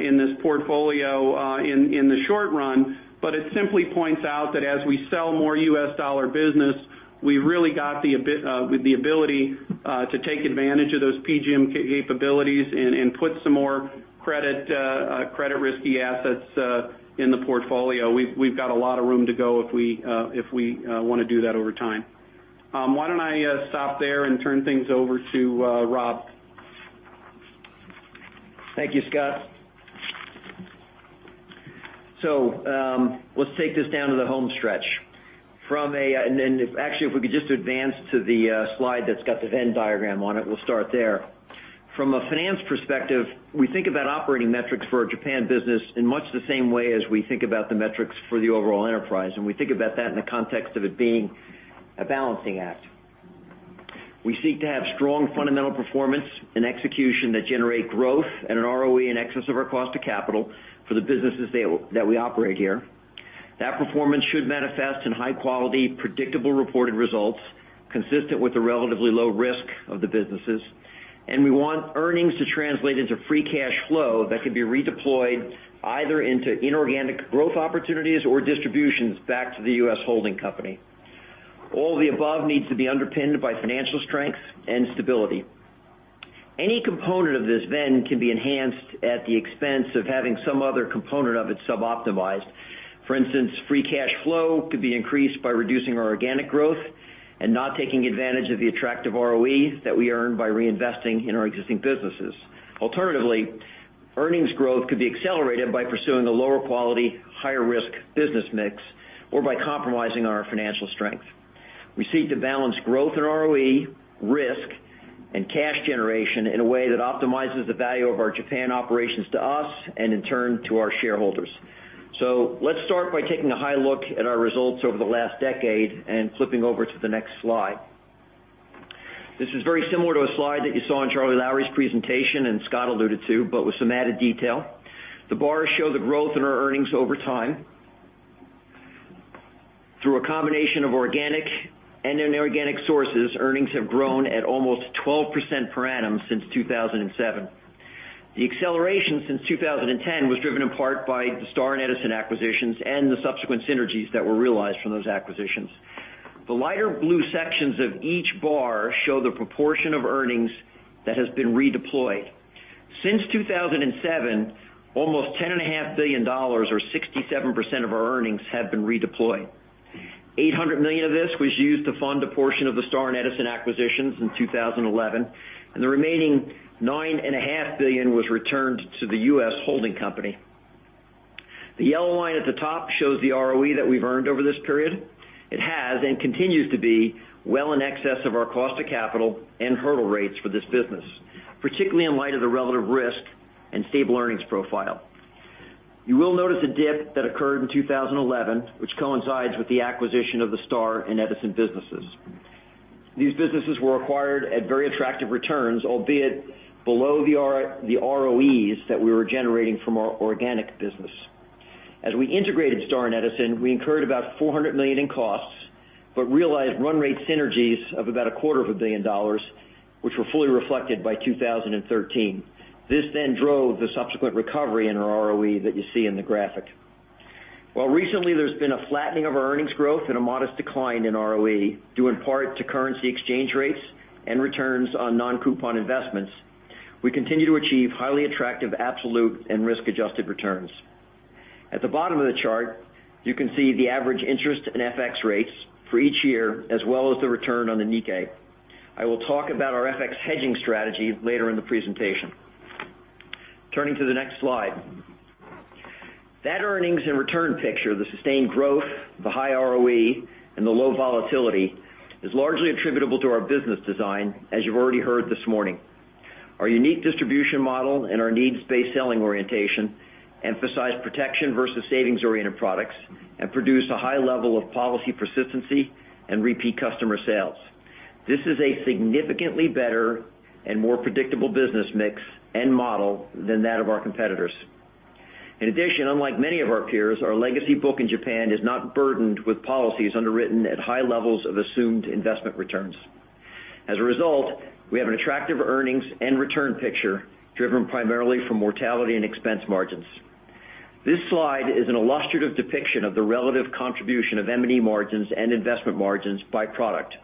in this portfolio in the short run. It simply points out that as we sell more U.S. dollar business, we really got the ability to take advantage of those PGIM capabilities and put some more credit risky assets in the portfolio. We've got a lot of room to go if we want to do that over time. Why don't I stop there and turn things over to Rob? Thank you, Scott. Let's take this down to the home stretch. Then actually, if we could just advance to the slide that's got the Venn diagram on it, we'll start there. From a finance perspective, we think about operating metrics for our Japan business in much the same way as we think about the metrics for the overall enterprise. We think about that in the context of it being a balancing act. We seek to have strong fundamental performance and execution that generate growth and an ROE in excess of our cost of capital for the businesses that we operate here. That performance should manifest in high quality, predictable reported results consistent with the relatively low risk of the businesses. We want earnings to translate into free cash flow that can be redeployed either into inorganic growth opportunities or distributions back to the U.S. holding company. All the above needs to be underpinned by financial strength and stability. Any component of this can be enhanced at the expense of having some other component of it sub-optimized. For instance, free cash flow could be increased by reducing our organic growth and not taking advantage of the attractive ROE that we earn by reinvesting in our existing businesses. Alternatively, earnings growth could be accelerated by pursuing a lower quality, higher risk business mix or by compromising our financial strength. We seek to balance growth in ROE, risk, and cash generation in a way that optimizes the value of our Japan operations to us and, in turn, to our shareholders. Let's start by taking a high look at our results over the last decade and flipping over to the next slide. This is very similar to a slide that you saw in Charlie Lowrey's presentation and Scott alluded to, but with some added detail. The bars show the growth in our earnings over time. Through a combination of organic and inorganic sources, earnings have grown at almost 12% per annum since 2007. The acceleration since 2010 was driven in part by the Star and Edison acquisitions and the subsequent synergies that were realized from those acquisitions. The lighter blue sections of each bar show the proportion of earnings that has been redeployed. Since 2007, almost $10.5 billion or 67% of our earnings have been redeployed. $800 million of this was used to fund a portion of the Star and Edison acquisitions in 2011, and the remaining $9.5 billion was returned to the U.S. holding company. The yellow line at the top shows the ROE that we've earned over this period. It has and continues to be well in excess of our cost of capital and hurdle rates for this business, particularly in light of the relative risk and stable earnings profile. You will notice a dip that occurred in 2011, which coincides with the acquisition of the Star and Edison businesses. These businesses were acquired at very attractive returns, albeit below the ROEs that we were generating from our organic business. As we integrated Star and Edison, we incurred about $400 million in costs, but realized run rate synergies of about a quarter of a billion dollars, which were fully reflected by 2013. This drove the subsequent recovery in our ROE that you see in the graphic. While recently there's been a flattening of our earnings growth and a modest decline in ROE due in part to currency exchange rates and returns on non-coupon investments, we continue to achieve highly attractive absolute and risk-adjusted returns. At the bottom of the chart, you can see the average interest and FX rates for each year as well as the return on the Nikkei. I will talk about our FX hedging strategy later in the presentation. Turning to the next slide. That earnings and return picture, the sustained growth, the high ROE, and the low volatility is largely attributable to our business design as you've already heard this morning. Our unique distribution model and our needs-based selling orientation emphasize protection versus savings-oriented products and produce a high level of policy persistency and repeat customer sales. This is a significantly better and more predictable business mix and model than that of our competitors. In addition, unlike many of our peers, our legacy book in Japan is not burdened with policies underwritten at high levels of assumed investment returns. As a result, we have an attractive earnings and return picture driven primarily from mortality and expense margins. This slide is an illustrative depiction of the relative contribution of M&E margins and investment margins by product.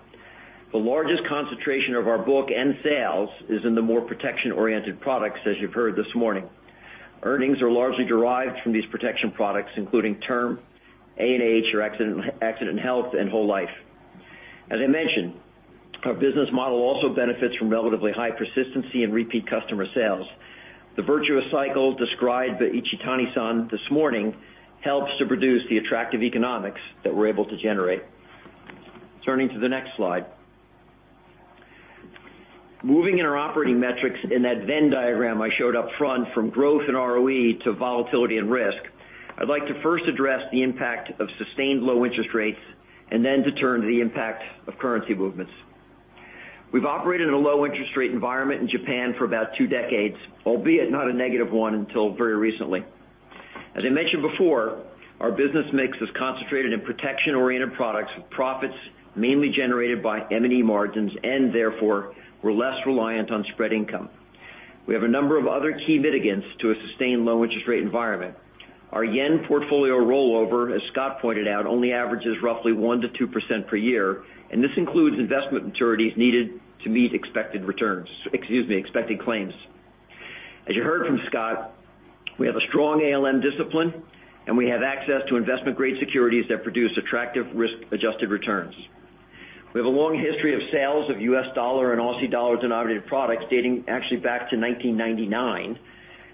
The largest concentration of our book and sales is in the more protection-oriented products, as you've heard this morning. Earnings are largely derived from these protection products, including term, A&H or accident health, and whole life. As I mentioned, our business model also benefits from relatively high persistency in repeat customer sales. The virtuous cycle described by Ichitani-san this morning helps to produce the attractive economics that we're able to generate. Turning to the next slide. Moving in our operating metrics in that Venn diagram I showed up front from growth and ROE to volatility and risk, I'd like to first address the impact of sustained low interest rates then to turn to the impact of currency movements. We've operated in a low interest rate environment in Japan for about two decades, albeit not a negative one until very recently. As I mentioned before, our business mix is concentrated in protection-oriented products with profits mainly generated by M&E margins, therefore, we're less reliant on spread income. We have a number of other key mitigants to a sustained low interest rate environment. Our yen portfolio rollover, as Scott pointed out, only averages roughly 1%-2% per year, this includes investment maturities needed to meet expected claims. As you heard from Scott, we have a strong ALM discipline, we have access to investment-grade securities that produce attractive risk-adjusted returns. We have a long history of sales of US dollar and AUD-denominated products dating actually back to 1999,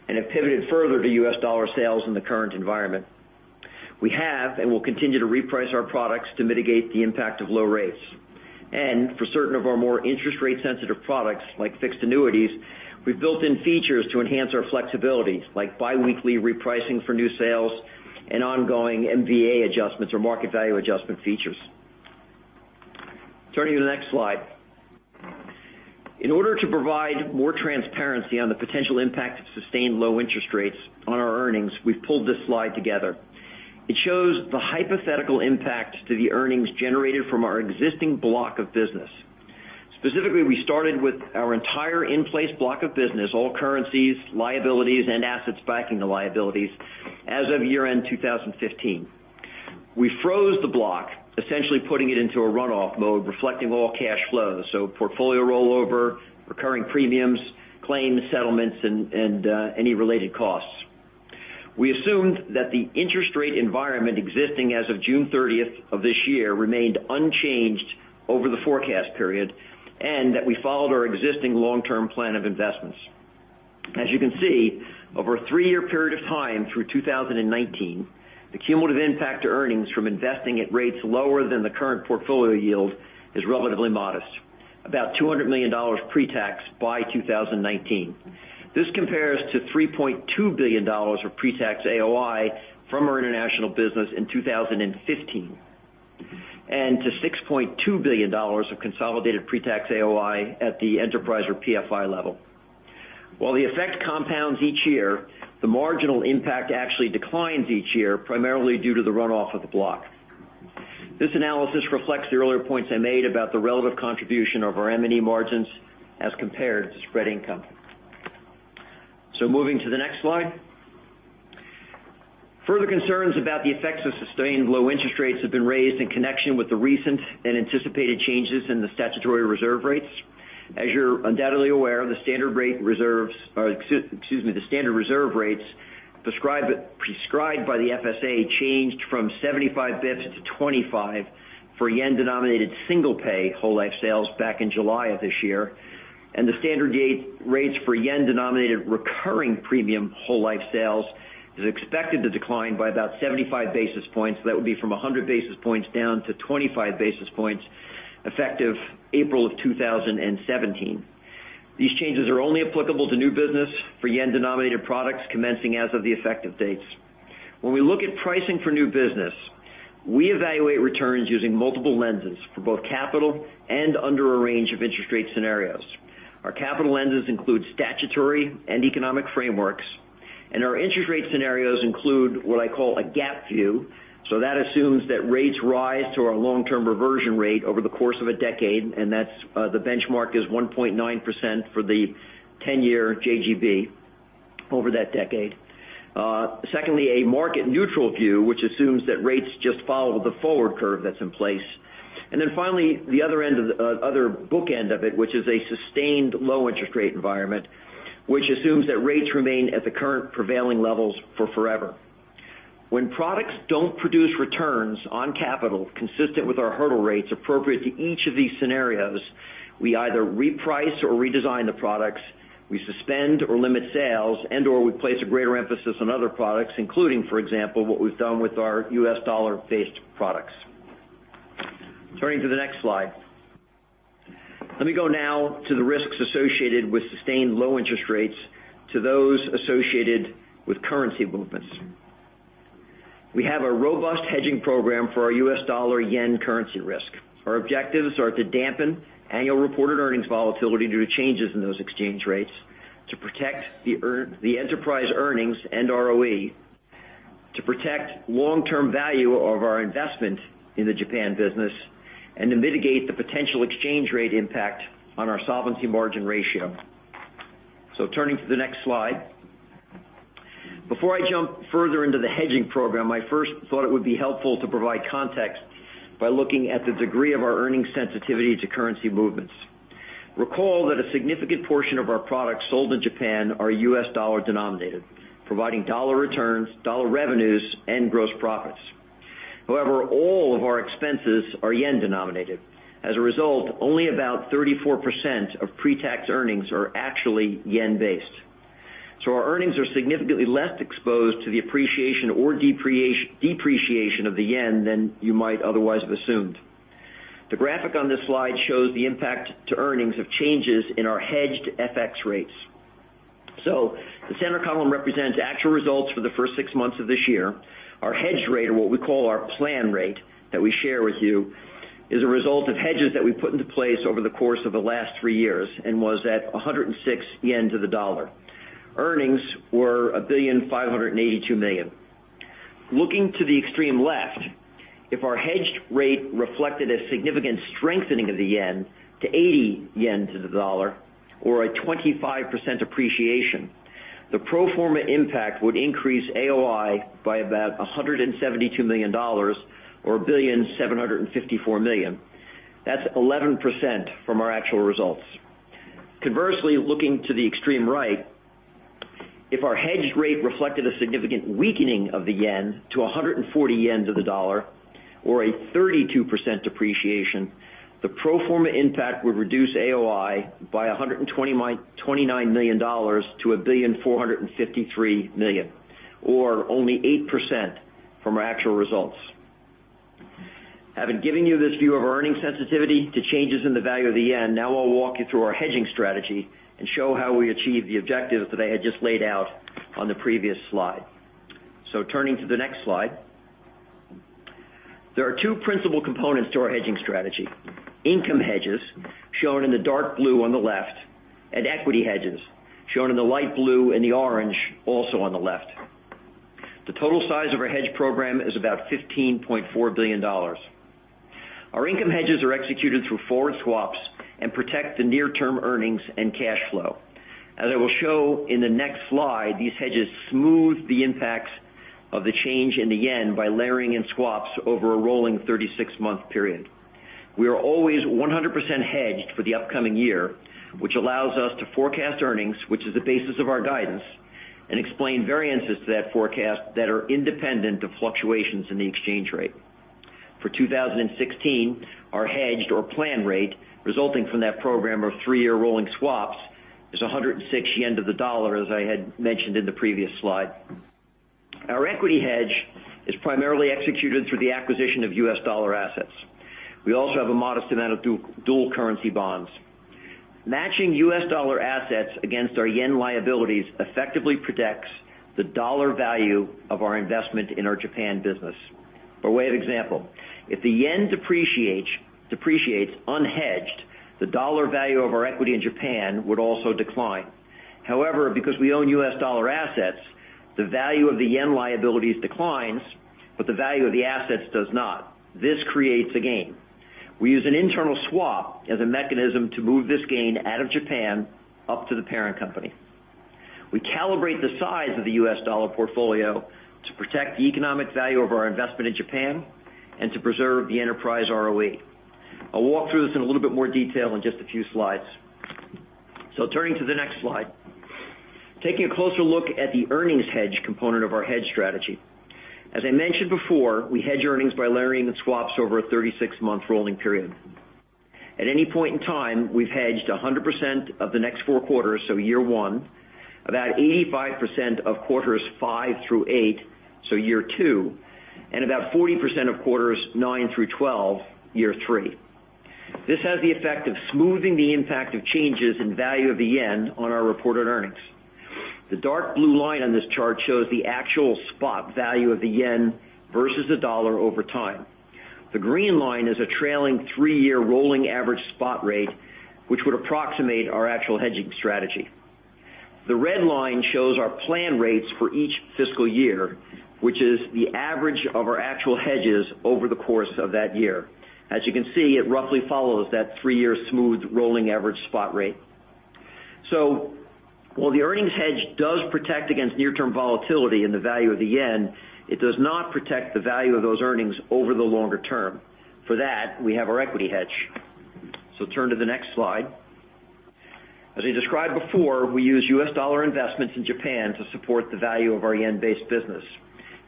have pivoted further to US dollar sales in the current environment. We have and will continue to reprice our products to mitigate the impact of low rates. For certain of our more interest rate sensitive products, like fixed annuities, we've built in features to enhance our flexibility, like biweekly repricing for new sales and ongoing MVA adjustments or market value adjustment features. Turning to the next slide. In order to provide more transparency on the potential impact of sustained low interest rates on our earnings, we've pulled this slide together. It shows the hypothetical impact to the earnings generated from our existing block of business. Specifically, we started with our entire in-place block of business, all currencies, liabilities, and assets backing the liabilities as of year-end 2015. We froze the block, essentially putting it into a runoff mode, reflecting all cash flows, so portfolio rollover, recurring premiums, claims, settlements, and any related costs. We assumed that the interest rate environment existing as of June 30th of this year remained unchanged over the forecast period, that we followed our existing long-term plan of investments. As you can see, over a three-year period of time through 2019, the cumulative impact to earnings from investing at rates lower than the current portfolio yield is relatively modest, about $200 million pre-tax by 2019. This compares to $3.2 billion of pre-tax AOI from our international business in 2015, to $6.2 billion of consolidated pre-tax AOI at the enterprise or PFI level. While the effect compounds each year, the marginal impact actually declines each year, primarily due to the runoff of the block. This analysis reflects the earlier points I made about the relative contribution of our M&E margins as compared to spread income. Moving to the next slide. Further concerns about the effects of sustained low interest rates have been raised in connection with the recent and anticipated changes in the statutory reserve rates. As you're undoubtedly aware, the standard reserve rates prescribed by the FSA changed from 75 basis points to 25 basis points for yen-denominated single-pay whole life sales back in July of this year. The standard rates for yen-denominated recurring premium whole life sales is expected to decline by about 75 basis points. That would be from 100 basis points down to 25 basis points effective April of 2017. These changes are only applicable to new business for yen-denominated products commencing as of the effective dates. When we look at pricing for new business, we evaluate returns using multiple lenses for both capital and under a range of interest rate scenarios. Our capital lenses include statutory and economic frameworks, and our interest rate scenarios include what I call a gap view, that assumes that rates rise to our long-term reversion rate over the course of a decade, and the benchmark is 1.9% for the 10-year JGB over that decade. Secondly, a market neutral view, which assumes that rates just follow the forward curve that's in place. Finally, the other bookend of it, which is a sustained low interest rate environment, which assumes that rates remain at the current prevailing levels for forever. When products don't produce returns on capital consistent with our hurdle rates appropriate to each of these scenarios, we either reprice or redesign the products, we suspend or limit sales, and/or we place a greater emphasis on other products, including, for example, what we've done with our U.S. dollar-based products. Turning to the next slide. Let me go now to the risks associated with sustained low interest rates to those associated with currency movements. We have a robust hedging program for our U.S. dollar/yen currency risk. Our objectives are to dampen annual reported earnings volatility due to changes in those exchange rates, to protect the enterprise earnings and ROE. To protect long-term value of our investment in the Japan business and to mitigate the potential exchange rate impact on our solvency margin ratio. Turning to the next slide. Before I jump further into the hedging program, I first thought it would be helpful to provide context by looking at the degree of our earnings sensitivity to currency movements. Recall that a significant portion of our products sold in Japan are U.S. dollar denominated, providing dollar returns, dollar revenues, and gross profits. However, all of our expenses are yen denominated. As a result, only about 34% of pre-tax earnings are actually yen based. Our earnings are significantly less exposed to the appreciation or depreciation of the yen than you might otherwise have assumed. The graphic on this slide shows the impact to earnings of changes in our hedged FX rates. The center column represents actual results for the first six months of this year. Our hedged rate, or what we call our plan rate, that we share with you, is a result of hedges that we put into place over the course of the last three years and was at 106 yen to the USD. Earnings were $1,582,000,000. Looking to the extreme left, if our hedged rate reflected a significant strengthening of the yen to 80 yen to the USD or a 25% appreciation, the pro forma impact would increase AOI by about $172 million or $1,754,000,000. That's 11% from our actual results. Conversely, looking to the extreme right, if our hedged rate reflected a significant weakening of the yen to 140 yen to the USD or a 32% depreciation, the pro forma impact would reduce AOI by $129 million to $1,453,000,000, or only 8% from our actual results. Having given you this view of our earnings sensitivity to changes in the value of the yen, now I'll walk you through our hedging strategy and show how we achieve the objectives that I had just laid out on the previous slide. Turning to the next slide. There are two principal components to our hedging strategy, income hedges, shown in the dark blue on the left, and equity hedges, shown in the light blue and the orange, also on the left. The total size of our hedge program is about $15.4 billion. Our income hedges are executed through forward swaps and protect the near-term earnings and cash flow. As I will show in the next slide, these hedges smooth the impacts of the change in the yen by layering in swaps over a rolling 36-month period. We are always 100% hedged for the upcoming year, which allows us to forecast earnings, which is the basis of our guidance, and explain variances to that forecast that are independent of fluctuations in the exchange rate. For 2016, our hedged or plan rate resulting from that program of three-year rolling swaps is 106 yen to the USD, as I had mentioned in the previous slide. Our equity hedge is primarily executed through the acquisition of U.S. dollar assets. We also have a modest amount of dual currency bonds. Matching U.S. dollar assets against our yen liabilities effectively protects the dollar value of our investment in our Japan business. By way of example, if the yen depreciates unhedged, the dollar value of our equity in Japan would also decline. However, because we own U.S. dollar assets, the value of the yen liabilities declines, but the value of the assets does not. This creates a gain. We use an internal swap as a mechanism to move this gain out of Japan up to the parent company. We calibrate the size of the U.S. dollar portfolio to protect the economic value of our investment in Japan and to preserve the enterprise ROE. I'll walk through this in a little bit more detail in just a few slides. Turning to the next slide. Taking a closer look at the earnings hedge component of our hedge strategy. As I mentioned before, we hedge earnings by layering in swaps over a 36-month rolling period. At any point in time, we've hedged 100% of the next four quarters, so year one, about 85% of quarters five through eight, so year two, and about 40% of quarters nine through 12, year three. This has the effect of smoothing the impact of changes in value of the yen on our reported earnings. The dark blue line on this chart shows the actual spot value of the yen versus the dollar over time. The green line is a trailing three-year rolling average spot rate, which would approximate our actual hedging strategy. The red line shows our plan rates for each fiscal year, which is the average of our actual hedges over the course of that year. As you can see, it roughly follows that three-year smooth rolling average spot rate. While the earnings hedge does protect against near-term volatility in the value of the yen, it does not protect the value of those earnings over the longer term. For that, we have our equity hedge. Turn to the next slide. As I described before, we use US dollar investments in Japan to support the value of our yen-based business.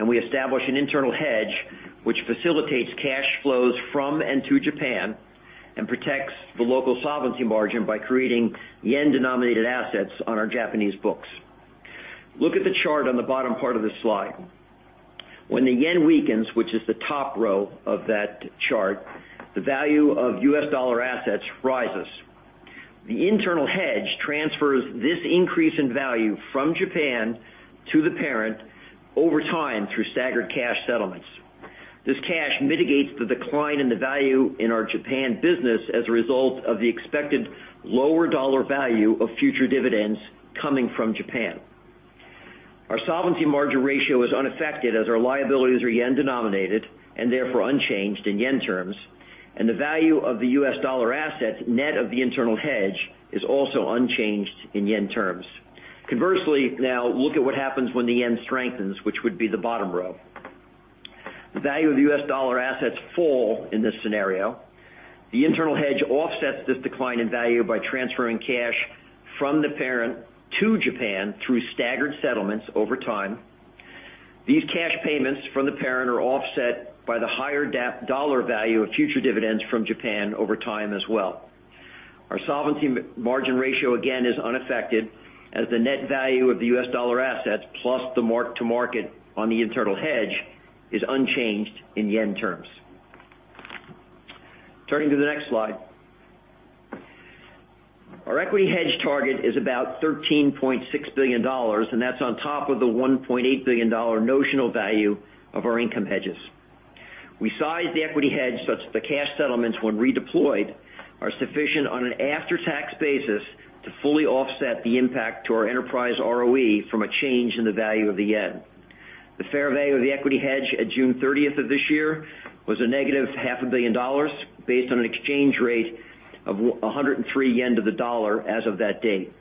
We establish an internal hedge, which facilitates cash flows from and to Japan and protects the local solvency margin by creating yen-denominated assets on our Japanese books. Look at the chart on the bottom part of this slide. When the yen weakens, which is the top row of that chart, the value of US dollar assets rises. The internal hedge transfers this increase in value from Japan to the parent over time through staggered cash settlements. This cash mitigates the decline in the value in our Japan business as a result of the expected lower dollar value of future dividends coming from Japan. Our solvency margin ratio is unaffected as our liabilities are yen-denominated and therefore unchanged in yen terms, and the value of the US dollar assets net of the internal hedge is also unchanged in yen terms. Conversely, now look at what happens when the yen strengthens, which would be the bottom row. The value of the US dollar assets fall in this scenario. The internal hedge offsets this decline in value by transferring cash from the parent to Japan through staggered settlements over time. These cash payments from the parent are offset by the higher dollar value of future dividends from Japan over time as well. Our solvency margin ratio, again, is unaffected as the net value of the US dollar assets plus the mark-to-market on the internal hedge is unchanged in yen terms. Turning to the next slide. Our equity hedge target is about $13.6 billion, and that's on top of the $1.8 billion notional value of our income hedges. We sized the equity hedge such that the cash settlements when redeployed, are sufficient on an after-tax basis to fully offset the impact to our enterprise ROE from a change in the value of the yen. The fair value of the equity hedge at June 30th of this year was a negative $500 million based on an exchange rate of 103 yen to the dollar as of that date.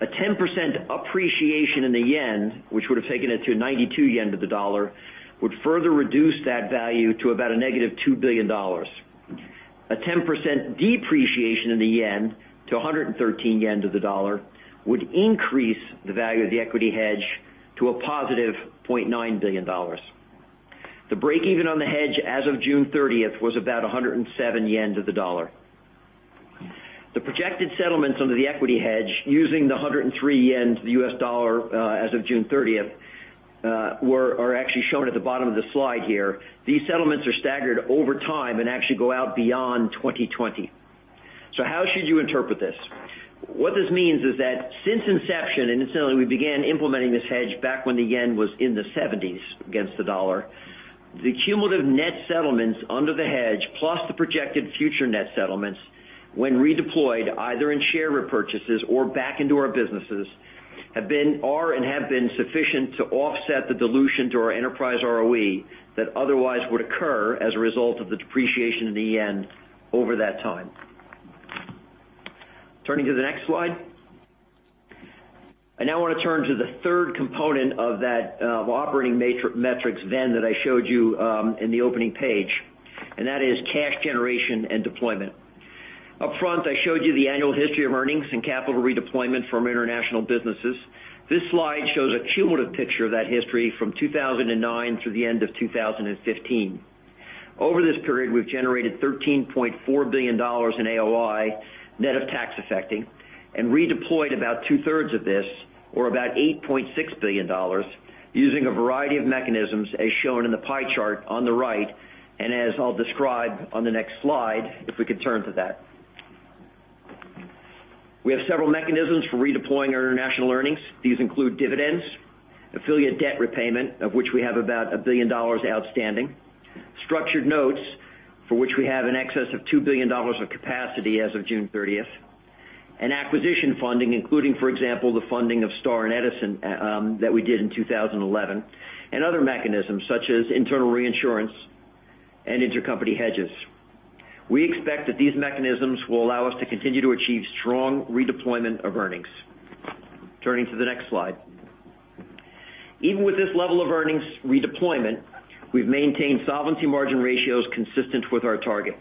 A 10% appreciation in the yen, which would have taken it to 92 yen to the dollar, would further reduce that value to about a negative $2 billion. A 10% depreciation in the yen to 113 yen to the dollar would increase the value of the equity hedge to a positive $0.9 billion. The break even on the hedge as of June 30th was about 107 yen to the dollar. The projected settlements under the equity hedge using the 103 yen to the U.S. dollar as of June 30th are actually shown at the bottom of the slide here. These settlements are staggered over time and actually go out beyond 2020. How should you interpret this? What this means is that since inception, and incidentally, we began implementing this hedge back when the yen was in the 70s against the dollar, the cumulative net settlements under the hedge, plus the projected future net settlements, when redeployed, either in share repurchases or back into our businesses are and have been sufficient to offset the dilution to our enterprise ROE that otherwise would occur as a result of the depreciation of the yen over that time. Turning to the next slide. I now want to turn to the third component of that operating metrics Venn that I showed you in the opening page, and that is cash generation and deployment. Up front, I showed you the annual history of earnings and capital redeployment from our international businesses. This slide shows a cumulative picture of that history from 2009 through the end of 2015. Over this period, we've generated $13.4 billion in AOI net of tax effecting, and redeployed about two-thirds of this or about $8.6 billion using a variety of mechanisms as shown in the pie chart on the right and as I'll describe on the next slide, if we could turn to that. We have several mechanisms for redeploying our international earnings. These include dividends, affiliate debt repayment, of which we have about $1 billion outstanding, structured notes, for which we have in excess of $2 billion of capacity as of June 30th, and acquisition funding, including, for example, the funding of Star and Edison that we did in 2011, and other mechanisms such as internal reinsurance and intercompany hedges. We expect that these mechanisms will allow us to continue to achieve strong redeployment of earnings. Turning to the next slide. Even with this level of earnings redeployment, we've maintained solvency margin ratios consistent with our target,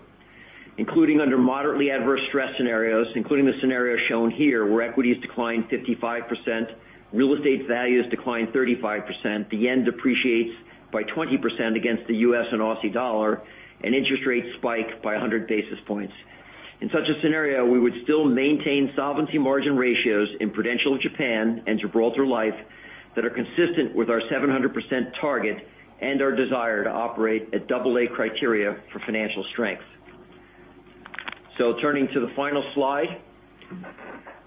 including under moderately adverse stress scenarios, including the scenario shown here where equities decline 55%, real estate values decline 35%, the yen depreciates by 20% against the U.S. and AUD dollar, and interest rates spike by 100 basis points. In such a scenario, we would still maintain solvency margin ratios in Prudential of Japan and Gibraltar Life that are consistent with our 700% target and our desire to operate at AA criteria for financial strength. Turning to the final slide.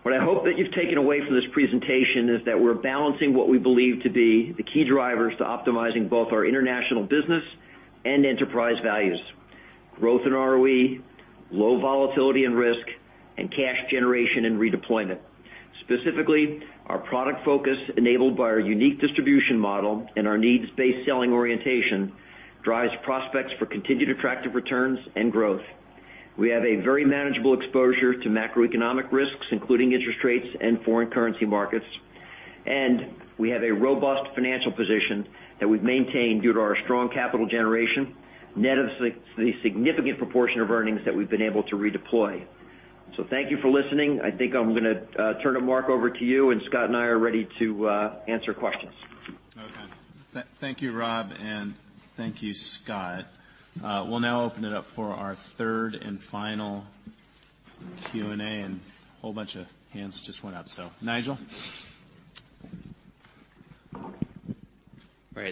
What I hope that you've taken away from this presentation is that we're balancing what we believe to be the key drivers to optimizing both our international business and enterprise values, growth in ROE, low volatility and risk, and cash generation and redeployment. Specifically, our product focus enabled by our unique distribution model and our needs-based selling orientation drives prospects for continued attractive returns and growth. We have a very manageable exposure to macroeconomic risks, including interest rates and foreign currency markets, and we have a robust financial position that we've maintained due to our strong capital generation net of the significant proportion of earnings that we've been able to redeploy. Thank you for listening. I think I'm going to turn it, Mark, over to you, and Scott and I are ready to answer questions. Thank you, Rob, and thank you, Scott. We'll now open it up for our third and final Q&A. A whole bunch of hands just went up. Nigel?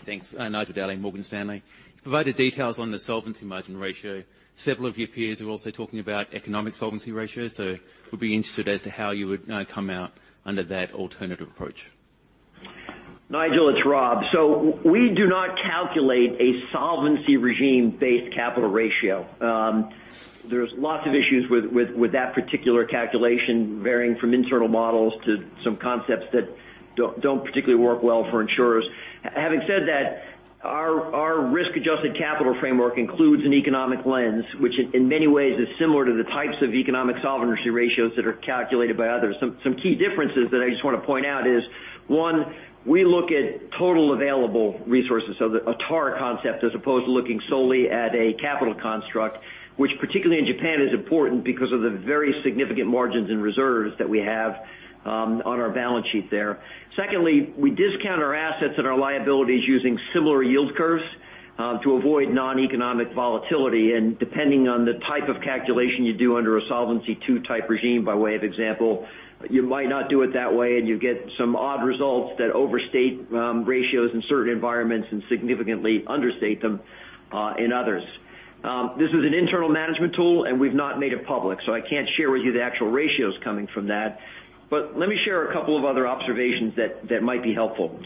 Thanks. Nigel Dally, Morgan Stanley. You provided details on the solvency margin ratio. Several of your peers are also talking about economic solvency ratios. We'd be interested as to how you would now come out under that alternative approach. Nigel, it's Rob. We do not calculate a solvency regime-based capital ratio. There's lots of issues with that particular calculation, varying from internal models to some concepts that don't particularly work well for insurers. Having said that, our risk-adjusted capital framework includes an economic lens, which in many ways is similar to the types of economic solvency ratios that are calculated by others. Some key differences that I just want to point out is, 1, we look at total available resources, so the ATAR concept as opposed to looking solely at a capital construct, which particularly in Japan is important because of the very significant margins in reserves that we have on our balance sheet there. 2nd, we discount our assets and our liabilities using similar yield curves to avoid noneconomic volatility. Depending on the type of calculation you do under a Solvency II type regime, by way of example, you might not do it that way, and you get some odd results that overstate ratios in certain environments and significantly understate them in others. This is an internal management tool, and we've not made it public, so I can't share with you the actual ratios coming from that. Let me share a couple of other observations that might be helpful.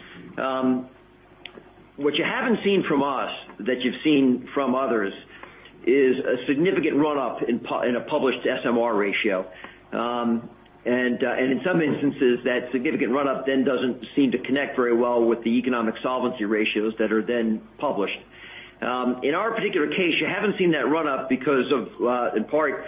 What you haven't seen from us that you've seen from others is a significant run-up in a published SMR ratio. In some instances, that significant run-up then doesn't seem to connect very well with the economic solvency ratios that are then published. In our particular case, you haven't seen that run-up because of, in part,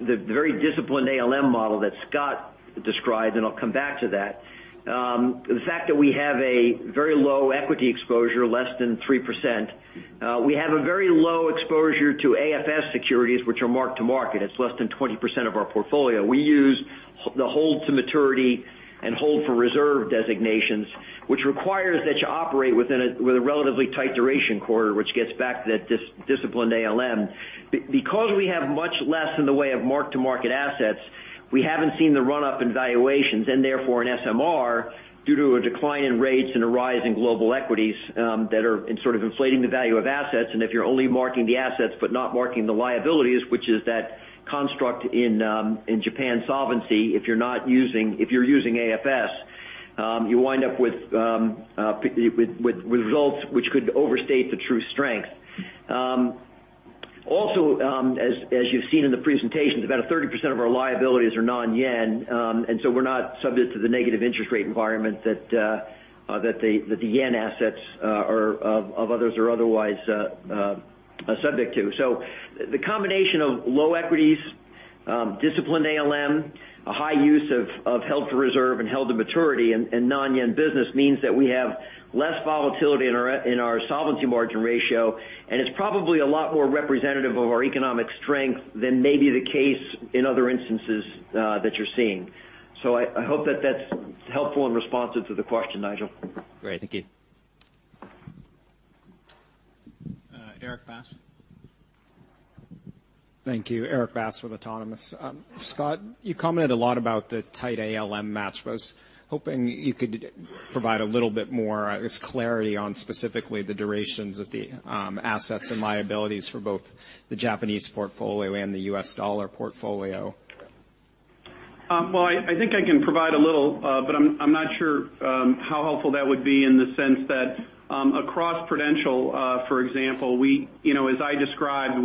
the very disciplined ALM model that Scott described, and I'll come back to that. The fact that we have a very low equity exposure, less than 3%. We have a very low exposure to AFS securities, which are mark-to-market. It's less than 20% of our portfolio. We use the hold-to-maturity and hold-for-reserve designations, which requires that you operate with a relatively tight duration quarter, which gets back to that disciplined ALM. Because we have much less in the way of mark-to-market assets, we haven't seen the run-up in valuations and therefore in SMR due to a decline in rates and a rise in global equities that are sort of inflating the value of assets. If you're only marking the assets but not marking the liabilities, which is that construct in Japan solvency, if you're using AFS, you wind up with results which could overstate the true strength. Also, as you've seen in the presentations, about 30% of our liabilities are non-yen. We're not subject to the negative interest rate environment that the yen assets of others are otherwise subject to. The combination of low equities, disciplined ALM, a high use of held for reserve and held to maturity and non-yen business means that we have less volatility in our solvency margin ratio. It's probably a lot more representative of our economic strength than may be the case in other instances that you're seeing. I hope that that's helpful in responsive to the question, Nigel. Great. Thank you. Erik Bass. Thank you. Erik Bass with Autonomous. Scott, you commented a lot about the tight ALM match. I was hoping you could provide a little bit more, I guess, clarity on specifically the durations of the assets and liabilities for both the Japanese portfolio and the U.S. dollar portfolio. I think I can provide a little but I'm not sure how helpful that would be in the sense that across Prudential, for example, as I described,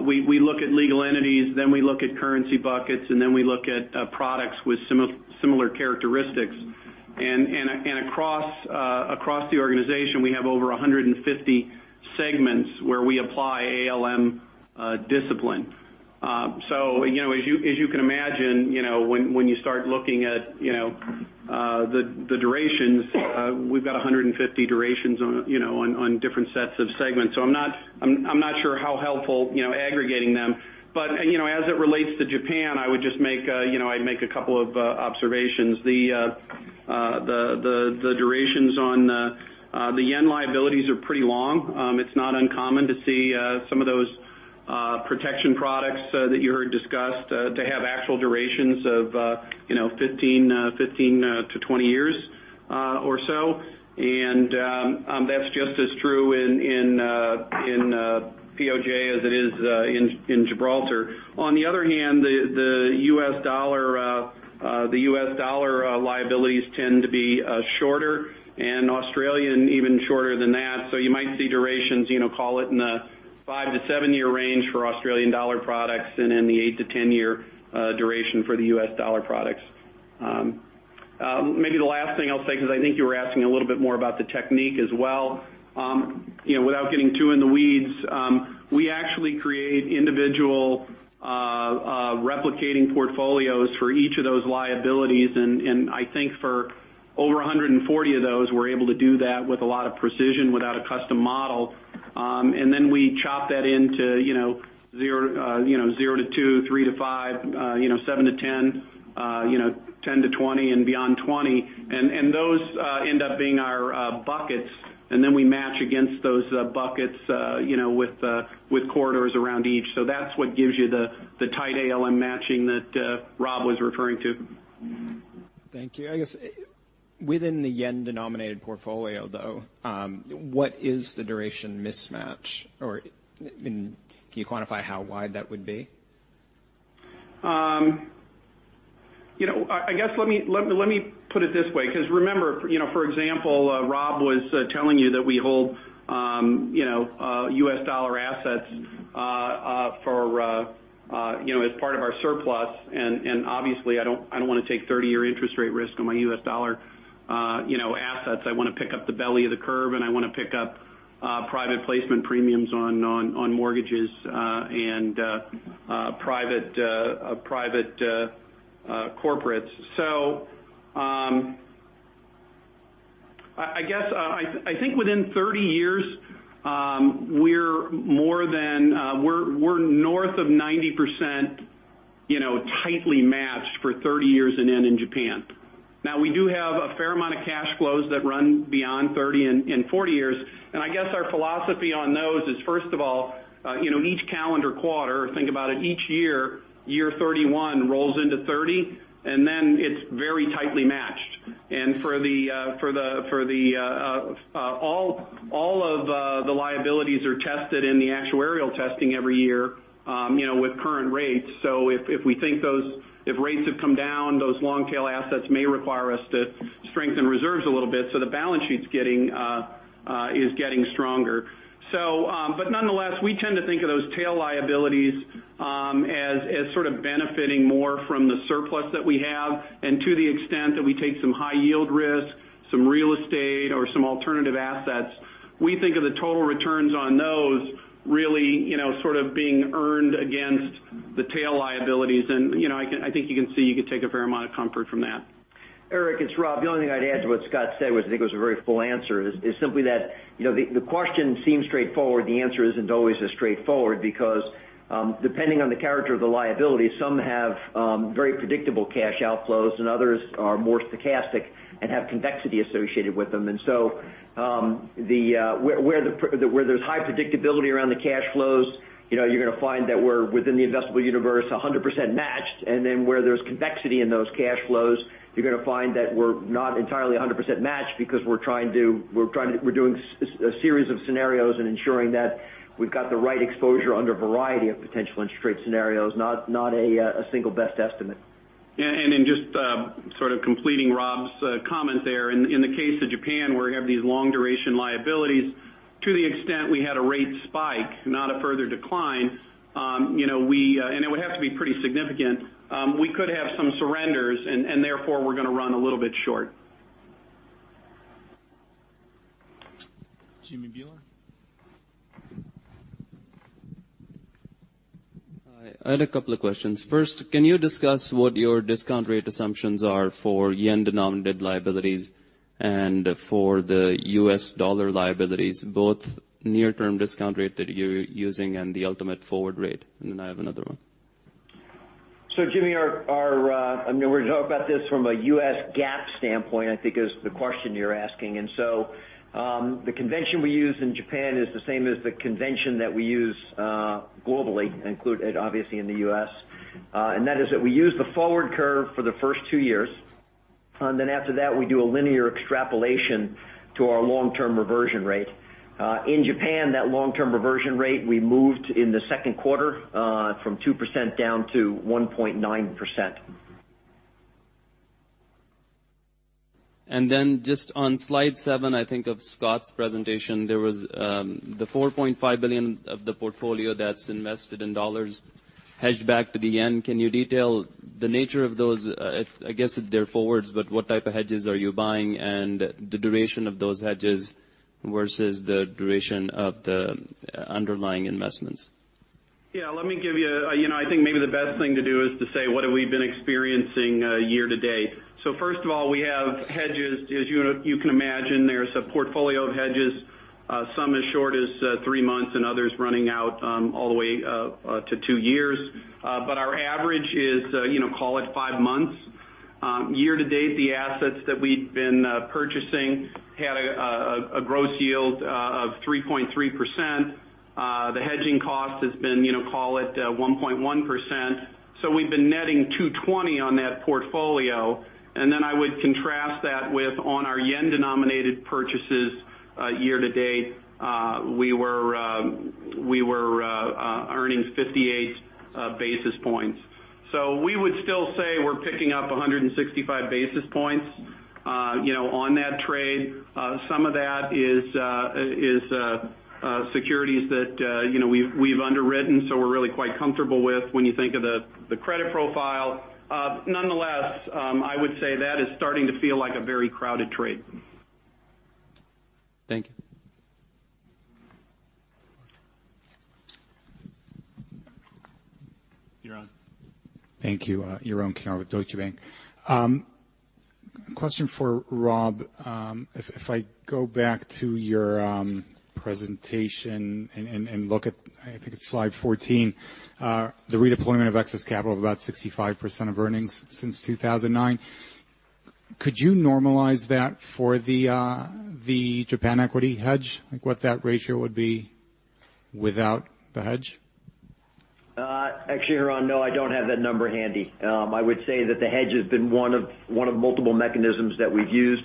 we look at legal entities, then we look at currency buckets, and then we look at products with similar characteristics. Across the organization, we have over 150 segments where we apply ALM discipline. As you can imagine when you start looking at the durations, we've got 150 durations on different sets of segments. I'm not sure how helpful aggregating them. As it relates to Japan, I'd make a couple of observations. The durations on the JPY liabilities are pretty long. It's not uncommon to see some of those protection products that you heard discussed to have actual durations of 15-20 years or so. That's just as true in POJ as it is in Gibraltar. On the other hand, the U.S. dollar liabilities tend to be shorter, and Australian even shorter than that. You might see durations, call it in the 5-7 year range for AUD products and in the 8-10 year duration for the U.S. dollar products. Maybe the last thing I'll say because I think you were asking a little bit more about the technique as well. Without getting too in the weeds, we actually create individual replicating portfolios for each of those liabilities. I think for over 140 of those, we're able to do that with a lot of precision without a custom model. Then we chop that into 0-2, 3-5, 7-10, 10-20, and beyond 20. Those end up being our buckets. Then we match against those buckets with corridors around each. That's what gives you the tight ALM matching that Rob was referring to. Thank you. I guess within the yen-denominated portfolio though what is the duration mismatch? Can you quantify how wide that would be? I guess, let me put it this way, because remember, for example, Rob was telling you that we hold U.S. dollar assets as part of our surplus, and obviously I don't want to take 30-year interest rate risk on my U.S. dollar assets. I want to pick up the belly of the curve, and I want to pick up private placement premiums on mortgages and private corporates. I guess, I think within 30 years, we're north of 90% tightly matched for 30 years in Japan. We do have a fair amount of cash flows that run beyond 30 and 40 years. I guess our philosophy on those is, first of all, each calendar quarter, think about it, each year 31 rolls into 30, and then it's very tightly matched. All of the liabilities are tested in the actuarial testing every year with current rates. If rates have come down, those long-tail assets may require us to strengthen reserves a little bit so the balance sheet is getting stronger. Nonetheless, we tend to think of those tail liabilities as sort of benefiting more from the surplus that we have. To the extent that we take some high yield risk, some real estate, or some alternative assets, we think of the total returns on those really sort of being earned against the tail liabilities. I think you can see, you can take a fair amount of comfort from that. Erik, it's Rob. The only thing I'd add to what Scott said was, I think it was a very full answer, is simply that the question seems straightforward. The answer isn't always as straightforward because depending on the character of the liability, some have very predictable cash outflows, and others are more stochastic and have convexity associated with them. So where there's high predictability around the cash flows, you're going to find that we're within the investable universe, 100% matched. Then where there's convexity in those cash flows, you're going to find that we're not entirely 100% matched because we're doing a series of scenarios and ensuring that we've got the right exposure under a variety of potential interest rate scenarios, not a single best estimate. Yeah. In just sort of completing Rob's comment there, in the case of Japan, where we have these long-duration liabilities, to the extent we had a rate spike, not a further decline, it would have to be pretty significant, we could have some surrenders, therefore, we're going to run a little bit short. Jimmy Bhullar. Hi, I had a couple of questions. First, can you discuss what your discount rate assumptions are for yen-denominated liabilities and for the US dollar liabilities, both near-term discount rate that you're using and the ultimate forward rate? Then I have another one. Jimmy, we're going to talk about this from a U.S. GAAP standpoint, I think is the question you're asking. The convention we use in Japan is the same as the convention that we use globally, and obviously in the U.S. We use the forward curve for the first two years, and then after that, we do a linear extrapolation to our long-term reversion rate. In Japan, that long-term reversion rate, we moved in the second quarter from 2% down to 1.9%. Just on slide seven, I think, of Scott's presentation, there was the $4.5 billion of the portfolio that's invested in dollars hedged back to the JPY. Can you detail the nature of those, I guess they're forwards, but what type of hedges are you buying and the duration of those hedges versus the duration of the underlying investments? Yeah. I think maybe the best thing to do is to say, what have we been experiencing year to date. First of all, we have hedges. As you can imagine, there's a portfolio of hedges, some as short as three months and others running out all the way up to two years. But our average is, call it five months. Year to date, the assets that we've been purchasing had a gross yield of 3.3%. The hedging cost has been, call it 1.1%. We've been netting 220 on that portfolio. I would contrast that with on our JPY-denominated purchases year to date, we were earning 58 basis points. We would still say we're picking up 165 basis points on that trade. Some of that is securities that we've underwritten, so we're really quite comfortable with when you think of the credit profile. Nonetheless, I would say that is starting to feel like a very crowded trade. Thank you. Yaron. Thank you. Yaron Kinar with Deutsche Bank. Question for Rob. If I go back to your presentation and look at, I think it's slide 14, the redeployment of excess capital of about 65% of earnings since 2009. Could you normalize that for the Japan equity hedge? Like what that ratio would be without the hedge? Actually, Yaron, no, I don't have that number handy. I would say that the hedge has been one of multiple mechanisms that we've used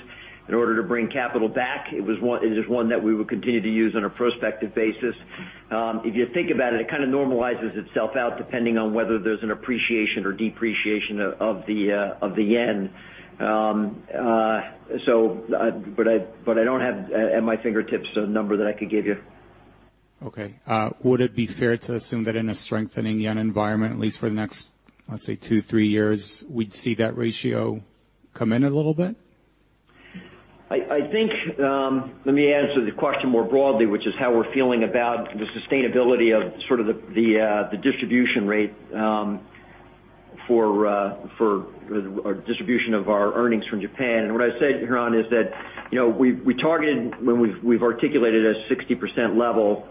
in order to bring capital back. It is one that we will continue to use on a prospective basis. If you think about it kind of normalizes itself out depending on whether there's an appreciation or depreciation of the yen. I don't have at my fingertips a number that I could give you. Okay. Would it be fair to assume that in a strengthening yen environment, at least for the next, let's say, two, three years, we'd see that ratio come in a little bit? I think, let me answer the question more broadly, which is how we're feeling about the sustainability of the distribution rate for distribution of our earnings from Japan. What I said, Yaron, is that we've articulated a 60% level.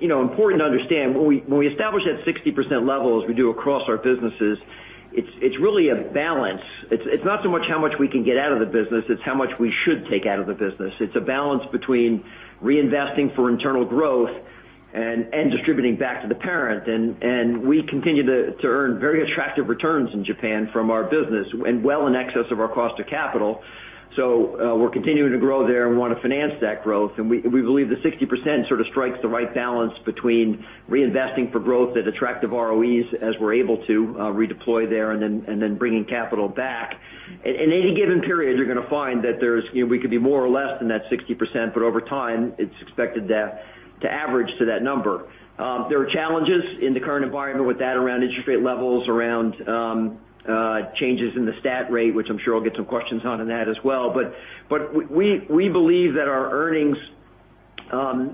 Important to understand, when we establish that 60% level, as we do across our businesses, it's really a balance. It's not so much how much we can get out of the business, it's how much we should take out of the business. It's a balance between reinvesting for internal growth and distributing back to the parent. We continue to earn very attractive returns in Japan from our business and well in excess of our cost of capital. We're continuing to grow there, and we want to finance that growth. We believe that 60% sort of strikes the right balance between reinvesting for growth at attractive ROEs as we're able to redeploy there and then bringing capital back. In any given period, you're going to find that we could be more or less than that 60%, but over time, it's expected to average to that number. There are challenges in the current environment with that around interest rate levels, around changes in the stat rate, which I'm sure I'll get some questions on that as well. We believe that our earnings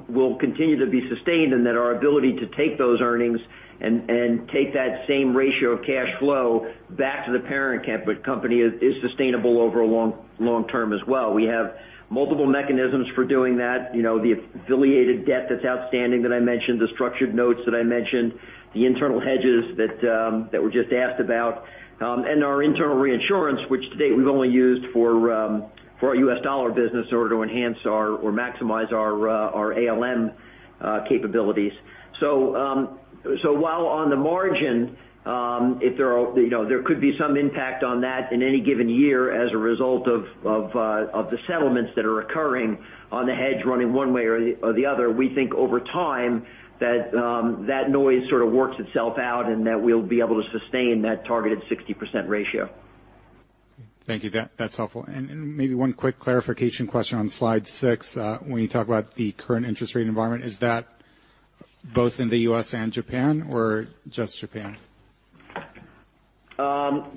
will continue to be sustained and that our ability to take those earnings and take that same ratio of cash flow back to the parent company is sustainable over a long term as well. We have multiple mechanisms for doing that. The affiliated debt that's outstanding that I mentioned, the structured notes that I mentioned, the internal hedges that we just asked about, and our internal reinsurance, which to date we've only used for our U.S. dollar business in order to enhance or maximize our ALM capabilities. While on the margin, there could be some impact on that in any given year as a result of the settlements that are occurring on the hedge running one way or the other. We think over time that noise sort of works itself out and that we'll be able to sustain that targeted 60% ratio. Thank you. That's helpful. Maybe one quick clarification question on slide six. When you talk about the current interest rate environment, is that both in the U.S. and Japan or just Japan?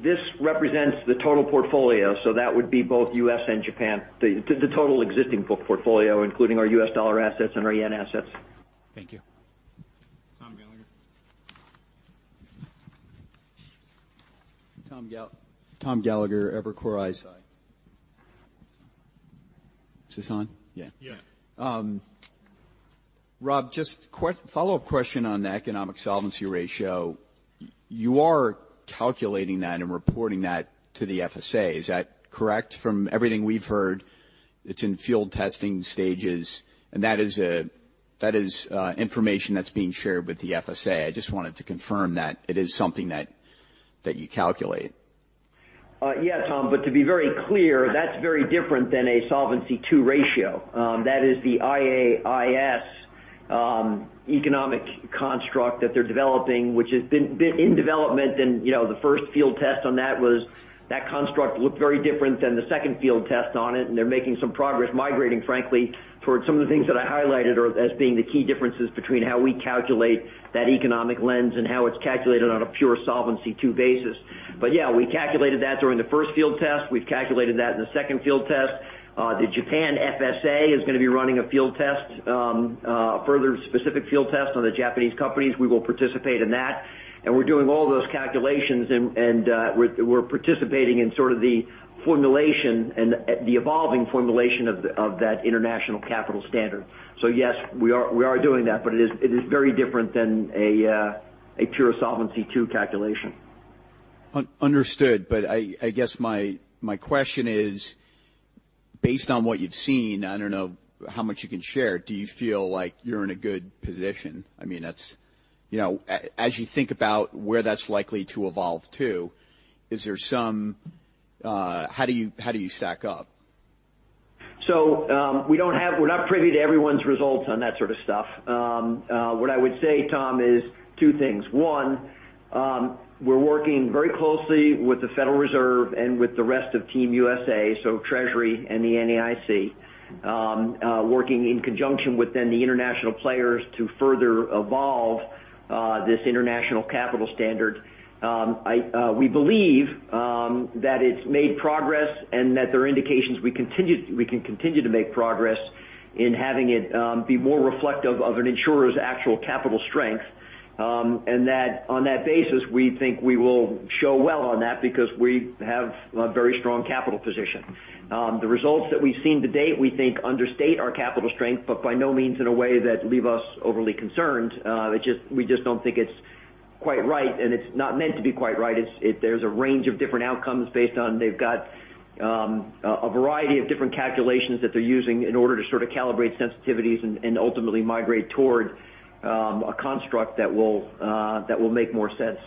This represents the total portfolio, so that would be both U.S. and Japan. The total existing portfolio, including our U.S. dollar assets and our yen assets. Thank you. Thomas Gallagher. Thomas Gallagher, Evercore ISI. Is this on? Yeah. Yeah. Robert, just follow-up question on the economic solvency ratio. You are calculating that and reporting that to the FSA. Is that correct? From everything we've heard, it's in field testing stages, and that is information that's being shared with the FSA. I just wanted to confirm that it is something that you calculate. Yes, Thomas, to be very clear, that's very different than a Solvency II ratio. That is the IAIS economic construct that they're developing, which has been in development, and the first field test on that was that construct looked very different than the second field test on it, and they're making some progress migrating, frankly, toward some of the things that I highlighted as being the key differences between how we calculate that economic lens and how it's calculated on a pure Solvency II basis. Yeah, we calculated that during the first field test. We've calculated that in the second field test. The Japan FSA is going to be running a field test, a further specific field test on the Japanese companies. We will participate in that, and we're doing all those calculations, and we're participating in sort of the formulation and the evolving formulation of that international capital standard. Yes, we are doing that, but it is very different than a pure Solvency II calculation. Understood, but I guess my question is, based on what you've seen, I don't know how much you can share, do you feel like you're in a good position? As you think about where that's likely to evolve to, how do you stack up? We're not privy to everyone's results on that sort of stuff. What I would say, Thomas, is two things. One, we're working very closely with the Federal Reserve and with the rest of Team USA, so Department of the Treasury and the NAIC, working in conjunction with then the international players to further evolve this international capital standard. We believe that it's made progress and that there are indications we can continue to make progress in having it be more reflective of an insurer's actual capital strength. On that basis, we think we will show well on that because we have a very strong capital position. The results that we've seen to date, we think understate our capital strength, but by no means in a way that leave us overly concerned. We just don't think it's quite right, and it's not meant to be quite right. There's a range of different outcomes based on they've got a variety of different calculations that they're using in order to sort of calibrate sensitivities and ultimately migrate toward a construct that will make more sense.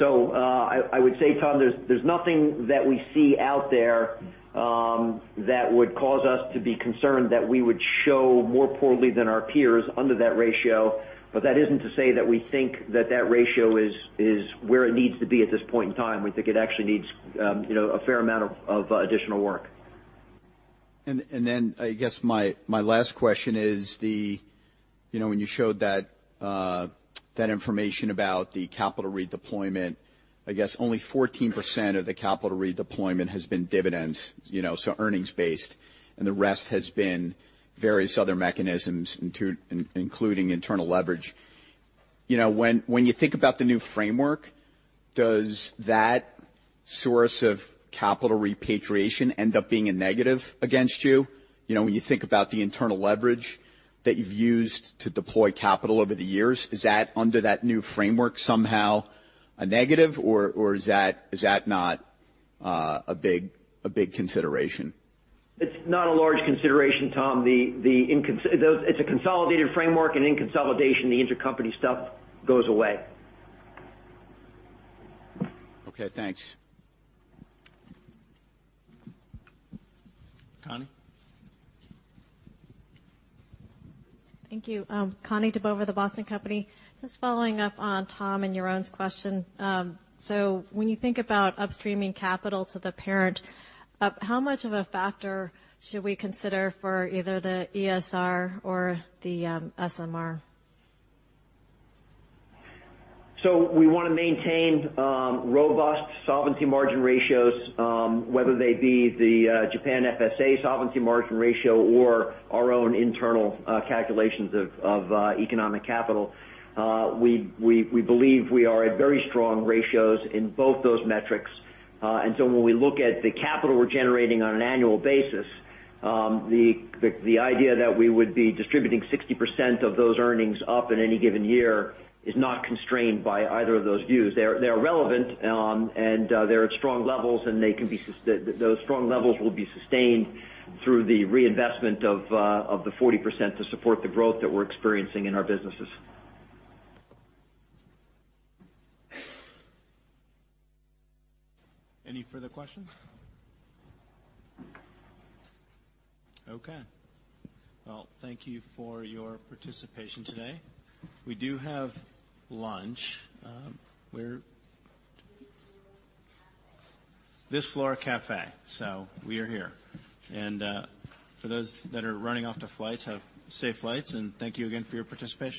I would say, Tom, there's nothing that we see out there that would cause us to be concerned that we would show more poorly than our peers under that ratio. That isn't to say that we think that that ratio is where it needs to be at this point in time. We think it actually needs a fair amount of additional work. I guess my last question is when you showed that information about the capital redeployment, I guess only 14% of the capital redeployment has been dividends, so earnings-based, and the rest has been various other mechanisms, including internal leverage. When you think about the new framework, does that source of capital repatriation end up being a negative against you? When you think about the internal leverage that you've used to deploy capital over the years, is that under that new framework somehow a negative, or is that not a big consideration? It's not a large consideration, Tom. It's a consolidated framework, and in consolidation, the intercompany stuff goes away. Okay, thanks. Connie? Thank you. Connie Dibova, The Boston Company. Just following up on Tom and Yaron's question. When you think about upstreaming capital to the parent, how much of a factor should we consider for either the ESR or the SMR? We want to maintain robust solvency margin ratios, whether they be the Japan FSA solvency margin ratio or our own internal calculations of economic capital. We believe we are at very strong ratios in both those metrics. When we look at the capital we're generating on an annual basis, the idea that we would be distributing 60% of those earnings up in any given year is not constrained by either of those views. They are relevant and they're at strong levels, and those strong levels will be sustained through the reinvestment of the 40% to support the growth that we're experiencing in our businesses. Any further questions? Okay. Well, thank you for your participation today. We do have lunch. This floor cafe. We are here. For those that are running off to flights, have safe flights, and thank you again for your participation.